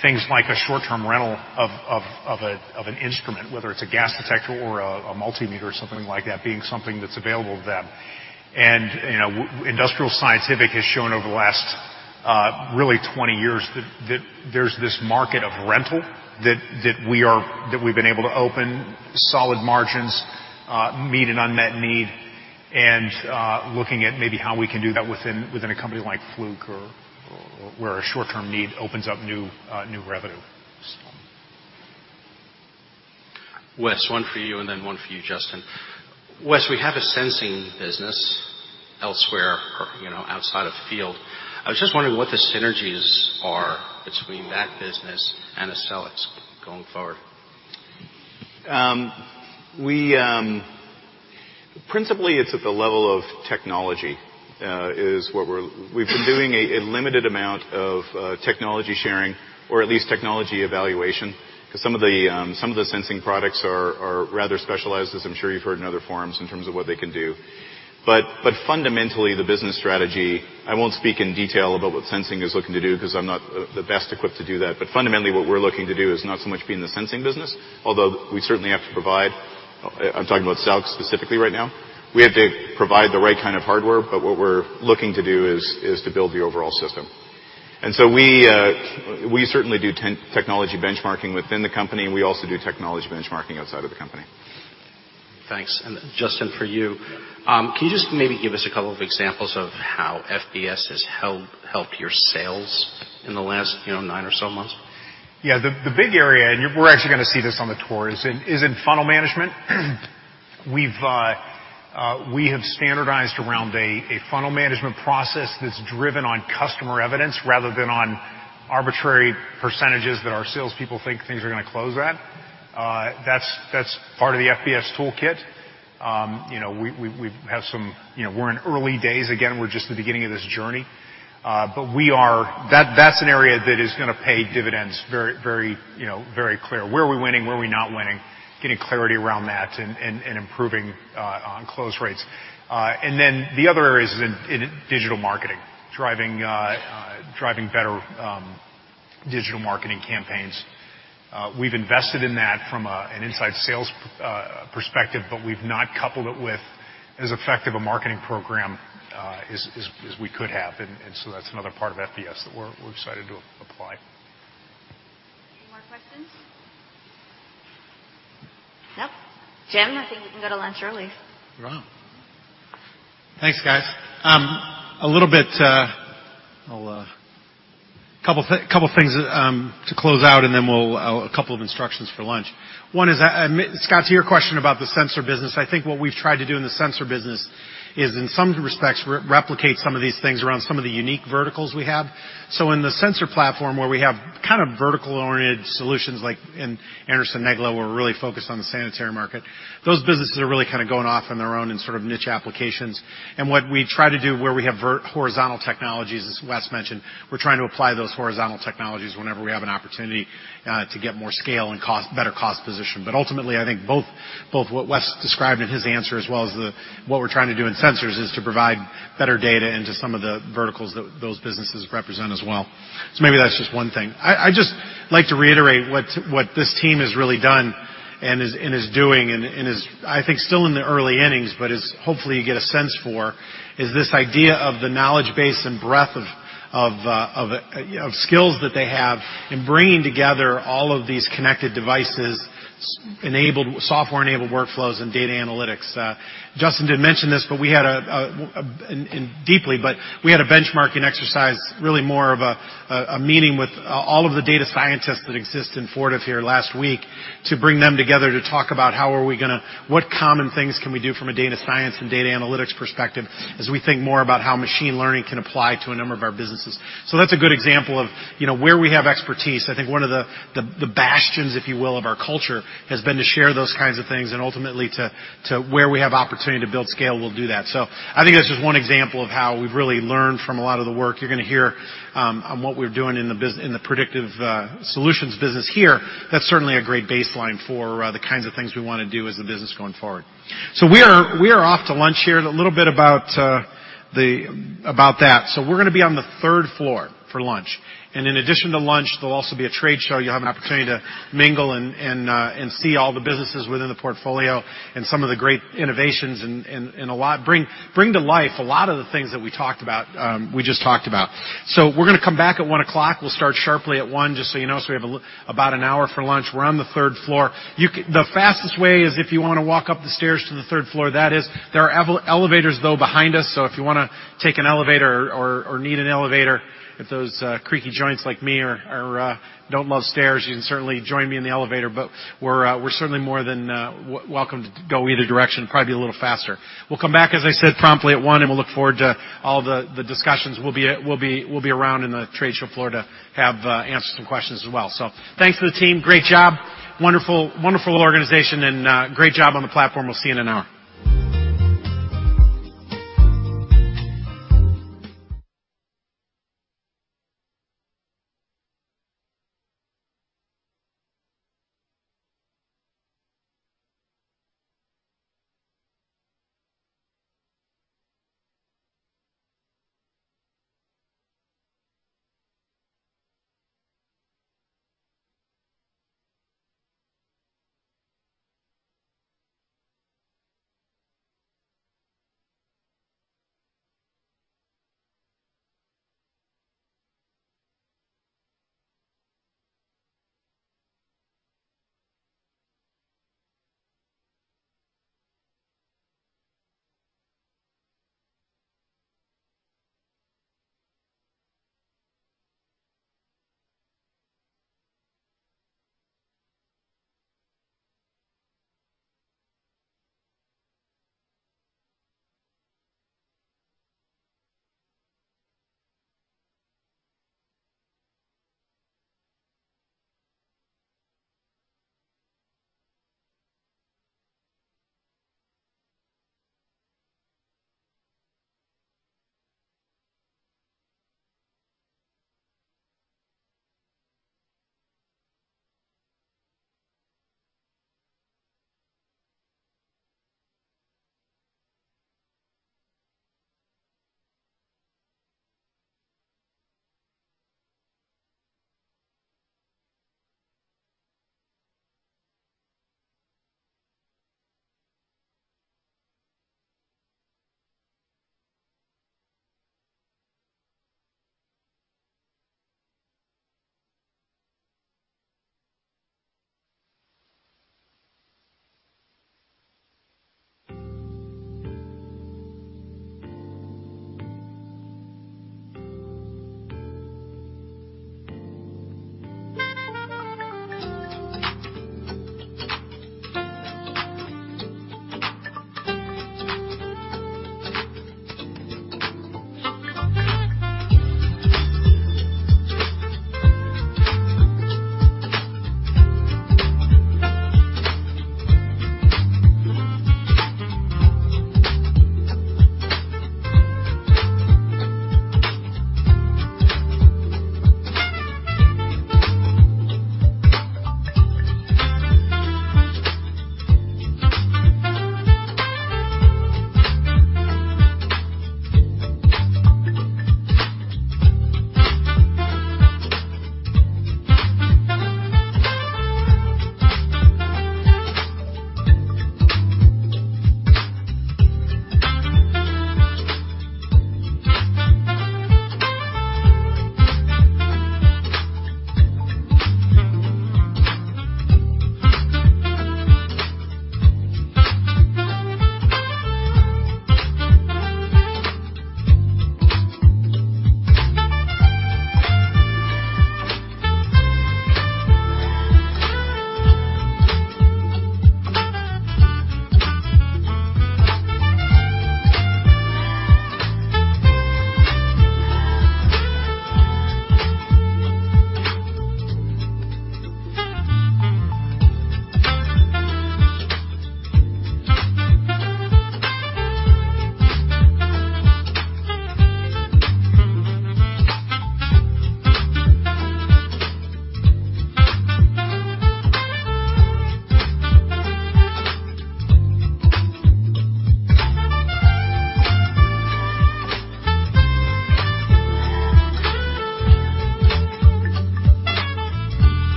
things like a short-term rental of an instrument, whether it's a gas detector or a multimeter or something like that, being something that's available to them. Industrial Scientific has shown over the last really 20 years that there's this market of rental that we've been able to open, solid margins, meet an unmet need, and looking at maybe how we can do that within a company like Fluke or where a short-term need opens up new revenue. Wes, one for you and then one for you, Justin. Wes, we have a sensing business elsewhere, outside of field. I was just wondering what the synergies are between that business and the Accelix going forward. Principally, it's at the level of technology. We've been doing a limited amount of technology sharing, or at least technology evaluation, because some of the sensing products are rather specialized, as I'm sure you've heard in other forums, in terms of what they can do. Fundamentally, the business strategy, I won't speak in detail about what sensing is looking to do because I'm not the best equipped to do that. Fundamentally, what we're looking to do is not so much be in the sensing business, although we certainly have to provide, I'm talking about Accelix specifically right now. We have to provide the right kind of hardware, but what we're looking to do is to build the overall system. We certainly do technology benchmarking within the company, and we also do technology benchmarking outside of the company. Thanks. Justin, for you, can you just maybe give us a couple of examples of how FBS has helped your sales in the last nine or so months? Yeah. The big area, we're actually going to see this on the tour, is in funnel management. We have standardized around a funnel management process that's driven on customer evidence rather than on arbitrary percentages that our salespeople think things are going to close at. That's part of the FBS toolkit. We're in early days, again, we're just at the beginning of this journey. That's an area that is going to pay dividends very clear. Where are we winning? Where are we not winning? Getting clarity around that and improving on close rates. The other area is in digital marketing, driving better digital marketing campaigns. We've invested in that from an inside sales perspective, but we've not coupled it with as effective a marketing program as we could have, that's another part of FBS that we're excited to apply. Any more questions? Nope. Jim, I think we can go to lunch early. Right. Thanks, guys. A couple things to close out and then a couple of instructions for lunch. One is, Scott, to your question about the sensor business, I think what we've tried to do in the sensor business is, in some respects, replicate some of these things around some of the unique verticals we have. In the sensor platform where we have kind of vertical-oriented solutions like in Anderson-Negele, we're really focused on the sanitary market. Those businesses are really kind of going off on their own in sort of niche applications. What we try to do where we have horizontal technologies, as Wes mentioned, we're trying to apply those horizontal technologies whenever we have an opportunity to get more scale and better cost position. Ultimately, I think both what Wes described in his answer, as well as what we're trying to do in sensors is to provide better data into some of the verticals that those businesses represent as well. Maybe that's just one thing. I'd just like to reiterate what this team has really done and is doing and is, I think, still in the early innings, but is hopefully you get a sense for, is this idea of the knowledge base and breadth of skills that they have in bringing together all of these connected devices, software-enabled workflows, and data analytics. Justin did mention this deeply, but we had a benchmarking exercise, really more of a meeting with all of the data scientists that exist in Fortive here last week to bring them together to talk about what common things can we do from a data science and data analytics perspective, as we think more about how machine learning can apply to a number of our businesses. That's a good example of where we have expertise. I think one of the bastions, if you will, of our culture, has been to share those kinds of things, and ultimately to where we have opportunity to build scale, we'll do that. I think that's just one example of how we've really learned from a lot of the work. You're going to hear on what we're doing in the Predictive Solutions business here. That's certainly a great baseline for the kinds of things we want to do as a business going forward. We are off to lunch here, and a little bit about that. We're going to be on the third floor for lunch. In addition to lunch, there'll also be a trade show. You'll have an opportunity to mingle and see all the businesses within the portfolio and some of the great innovations and bring to life a lot of the things that we just talked about. We're going to come back at 1:00 P.M. We'll start sharply at 1:00 P.M., just so you know. We have about an hour for lunch. We're on the third floor. The fastest way is if you want to walk up the stairs to the third floor, that is. There are elevators, though, behind us. If you want to take an elevator or need an elevator, if those creaky joints like me or don't love stairs, you can certainly join me in the elevator. We're certainly more than welcome to go either direction. Probably be a little faster. We'll come back, as I said, promptly at 1:00, and we'll look forward to all the discussions. We'll be around in the trade show floor to have answers some questions as well. Thanks to the team. Great job. Wonderful organization and great job on the platform. We'll see you in an hour.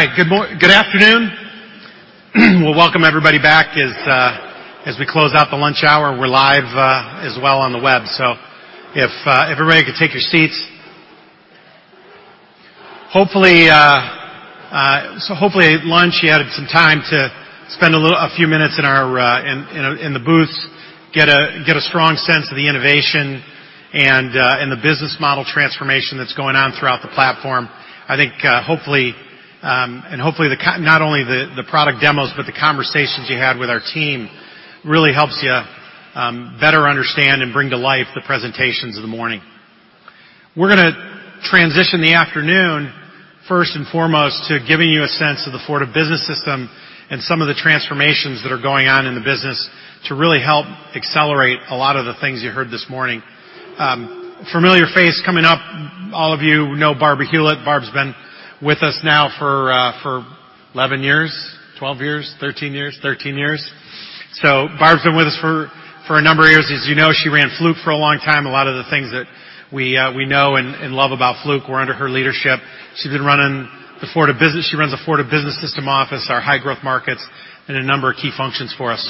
All right, good afternoon. We'll welcome everybody back as we close out the lunch hour. We're live as well on the web. If everybody could take your seats. Hopefully at lunch, you had some time to spend a few minutes in the booths, get a strong sense of the innovation and the business model transformation that's going on throughout the platform. Hopefully not only the product demos, but the conversations you had with our team really helps you better understand and bring to life the presentations of the morning. We're going to transition the afternoon, first and foremost, to giving you a sense of the Fortive Business System and some of the transformations that are going on in the business to really help accelerate a lot of the things you heard this morning. Familiar face coming up, all of you know Barb Hulit. Barb's been with us now for 11 years, 12 years, 13 years? 13 years. Barb's been with us for a number of years. As you know, she ran Fluke for a long time. A lot of the things that we know and love about Fluke were under her leadership. She runs the Fortive Business System office, our high-growth markets, and a number of key functions for us.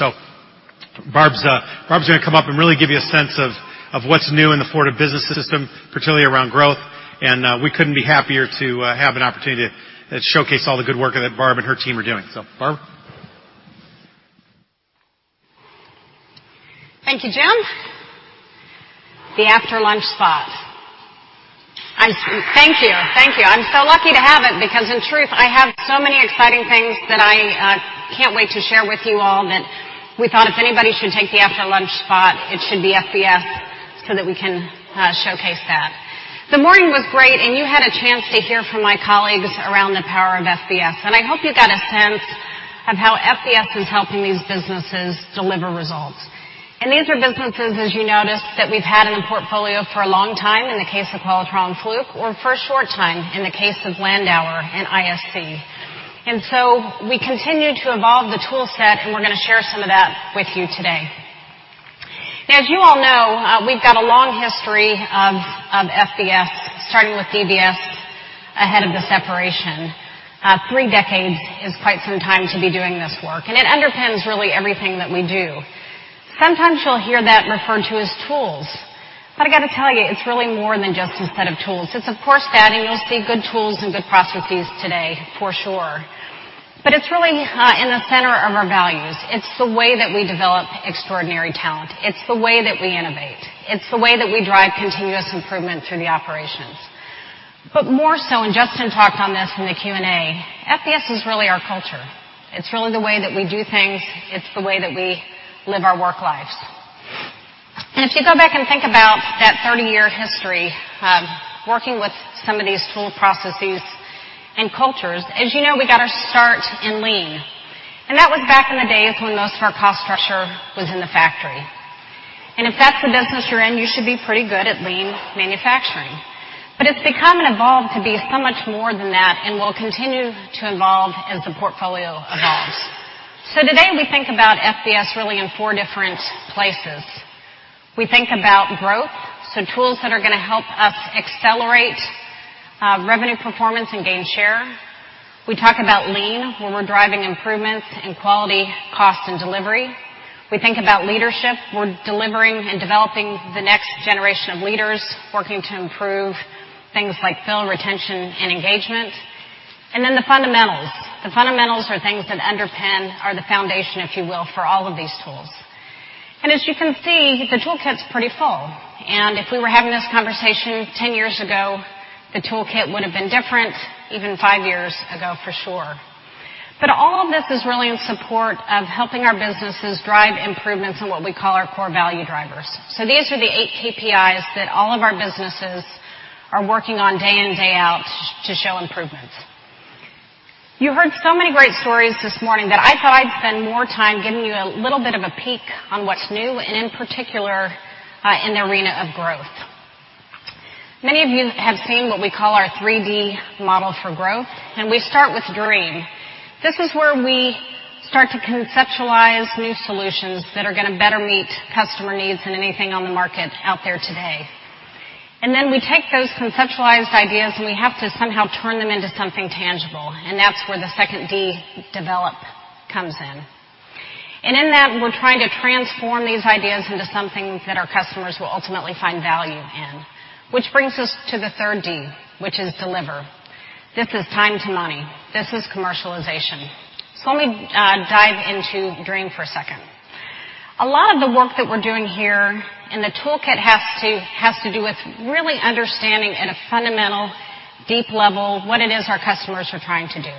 Barb's going to come up and really give you a sense of what's new in the Fortive Business System, particularly around growth, and we couldn't be happier to have an opportunity to showcase all the good work that Barb and her team are doing. Barb. Thank you, Jim. The after-lunch spot. Thank you. I'm so lucky to have it because, in truth, I have so many exciting things that I can't wait to share with you all that we thought if anybody should take the after-lunch spot, it should be FBS so that we can showcase that. The morning was great. You had a chance to hear from my colleagues around the power of FBS. I hope you got a sense of how FBS is helping these businesses deliver results. These are businesses, as you noticed, that we've had in the portfolio for a long time, in the case of Qualitrol and Fluke, or for a short time, in the case of Landauer and ISC. We continue to evolve the tool set, and we're going to share some of that with you today. Now, as you all know, we've got a long history of FBS, starting with DBS ahead of the separation. Three decades is quite some time to be doing this work. It underpins really everything that we do. Sometimes you'll hear that referred to as tools. I got to tell you, it's really more than just a set of tools. It's of course, that. You'll see good tools and good processes today for sure. It's really in the center of our values. It's the way that we develop extraordinary talent. It's the way that we innovate. It's the way that we drive continuous improvement through the operations. More so, Justin talked on this in the Q&A. FBS is really our culture. It's really the way that we do things. It's the way that we live our work lives. If you go back and think about that 30-year history, working with some of these tool processes and cultures, as you know, we got our start in Lean, that was back in the days when most of our cost structure was in the factory. If that's the business you're in, you should be pretty good at lean manufacturing. It's become and evolved to be so much more than that and will continue to evolve as the portfolio evolves. Today, we think about FBS really in four different places. We think about growth, tools that are going to help us accelerate revenue performance and gain share. We talk about Lean, where we're driving improvements in quality, cost, and delivery. We think about leadership. We're delivering and developing the next generation of leaders, working to improve things like fill retention and engagement. Then the fundamentals. The fundamentals are things that underpin or the foundation, if you will, for all of these tools. As you can see, the toolkit's pretty full. If we were having this conversation 10 years ago, the toolkit would have been different, even five years ago for sure. All of this is really in support of helping our businesses drive improvements in what we call our core value drivers. These are the eight KPIs that all of our businesses are working on day in, day out to show improvements. You heard so many great stories this morning that I thought I'd spend more time giving you a little bit of a peek on what's new and in particular, in the arena of growth. Many of you have seen what we call our 3D model for growth, we start with dream. This is where we start to conceptualize new solutions that are going to better meet customer needs than anything on the market out there today. Then we take those conceptualized ideas, we have to somehow turn them into something tangible, that's where the second D, develop, comes in. In that, we're trying to transform these ideas into something that our customers will ultimately find value in. Which brings us to the third D, which is deliver. This is time to money. This is commercialization. Let me dive into dream for a second. A lot of the work that we're doing here in the toolkit has to do with really understanding at a fundamental, deep level what it is our customers are trying to do,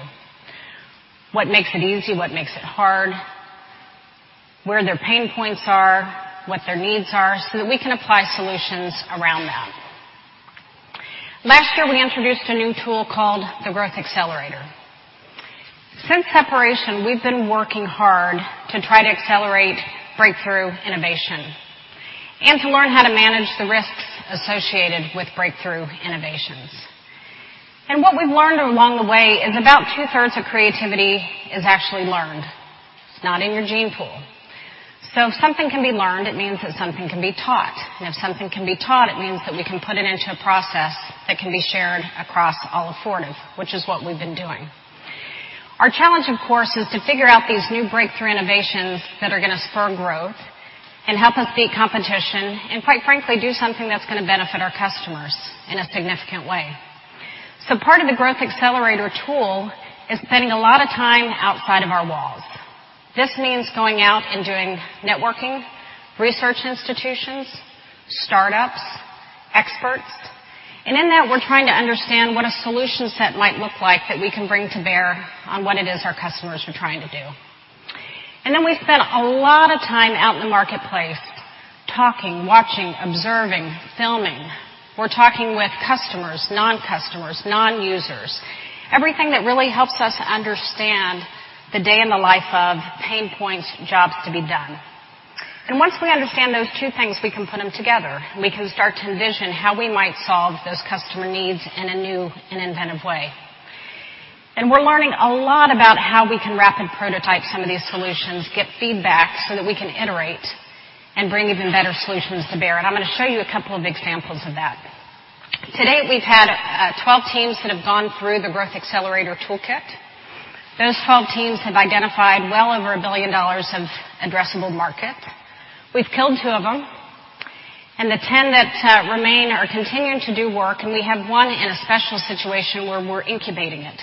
what makes it easy, what makes it hard, where their pain points are, what their needs are, so that we can apply solutions around that. Last year, we introduced a new tool called the Growth Accelerator. Since separation, we've been working hard to try to accelerate breakthrough innovation and to learn how to manage the risks associated with breakthrough innovations. What we've learned along the way is about two-thirds of creativity is actually learned. It's not in your gene pool. If something can be learned, it means that something can be taught. If something can be taught, it means that we can put it into a process that can be shared across all of Fortive, which is what we've been doing. Our challenge, of course, is to figure out these new breakthrough innovations that are going to spur growth and help us beat competition, and quite frankly, do something that's going to benefit our customers in a significant way. Part of the Growth Accelerator tool is spending a lot of time outside of our walls. This means going out and doing networking, research institutions, startups, experts. In that, we're trying to understand what a solution set might look like that we can bring to bear on what it is our customers are trying to do. Then we've spent a lot of time out in the marketplace, talking, watching, observing, filming. We're talking with customers, non-customers, non-users, everything that really helps us understand the day in the life of pain points, jobs to be done. Once we understand those 2 things, we can put them together, and we can start to envision how we might solve those customer needs in a new and inventive way. We're learning a lot about how we can rapid prototype some of these solutions, get feedback so that we can iterate and bring even better solutions to bear. I'm going to show you a couple of examples of that. To date, we've had 12 teams that have gone through the Growth Accelerator toolkit. Those 12 teams have identified well over $1 billion of addressable market. We've killed 2 of them, and the 10 that remain are continuing to do work, and we have 1 in a special situation where we're incubating it.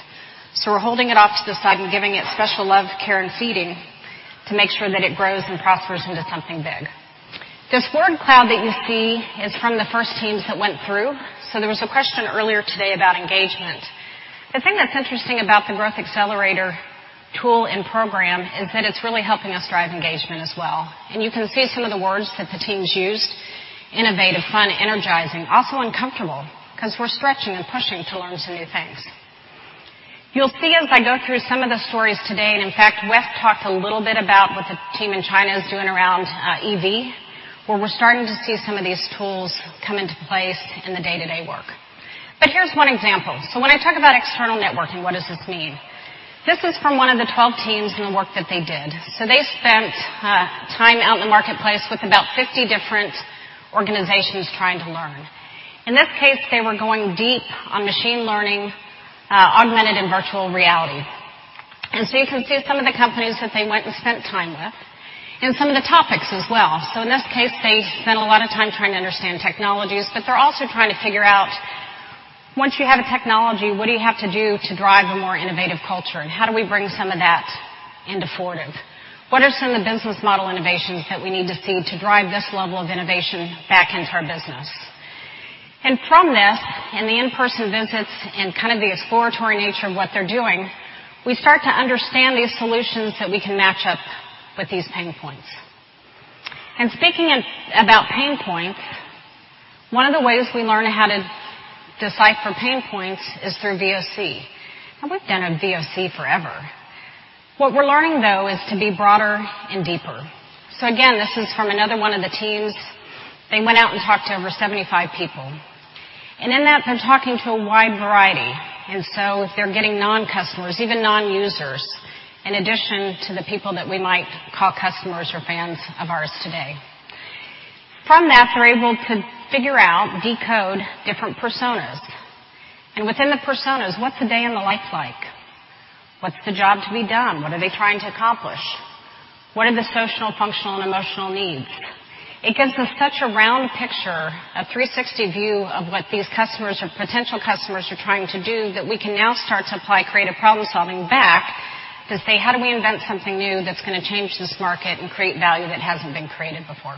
We're holding it off to the side and giving it special love, care, and feeding to make sure that it grows and prospers into something big. This word cloud that you see is from the first teams that went through. There was a question earlier today about engagement. The thing that's interesting about the Growth Accelerator tool and program is that it's really helping us drive engagement as well. You can see some of the words that the teams used, innovative, fun, energizing, also uncomfortable because we're stretching and pushing to learn some new things. You'll see as I go through some of the stories today, in fact, Wes talked a little bit about what the team in China is doing around EV, where we're starting to see some of these tools come into place in the day-to-day work. Here's 1 example. When I talk about external networking, what does this mean? This is from 1 of the 12 teams and the work that they did. They spent time out in the marketplace with about 50 different organizations trying to learn. In this case, they were going deep on machine learning, augmented, and virtual reality. You can see some of the companies that they went and spent time with and some of the topics as well. In this case, they spent a lot of time trying to understand technologies, but they're also trying to figure out, once you have a technology, what do you have to do to drive a more innovative culture, and how do we bring some of that into Fortive? What are some of the business model innovations that we need to see to drive this level of innovation back into our business? From this and the in-person visits and kind of the exploratory nature of what they're doing, we start to understand these solutions that we can match up with these pain points. Speaking about pain points, one of the ways we learn how to decipher pain points is through VoC. We've done a VoC forever. What we're learning, though, is to be broader and deeper. Again, this is from another one of the teams. They went out and talked to over 75 people, and in that, they're talking to a wide variety. They're getting non-customers, even non-users, in addition to the people that we might call customers or fans of ours today. From that, they're able to figure out, decode different personas. Within the personas, what's a day in the life like? What's the job to be done? What are they trying to accomplish? What are the social, functional, and emotional needs? It gives us such a round picture, a 360 view of what these customers or potential customers are trying to do that we can now start to apply creative problem-solving back to say, "How do we invent something new that's going to change this market and create value that hasn't been created before?"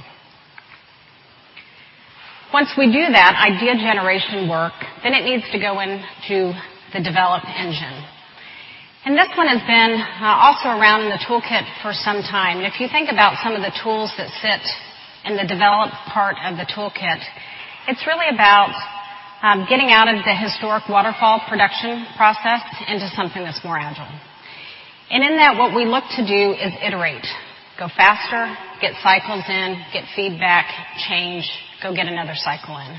Once we do that idea generation work, it needs to go into the develop engine. This one has been also around in the toolkit for some time, and if you think about some of the tools that sit in the develop part of the toolkit, it's really about getting out of the historic waterfall production process into something that's more Agile. In that, what we look to do is iterate, go faster, get cycles in, get feedback, change, go get another cycle in.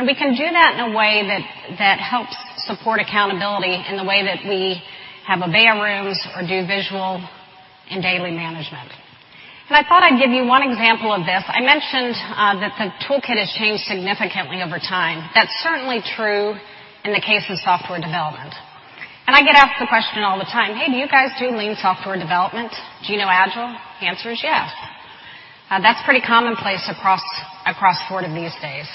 We can do that in a way that helps support accountability in the way that we have our Obeya rooms or do visual and daily management. I thought I'd give you one example of this. I mentioned that the toolkit has changed significantly over time. That's certainly true in the case of software development. I get asked the question all the time, "Hey, do you guys do lean software development? Do you know Agile?" The answer is yes. That's pretty commonplace across Fortive these days.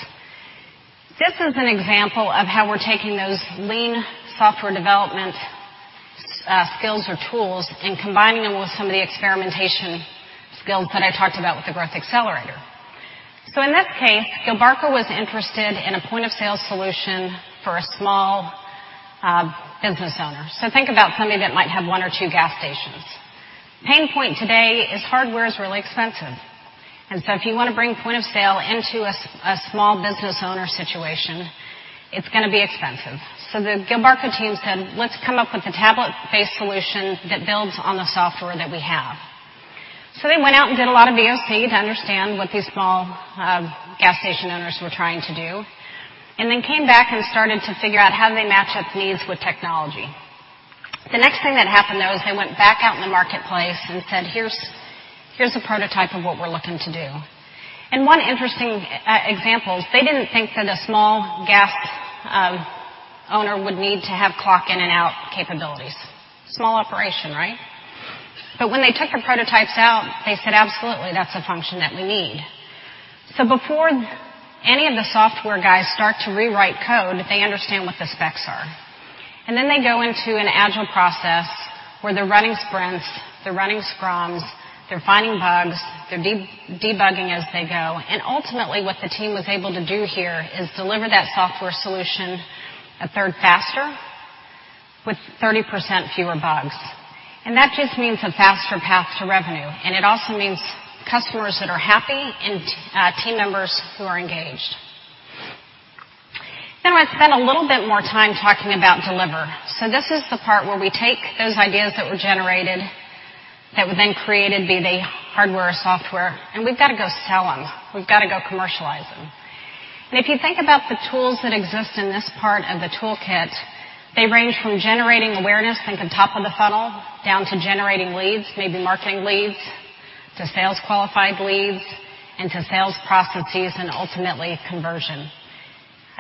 This is an example of how we're taking those lean software development skills or tools and combining them with some of the experimentation skills that I talked about with the Growth Accelerator. In this case, Gilbarco was interested in a point-of-sale solution for a small business owner. Think about somebody that might have one or two gas stations. Pain point today is hardware is really expensive. If you want to bring point-of-sale into a small business owner situation, it's going to be expensive. The Gilbarco team said, "Let's come up with a tablet-based solution that builds on the software that we have." They went out and did a lot of VoC to understand what these small gas station owners were trying to do, and then came back and started to figure out how they match up needs with technology. The next thing that happened, though, is they went back out in the marketplace and said, "Here's the prototype of what we're looking to do." One interesting example is they didn't think that a small gas owner would need to have clock in and out capabilities. Small operation, right? When they took the prototypes out, they said, "Absolutely, that's a function that we need." Before any of the software guys start to rewrite code, they understand what the specs are. They go into an Agile process where they're running sprints, they're running scrums, they're finding bugs, they're debugging as they go. Ultimately, what the team was able to do here is deliver that software solution a third faster with 30% fewer bugs. That just means a faster path to revenue. It also means customers that are happy and team members who are engaged. I want to spend a little bit more time talking about deliver. This is the part where we take those ideas that were generated, that were then created, be they hardware or software, and we've got to go sell them. We've got to go commercialize them. If you think about the tools that exist in this part of the toolkit, they range from generating awareness, think the top of the funnel, down to generating leads, maybe marketing leads, to sales qualified leads, into sales processes, and ultimately conversion.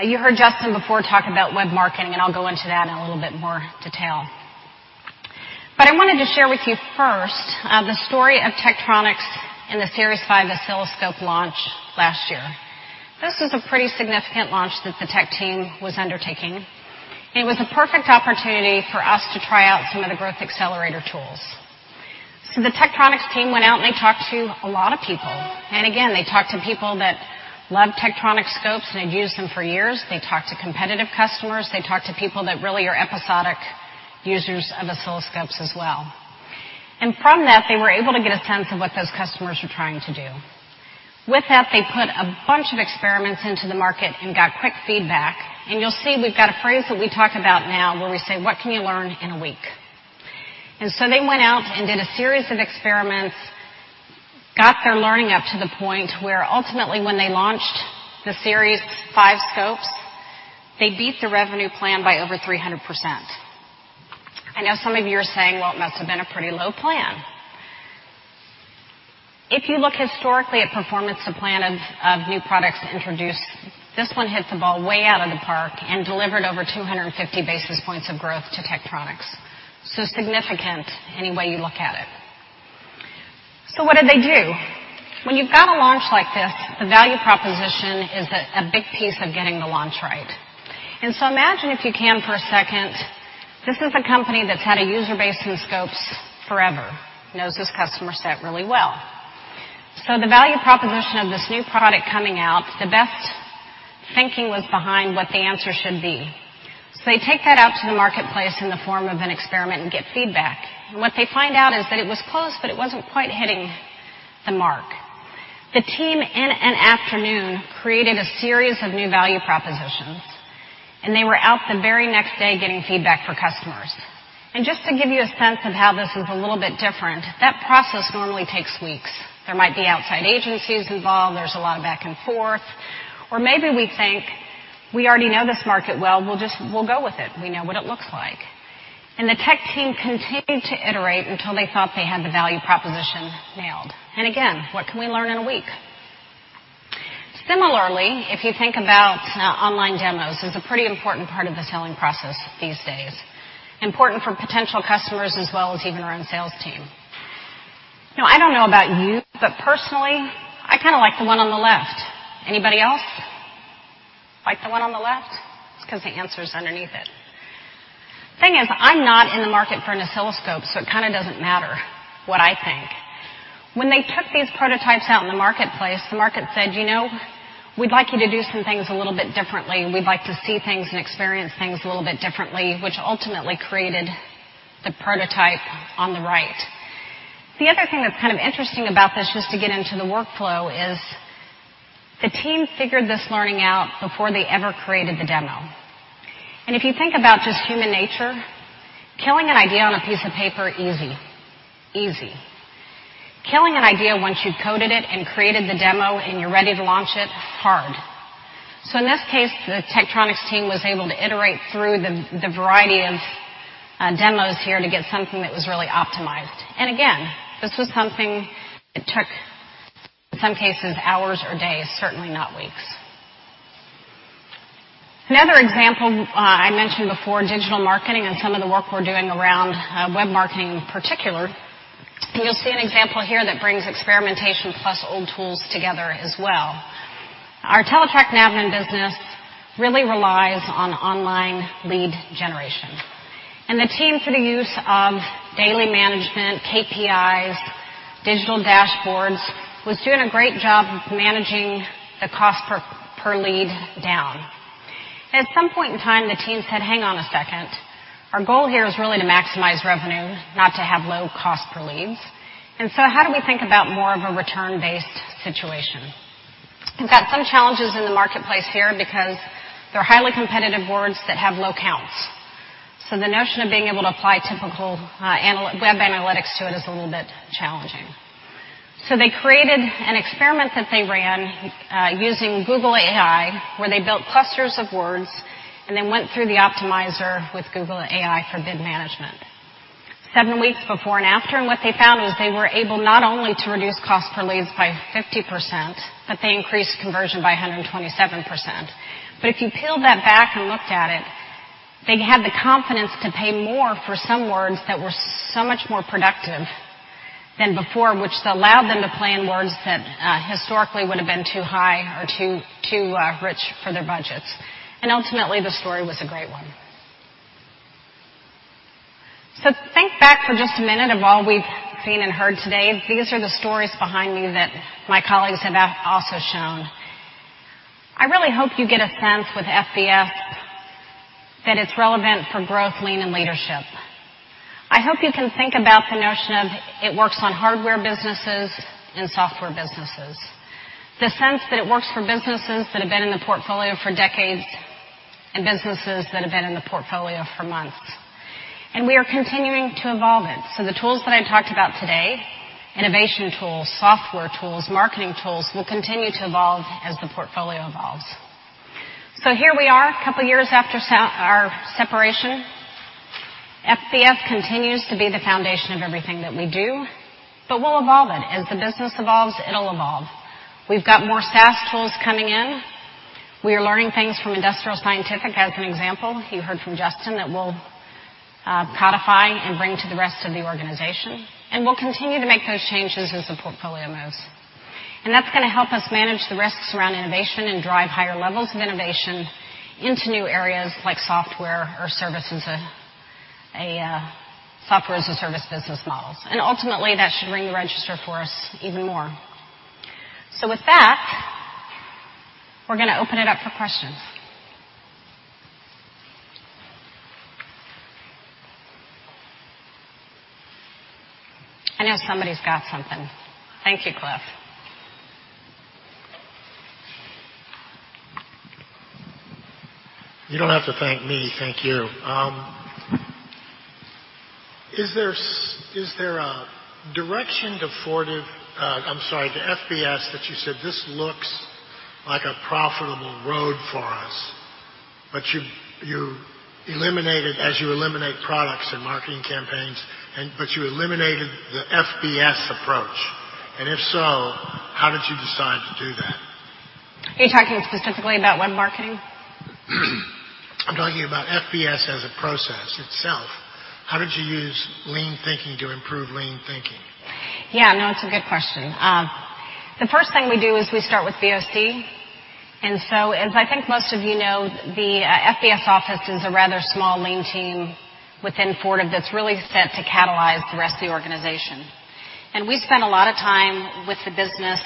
You heard Justin before talk about web marketing, I'll go into that in a little bit more detail. I wanted to share with you first, the story of Tektronix and the Series 5 Oscilloscope launch last year. This was a pretty significant launch that the Tektronix team was undertaking. It was a perfect opportunity for us to try out some of the Growth Accelerator tools. The Tektronix team went out, they talked to a lot of people. Again, they talked to people that loved Tektronix scopes and had used them for years. They talked to competitive customers. They talked to people that really are episodic users of oscilloscopes as well. From that, they were able to get a sense of what those customers were trying to do. With that, they put a bunch of experiments into the market and got quick feedback. You'll see we've got a phrase that we talk about now where we say, "What can you learn in a week?" They went out and did a series of experiments, got their learning up to the point where ultimately, when they launched the Series 5 scopes, they beat the revenue plan by over 300%. I know some of you are saying, "Well, it must have been a pretty low plan." If you look historically at performance to plan of new products introduced, this one hits the ball way out of the park and delivered over 250 basis points of growth to Tektronix. Significant any way you look at it. What did they do? When you've got a launch like this, the value proposition is a big piece of getting the launch right. Imagine if you can for a second, this is a company that's had a user base in scopes forever, knows this customer set really well. The value proposition of this new product coming out, the best thinking was behind what the answer should be. They take that out to the marketplace in the form of an experiment and get feedback. What they find out is that it was close, but it wasn't quite hitting the mark. The team, in an afternoon, created a series of new value propositions, and they were out the very next day getting feedback from customers. Just to give you a sense of how this is a little bit different, that process normally takes weeks. There might be outside agencies involved, there's a lot of back and forth, or maybe we think we already know this market well, we'll go with it. We know what it looks like. The tech team continued to iterate until they thought they had the value proposition nailed. Again, what can we learn in a week? Similarly, if you think about online demos, is a pretty important part of the selling process these days. Important for potential customers as well as even our own sales team. I don't know about you, but personally, I kind of like the one on the left. Anybody else like the one on the left? It's because the answer's underneath it. The thing is, I'm not in the market for an oscilloscope, so it kind of doesn't matter what I think. When they took these prototypes out in the marketplace, the market said, "We'd like you to do some things a little bit differently. We'd like to see things and experience things a little bit differently," which ultimately created the prototype on the right. The other thing that's kind of interesting about this, just to get into the workflow, is the team figured this learning out before they ever created the demo. If you think about just human nature, killing an idea on a piece of paper, easy. Easy. Killing an idea once you've coded it and created the demo and you're ready to launch it, hard. In this case, the Tektronix team was able to iterate through the variety of demos here to get something that was really optimized. Again, this was something that took, in some cases, hours or days, certainly not weeks. Another example I mentioned before, digital marketing and some of the work we're doing around web marketing in particular. You'll see an example here that brings experimentation plus old tools together as well. Our Teletrac Navman business really relies on online lead generation. The team, through the use of daily management, KPIs, digital dashboards, was doing a great job of managing the cost per leads down. At some point in time, the team said, "Hang on a second. Our goal here is really to maximize revenue, not to have low cost per leads. How do we think about more of a return-based situation? We've got some challenges in the marketplace here because they're highly competitive words that have low counts. The notion of being able to apply typical web analytics to it is a little bit challenging. They created an experiment that they ran using Google AI, where they built clusters of words and then went through the optimizer with Google AI for bid management. Seven weeks before and after, what they found was they were able not only to reduce cost per leads by 50%, but they increased conversion by 127%. If you peeled that back and looked at it, they had the confidence to pay more for some words that were so much more productive than before, which allowed them to play in words that historically would have been too high or too rich for their budgets. Ultimately, the story was a great one. Think back for just a minute of all we've seen and heard today. These are the stories behind me that my colleagues have also shown. I really hope you get a sense with FBS that it's relevant for growth, Lean, and leadership. I hope you can think about the notion of it works on hardware businesses and software businesses. The sense that it works for businesses that have been in the portfolio for decades and businesses that have been in the portfolio for months. We are continuing to evolve it. The tools that I talked about today, innovation tools, software tools, marketing tools, will continue to evolve as the portfolio evolves. Here we are a couple of years after our separation. FBS continues to be the foundation of everything that we do, but we'll evolve it. As the business evolves, it'll evolve. We've got more SaaS tools coming in. We are learning things from Industrial Scientific, as an example, you heard from Justin, that we'll codify and bring to the rest of the organization. We'll continue to make those changes as the portfolio moves. That's going to help us manage the risks around innovation and drive higher levels of innovation into new areas like Software as a Service business models. Ultimately, that should ring the register for us even more. With that, we're going to open it up for questions. I know somebody's got something. Thank you, Cliff. You don't have to thank me. Thank you. Is there a direction to Fortive, I'm sorry, to FBS that you said, "This looks like a profitable road for us," as you eliminate products and marketing campaigns, but you eliminated the FBS approach? If so, how did you decide to do that? Are you talking specifically about one marketing? I'm talking about FBS as a process itself. How did you use lean thinking to improve lean thinking? Yeah, no, it's a good question. The first thing we do is we start with VoC. As I think most of you know, the FBS office is a rather small lean team within Fortive that's really set to catalyze the rest of the organization. We spend a lot of time with the business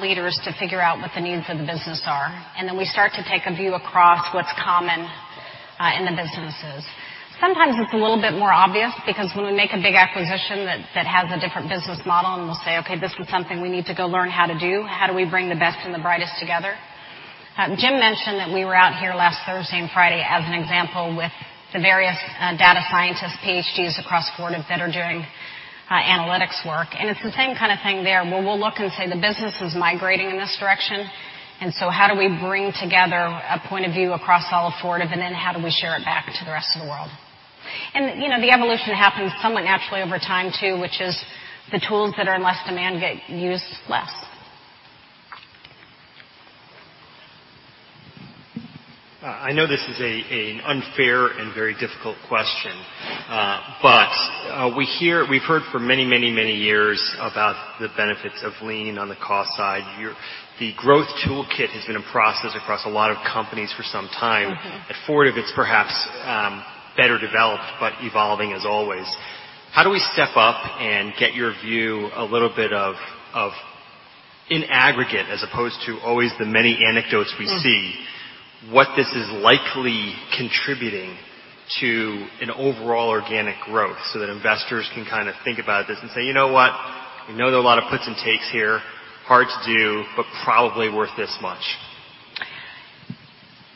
leaders to figure out what the needs of the business are, then we start to take a view across what's common in the businesses. Sometimes it's a little bit more obvious because when we make a big acquisition that has a different business model and we'll say, "Okay, this is something we need to go learn how to do. How do we bring the best and the brightest together?" Jim mentioned that we were out here last Thursday and Friday as an example with the various data scientists, PhDs across Fortive that are doing analytics work. It's the same kind of thing there, where we'll look and say the business is migrating in this direction, so how do we bring together a point of view across all of Fortive, then how do we share it back to the rest of the world? The evolution happens somewhat naturally over time, too, which is the tools that are in less demand get used less. I know this is an unfair and very difficult question, but we've heard for many years about the benefits of Lean on the cost side. The growth toolkit has been a process across a lot of companies for some time. At Fortive, it's perhaps better developed, evolving as always. How do we step up and get your view a little bit of in aggregate, as opposed to always the many anecdotes we see, what this is likely contributing to an overall organic growth so that investors can kind of think about this and say, "You know what? We know there are a lot of puts and takes here, hard to do, but probably worth this much.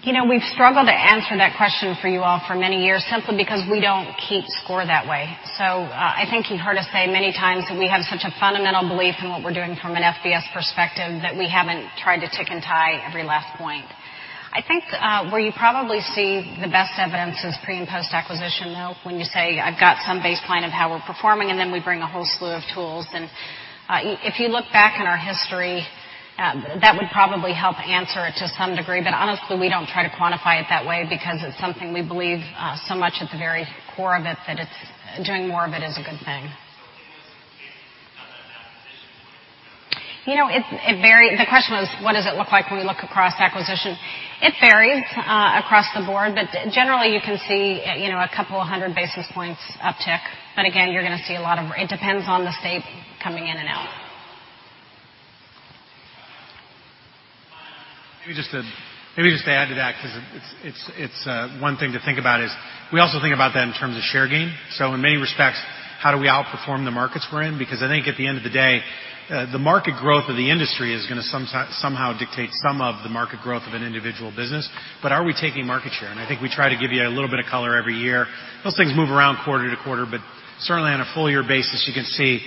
We've struggled to answer that question for you all for many years simply because we don't keep score that way. I think you heard us say many times that we have such a fundamental belief in what we're doing from an FBS perspective that we haven't tried to tick and tie every last point. I think where you probably see the best evidence is pre and post-acquisition, Neil, when you say, "I've got some baseline of how we're performing," and then we bring a whole slew of tools. If you look back in our history That would probably help answer it to some degree. Honestly, we don't try to quantify it that way because it's something we believe so much at the very core of it that doing more of it is a good thing. In this case, on an acquisition, what does it look like? The question was, what does it look like when we look across acquisition? It varies across the board, but generally, you can see a couple of hundred basis points uptick. Again, it depends on the state coming in and out. Maybe just to add to that because it's one thing to think about is, we also think about that in terms of share gain. In many respects, how do we outperform the markets we're in? I think at the end of the day, the market growth of the industry is going to somehow dictate some of the market growth of an individual business. Are we taking market share? I think we try to give you a little bit of color every year. Those things move around quarter to quarter, but certainly on a full year basis, you can see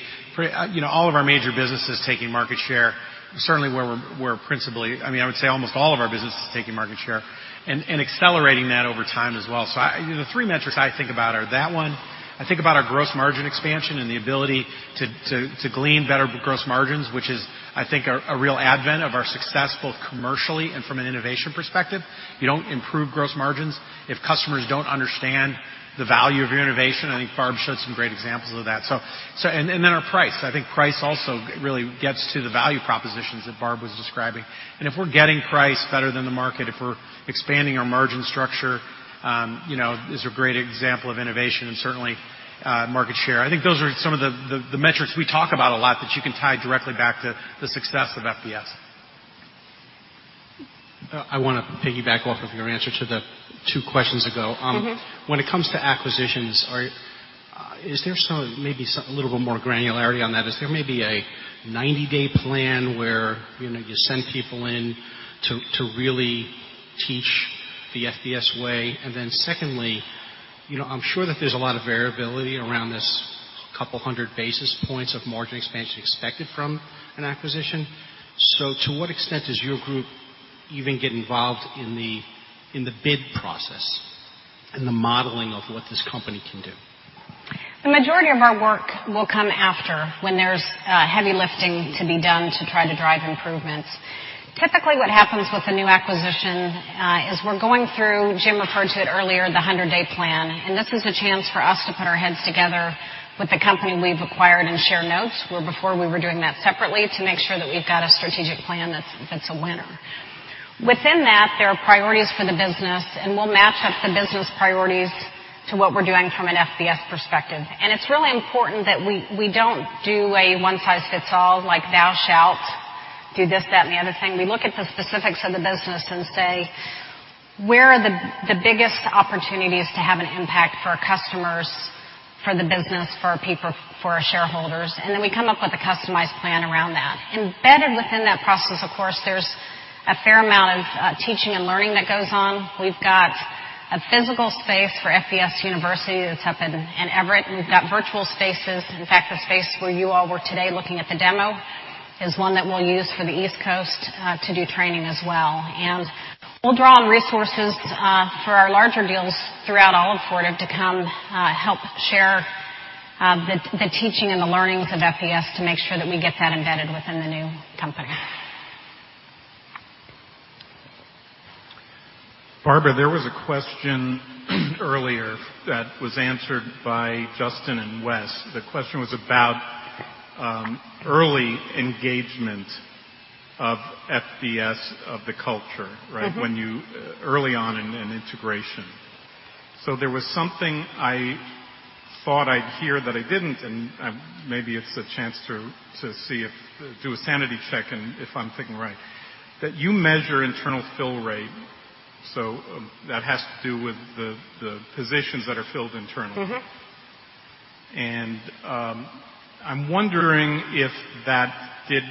all of our major businesses taking market share. Certainly, I would say almost all of our business is taking market share and accelerating that over time as well. The three metrics I think about are that one, I think about our gross margin expansion and the ability to glean better gross margins, which is, I think, a real advent of our success, both commercially and from an innovation perspective. You don't improve gross margins if customers don't understand the value of your innovation. I think Barb showed some great examples of that. Then our price. I think price also really gets to the value propositions that Barb was describing. If we're getting price better than the market, if we're expanding our margin structure, is a great example of innovation and certainly market share. I think those are some of the metrics we talk about a lot that you can tie directly back to the success of FBS. I want to piggyback off of your answer to the two questions ago. When it comes to acquisitions, is there maybe a little bit more granularity on that? Is there maybe a 90-day plan where you send people in to really teach the FBS way? Then secondly, I'm sure that there's a lot of variability around this couple hundred basis points of margin expansion expected from an acquisition. To what extent does your group even get involved in the bid process and the modeling of what this company can do? The majority of our work will come after when there's heavy lifting to be done to try to drive improvements. Typically, what happens with a new acquisition is we're going through, Jim referred to it earlier, the 100-day plan, and this is a chance for us to put our heads together with the company we've acquired and share notes, where before we were doing that separately, to make sure that we've got a strategic plan that's a winner. Within that, there are priorities for the business, and we'll match up the business priorities to what we're doing from an FBS perspective. It's really important that we don't do a one-size-fits-all, like thou shalt do this, that, and the other thing. We look at the specifics of the business and say, "Where are the biggest opportunities to have an impact for our customers, for the business, for our shareholders?" Then we come up with a customized plan around that. Embedded within that process, of course, there's a fair amount of teaching and learning that goes on. We've got a physical space for FBS University that's up in Everett. We've got virtual spaces. In fact, the space where you all were today looking at the demo is one that we'll use for the East Coast to do training as well. We'll draw on resources for our larger deals throughout all of Fortive to come help share the teaching and the learnings of FBS to make sure that we get that embedded within the new company. Barbara, there was a question earlier that was answered by Justin and Wes. The question was about early engagement of FBS, of the culture- early on in integration. There was something I thought I'd hear that I didn't, and maybe it's a chance to do a sanity check and if I'm thinking right, that you measure internal fill rate. That has to do with the positions that are filled internally. I'm wondering if that did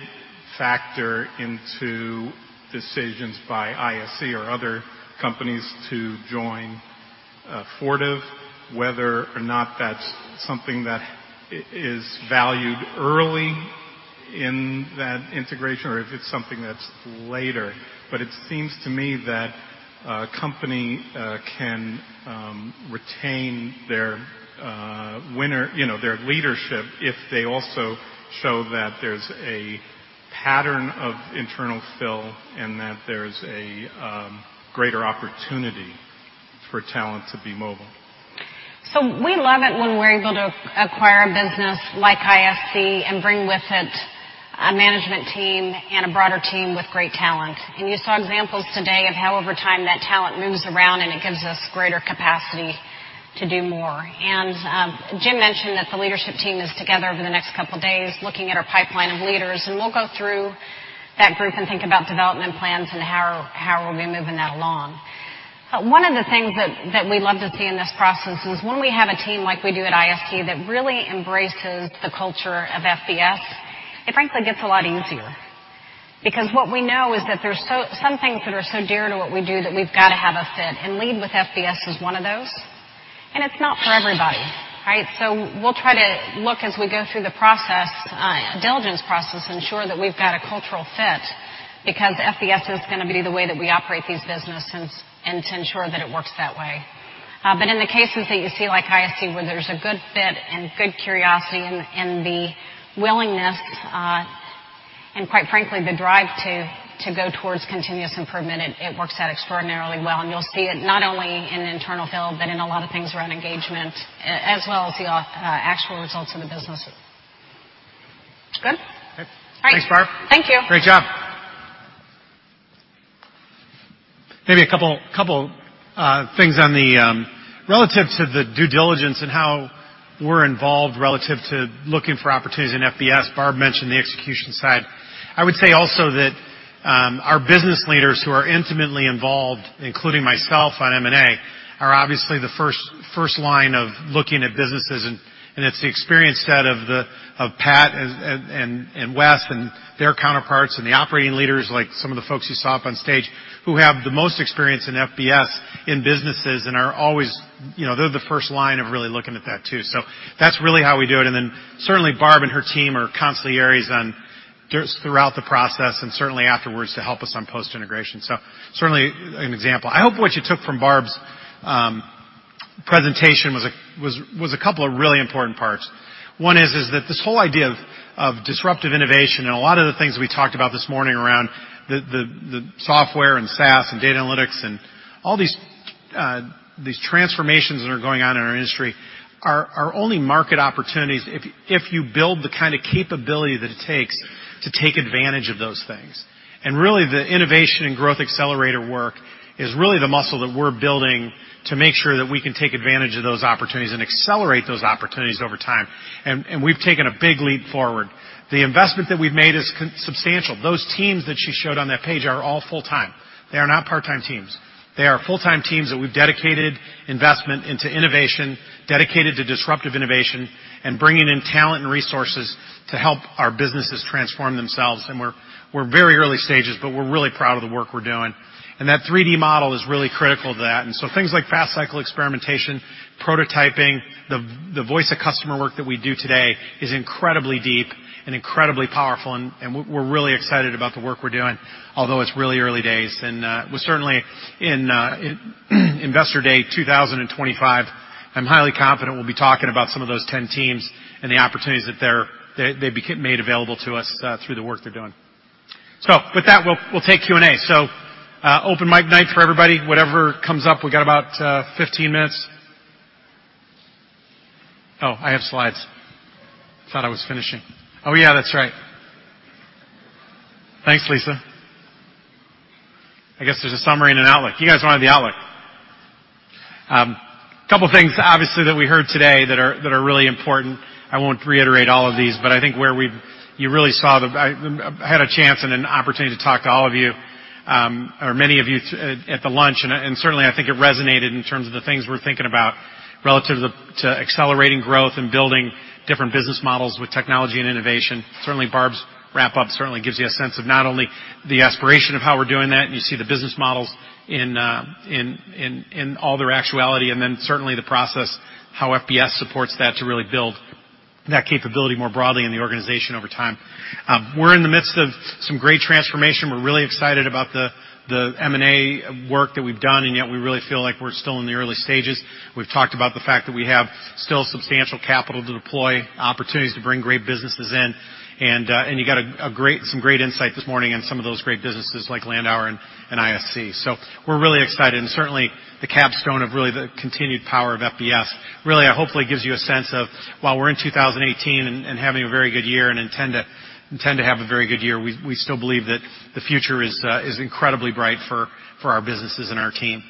factor into decisions by ISC or other companies to join Fortive, whether or not that's something that is valued early in that integration or if it's something that's later. It seems to me that a company can retain their leadership if they also show that there's a pattern of internal fill and that there's a greater opportunity for talent to be mobile. We love it when we're able to acquire a business like ISC and bring with it a management team and a broader team with great talent. You saw examples today of how over time, that talent moves around and it gives us greater capacity to do more. Jim mentioned that the leadership team is together over the next couple of days looking at our pipeline of leaders, and we'll go through that group and think about development plans and how we'll be moving that along. One of the things that we love to see in this process is when we have a team like we do at ISC that really embraces the culture of FBS, it frankly gets a lot easier. What we know is that there's some things that are so dear to what we do that we've got to have a fit, and Lead with FBS is one of those, and it's not for everybody, right? We'll try to look as we go through the due diligence process, ensure that we've got a cultural fit, because FBS is going to be the way that we operate these businesses and to ensure that it works that way. In the cases that you see like ISC, where there's a good fit and good curiosity and the willingness, and quite frankly, the drive to go towards continuous improvement, it works out extraordinarily well. You'll see it not only in an internal fill, but in a lot of things around engagement, as well as the actual results in the business. Good? Okay. All right. Thanks, Barb. Thank you. Great job. Relative to the due diligence and how we're involved relative to looking for opportunities in FBS, Barb mentioned the execution side. I would say also that our business leaders who are intimately involved, including myself on M&A, are obviously the first line of looking at businesses. It's the experience set of Pat and Wes and their counterparts and the operating leaders, like some of the folks you saw up on stage, who have the most experience in FBS in businesses and are always the first line of really looking at that too. That's really how we do it. Certainly Barb and her team are constant eyes on just throughout the process and certainly afterwards to help us on post-integration. Certainly an example. I hope what you took from Barb's presentation was a couple of really important parts. One is that this whole idea of disruptive innovation and a lot of the things we talked about this morning around the software and SaaS and data analytics and all these transformations that are going on in our industry are only market opportunities if you build the kind of capability that it takes to take advantage of those things. Really, the innovation and Growth Accelerator work is really the muscle that we're building to make sure that we can take advantage of those opportunities and accelerate those opportunities over time. We've taken a big leap forward. The investment that we've made is substantial. Those teams that she showed on that page are all full-time. They are not part-time teams. They are full-time teams that we've dedicated investment into innovation, dedicated to disruptive innovation and bringing in talent and resources to help our businesses transform themselves. We're very early stages, but we're really proud of the work we're doing. That 3D model is really critical to that. Things like fast cycle experimentation, prototyping, the Voice of the Customer work that we do today is incredibly deep and incredibly powerful, and we're really excited about the work we're doing, although it's really early days. We're certainly in Investor Day 2025, I'm highly confident we'll be talking about some of those 10 teams and the opportunities that they made available to us through the work they're doing. With that, we'll take Q&A. Open mic night for everybody, whatever comes up. We got about 15 minutes. Oh, I have slides. Thought I was finishing. Oh, yeah, that's right. Thanks, Lisa. I guess there's a summary and an outlook. You guys wanted the outlook. Couple things, obviously, that we heard today that are really important. I won't reiterate all of these, but I think you really saw, I had a chance and an opportunity to talk to all of you, or many of you at the lunch, and certainly I think it resonated in terms of the things we're thinking about relative to accelerating growth and building different business models with technology and innovation. Certainly, Barb's wrap-up certainly gives you a sense of not only the aspiration of how we're doing that, and you see the business models in all their actuality, then certainly the process, how FBS supports that to really build that capability more broadly in the organization over time. We're in the midst of some great transformation. We're really excited about the M&A work that we've done, yet we really feel like we're still in the early stages. We've talked about the fact that we have still substantial capital to deploy, opportunities to bring great businesses in. You got some great insight this morning on some of those great businesses like Landauer and ISC. We're really excited and certainly the capstone of really the continued power of FBS really, hopefully gives you a sense of while we're in 2018 and having a very good year and intend to have a very good year, we still believe that the future is incredibly bright for our businesses and our team.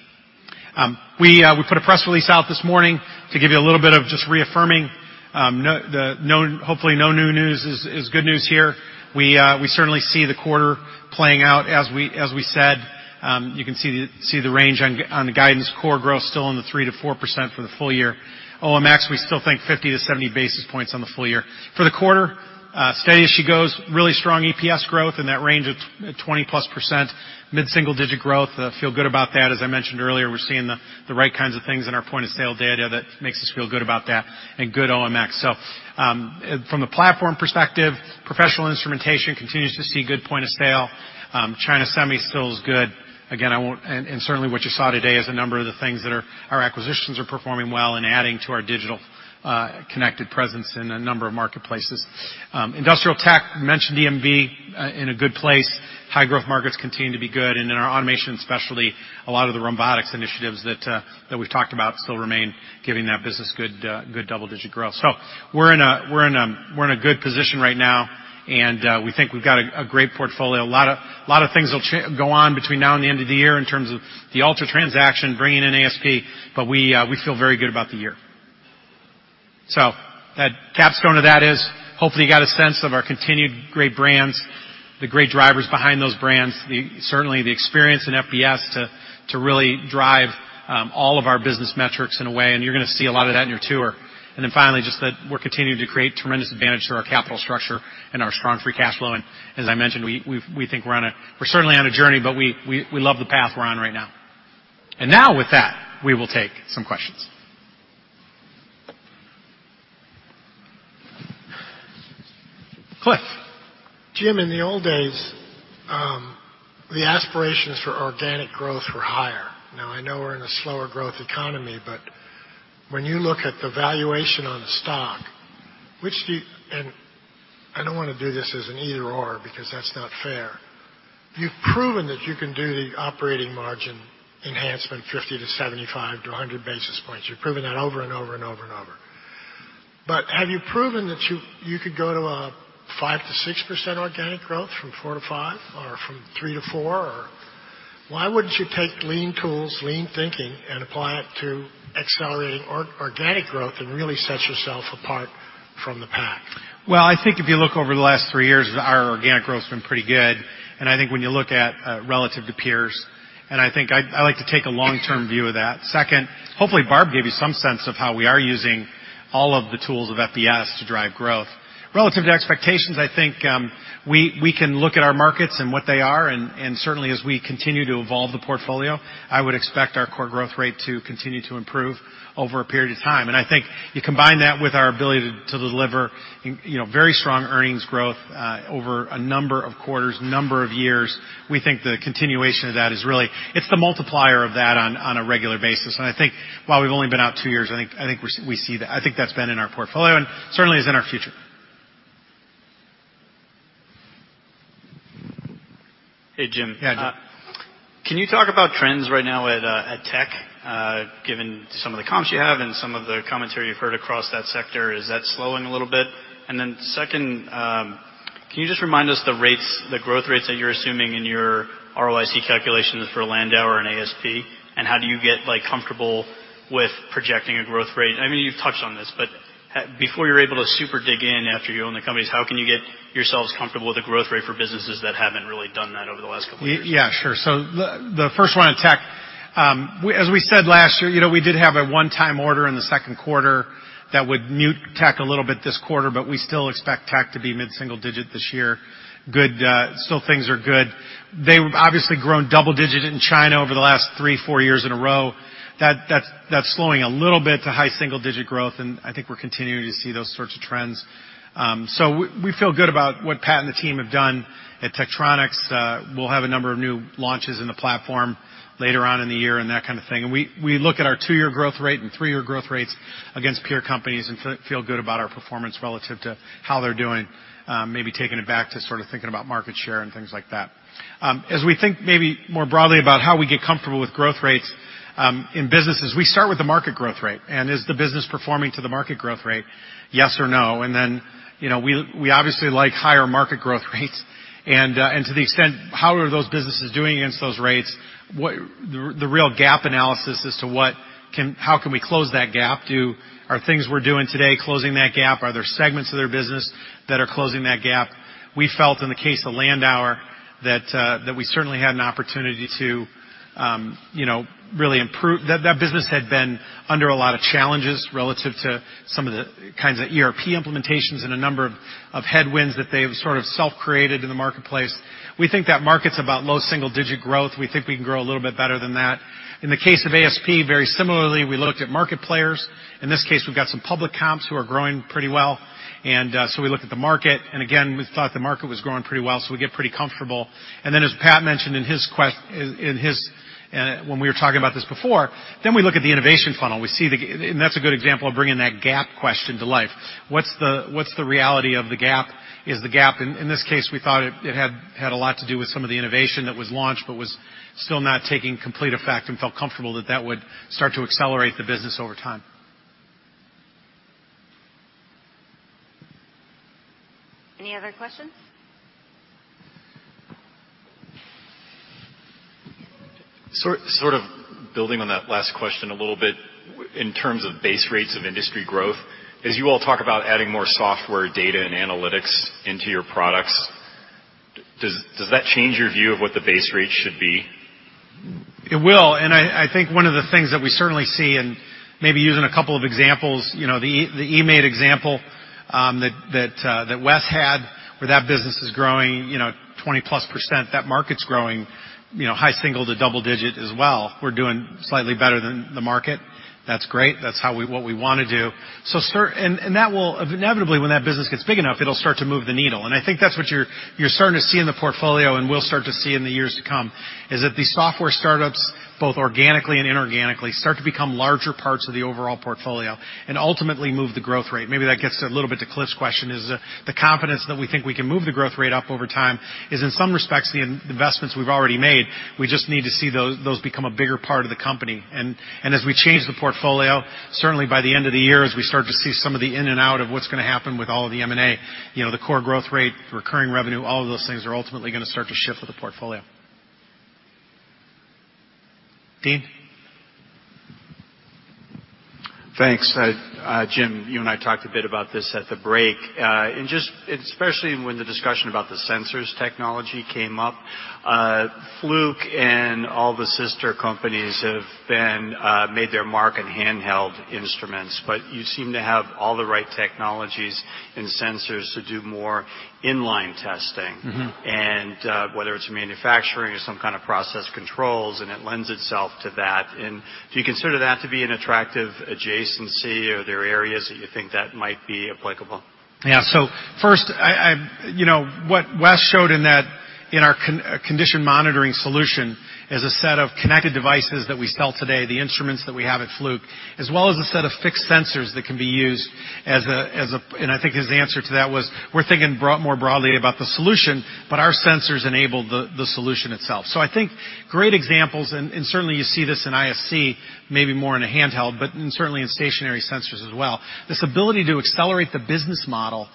We put a press release out this morning to give you a little bit of just reaffirming. Hopefully, no new news is good news here. We certainly see the quarter playing out as we said. You can see the range on the guidance core growth still in the 3%-4% for the full year. OMX, we still think 50 to 70 basis points on the full year. For the quarter, steady as she goes, really strong EPS growth in that range of 20-plus percent, mid-single-digit growth. Feel good about that. As I mentioned earlier, we're seeing the right kinds of things in our point-of-sale data that makes us feel good about that and good OMX. From the platform perspective, professional instrumentation continues to see good point of sale. China Semi still is good. Again, I won't. Certainly what you saw today is a number of the things that our acquisitions are performing well and adding to our digital connected presence in a number of marketplaces. Industrial tech, mentioned EMV, in a good place. High growth markets continue to be good. In our automation, especially a lot of the robotics initiatives that we've talked about still remain giving that business good double-digit growth. We're in a good position right now, and we think we've got a great portfolio. A lot of things will go on between now and the end of the year in terms of the Altra transaction, bringing in ASP, but we feel very good about the year. The capstone of that is, hopefully, you got a sense of our continued great brands, the great drivers behind those brands, certainly the experience in FBS to really drive all of our business metrics in a way, and you're going to see a lot of that in your tour. Finally, just that we're continuing to create tremendous advantage through our capital structure and our strong free cash flow. As I mentioned, we think we're certainly on a journey, but we love the path we're on right now. With that, we will take some questions. Cliff. Jim, in the old days, the aspirations for organic growth were higher. I know we're in a slower growth economy, but when you look at the valuation on the stock, which do you I don't want to do this as an either/or because that's not fair. You've proven that you can do the operating margin enhancement 50 to 75 to 100 basis points. You've proven that over and over. Have you proven that you could go to a 5%-6% organic growth from 4%-5%, or from 3%-4%? Why wouldn't you take lean tools, lean thinking, and apply it to accelerating organic growth and really set yourself apart from the pack? I think if you look over the last three years, our organic growth's been pretty good, and I think when you look at relative to peers, and I think I like to take a long-term view of that. Second, hopefully Barb gave you some sense of how we are using all of the tools of FBS to drive growth. Relative to expectations, I think, we can look at our markets and what they are, and certainly as we continue to evolve the portfolio, I would expect our core growth rate to continue to improve over a period of time. I think you combine that with our ability to deliver very strong earnings growth, over a number of quarters, number of years. We think the continuation of that is really, it's the multiplier of that on a regular basis. I think while we've only been out two years, I think that's been in our portfolio and certainly is in our future. Hey, Jim. Yeah. Can you talk about trends right now at Tektronix, given some of the comps you have and some of the commentary you've heard across that sector, is that slowing a little bit? Second, can you just remind us the growth rates that you're assuming in your ROIC calculations for Landauer and ASP? How do you get comfortable with projecting a growth rate? I mean, you've touched on this, but before you're able to super dig in after you own the companies, how can you get yourselves comfortable with a growth rate for businesses that haven't really done that over the last couple of years? The first one on Tektronix. As we said last year, we did have a one-time order in the second quarter that would mute Tektronix a little bit this quarter, but we still expect Tektronix to be mid-single digit this year. Still things are good. They've obviously grown double digit in China over the last three, four years in a row. That's slowing a little bit to high single-digit growth. I think we're continuing to see those sorts of trends. We feel good about what Pat and the team have done at Tektronix. We'll have a number of new launches in the platform later on in the year and that kind of thing. We look at our two-year growth rate and three-year growth rates against peer companies and feel good about our performance relative to how they're doing, maybe taking it back to sort of thinking about market share and things like that. As we think maybe more broadly about how we get comfortable with growth rates, in businesses, we start with the market growth rate. Is the business performing to the market growth rate, yes or no? We obviously like higher market growth rates. To the extent, how are those businesses doing against those rates? The real gap analysis as to how can we close that gap? Are things we're doing today closing that gap? Are there segments of their business that are closing that gap? We felt in the case of Landauer, that we certainly had an opportunity to really improve. That business had been under a lot of challenges relative to some of the kinds of ERP implementations and a number of headwinds that they've sort of self-created in the marketplace. We think that market's about low single-digit growth. We think we can grow a little bit better than that. In the case of ASP, very similarly, we looked at market players. In this case, we've got some public comps who are growing pretty well. We looked at the market. We thought the market was growing pretty well, we get pretty comfortable. As Pat mentioned when we were talking about this before, then we look at the innovation funnel. That's a good example of bringing that gap question to life. What's the reality of the gap? In this case, we thought it had a lot to do with some of the innovation that was launched, but was still not taking complete effect and felt comfortable that that would start to accelerate the business over time. Any other questions? Sort of building on that last question a little bit in terms of base rates of industry growth, as you all talk about adding more software data and analytics into your products, does that change your view of what the base rate should be? It will. I think one of the things that we certainly see, and maybe using a couple of examples, the eMaint example that Wes had, where that business is growing 20-plus%. That market's growing high single to double digit as well. We're doing slightly better than the market. That's great. That's what we want to do. Inevitably, when that business gets big enough, it'll start to move the needle. I think that's what you're starting to see in the portfolio and will start to see in the years to come, is that the software startups, both organically and inorganically, start to become larger parts of the overall portfolio and ultimately move the growth rate. Maybe that gets a little bit to Cliff's question, is the confidence that we think we can move the growth rate up over time is in some respects the investments we've already made. We just need to see those become a bigger part of the company. As we change the portfolio, certainly by the end of the year, as we start to see some of the in and out of what's going to happen with all of the M&A, the core growth rate, recurring revenue, all of those things are ultimately going to start to shift with the portfolio. Dean. Thanks. Jim, you and I talked a bit about this at the break. Especially when the discussion about the sensors technology came up, Fluke and all the sister companies have made their mark in handheld instruments, but you seem to have all the right technologies and sensors to do more in-line testing. Whether it's manufacturing or some kind of process controls, it lends itself to that. Do you consider that to be an attractive adjacency? Are there areas that you think that might be applicable? Yeah. First, what Wes showed in our condition monitoring solution is a set of connected devices that we sell today, the instruments that we have at Fluke, as well as a set of fixed sensors that can be used. I think his answer to that was, we're thinking more broadly about the solution, but our sensors enable the solution itself. I think great examples, and certainly, you see this in ISC, maybe more in a handheld, but certainly in stationary sensors as well. This ability to accelerate the business model,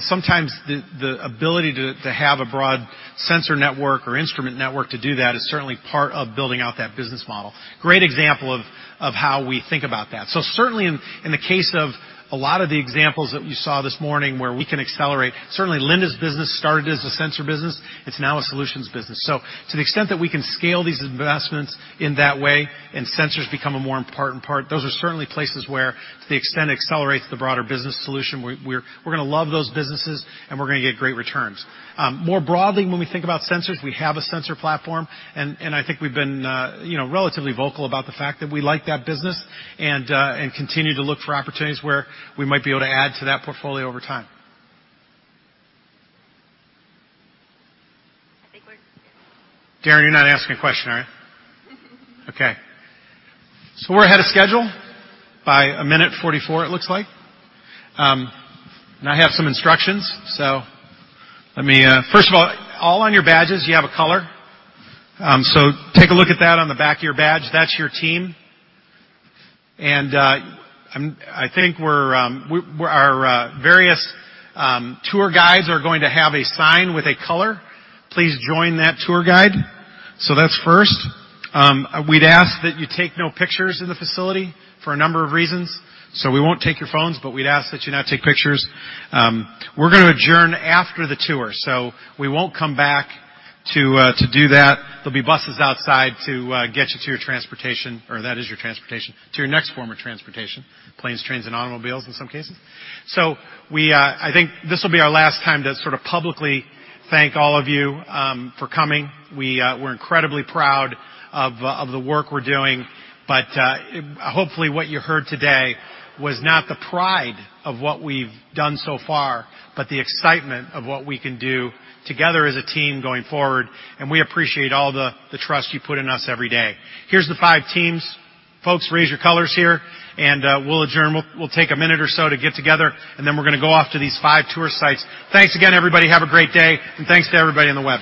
sometimes the ability to have a broad sensor network or instrument network to do that is certainly part of building out that business model. Great example of how we think about that. Certainly in the case of a lot of the examples that you saw this morning where we can accelerate, certainly Linda's business started as a sensor business. It's now a solutions business. To the extent that we can scale these investments in that way sensors become a more important part, those are certainly places where, to the extent it accelerates the broader business solution, we're going to love those businesses and we're going to get great returns. More broadly, when we think about sensors, we have a sensor platform, I think we've been relatively vocal about the fact that we like that business and continue to look for opportunities where we might be able to add to that portfolio over time. I think we're- Darren, you're not asking a question, are you? Okay. We're ahead of schedule by a minute 44, it looks like. Now I have some instructions. First of all on your badges, you have a color. Take a look at that on the back of your badge. That's your team. I think our various tour guides are going to have a sign with a color. Please join that tour guide. That's first. We'd ask that you take no pictures in the facility for a number of reasons. We won't take your phones, but we'd ask that you not take pictures. We're going to adjourn after the tour, so we won't come back to do that. There'll be buses outside to get you to your transportation, or that is your transportation, to your next form of transportation, planes, trains, and automobiles, in some cases. I think this will be our last time to sort of publicly thank all of you for coming. We're incredibly proud of the work we're doing. Hopefully, what you heard today was not the pride of what we've done so far, but the excitement of what we can do together as a team going forward, and we appreciate all the trust you put in us every day. Here's the five teams. Folks, raise your colors here, and we'll adjourn. We'll take a minute or so to get together, and then we're going to go off to these five tour sites. Thanks again, everybody. Have a great day, and thanks to everybody on the web.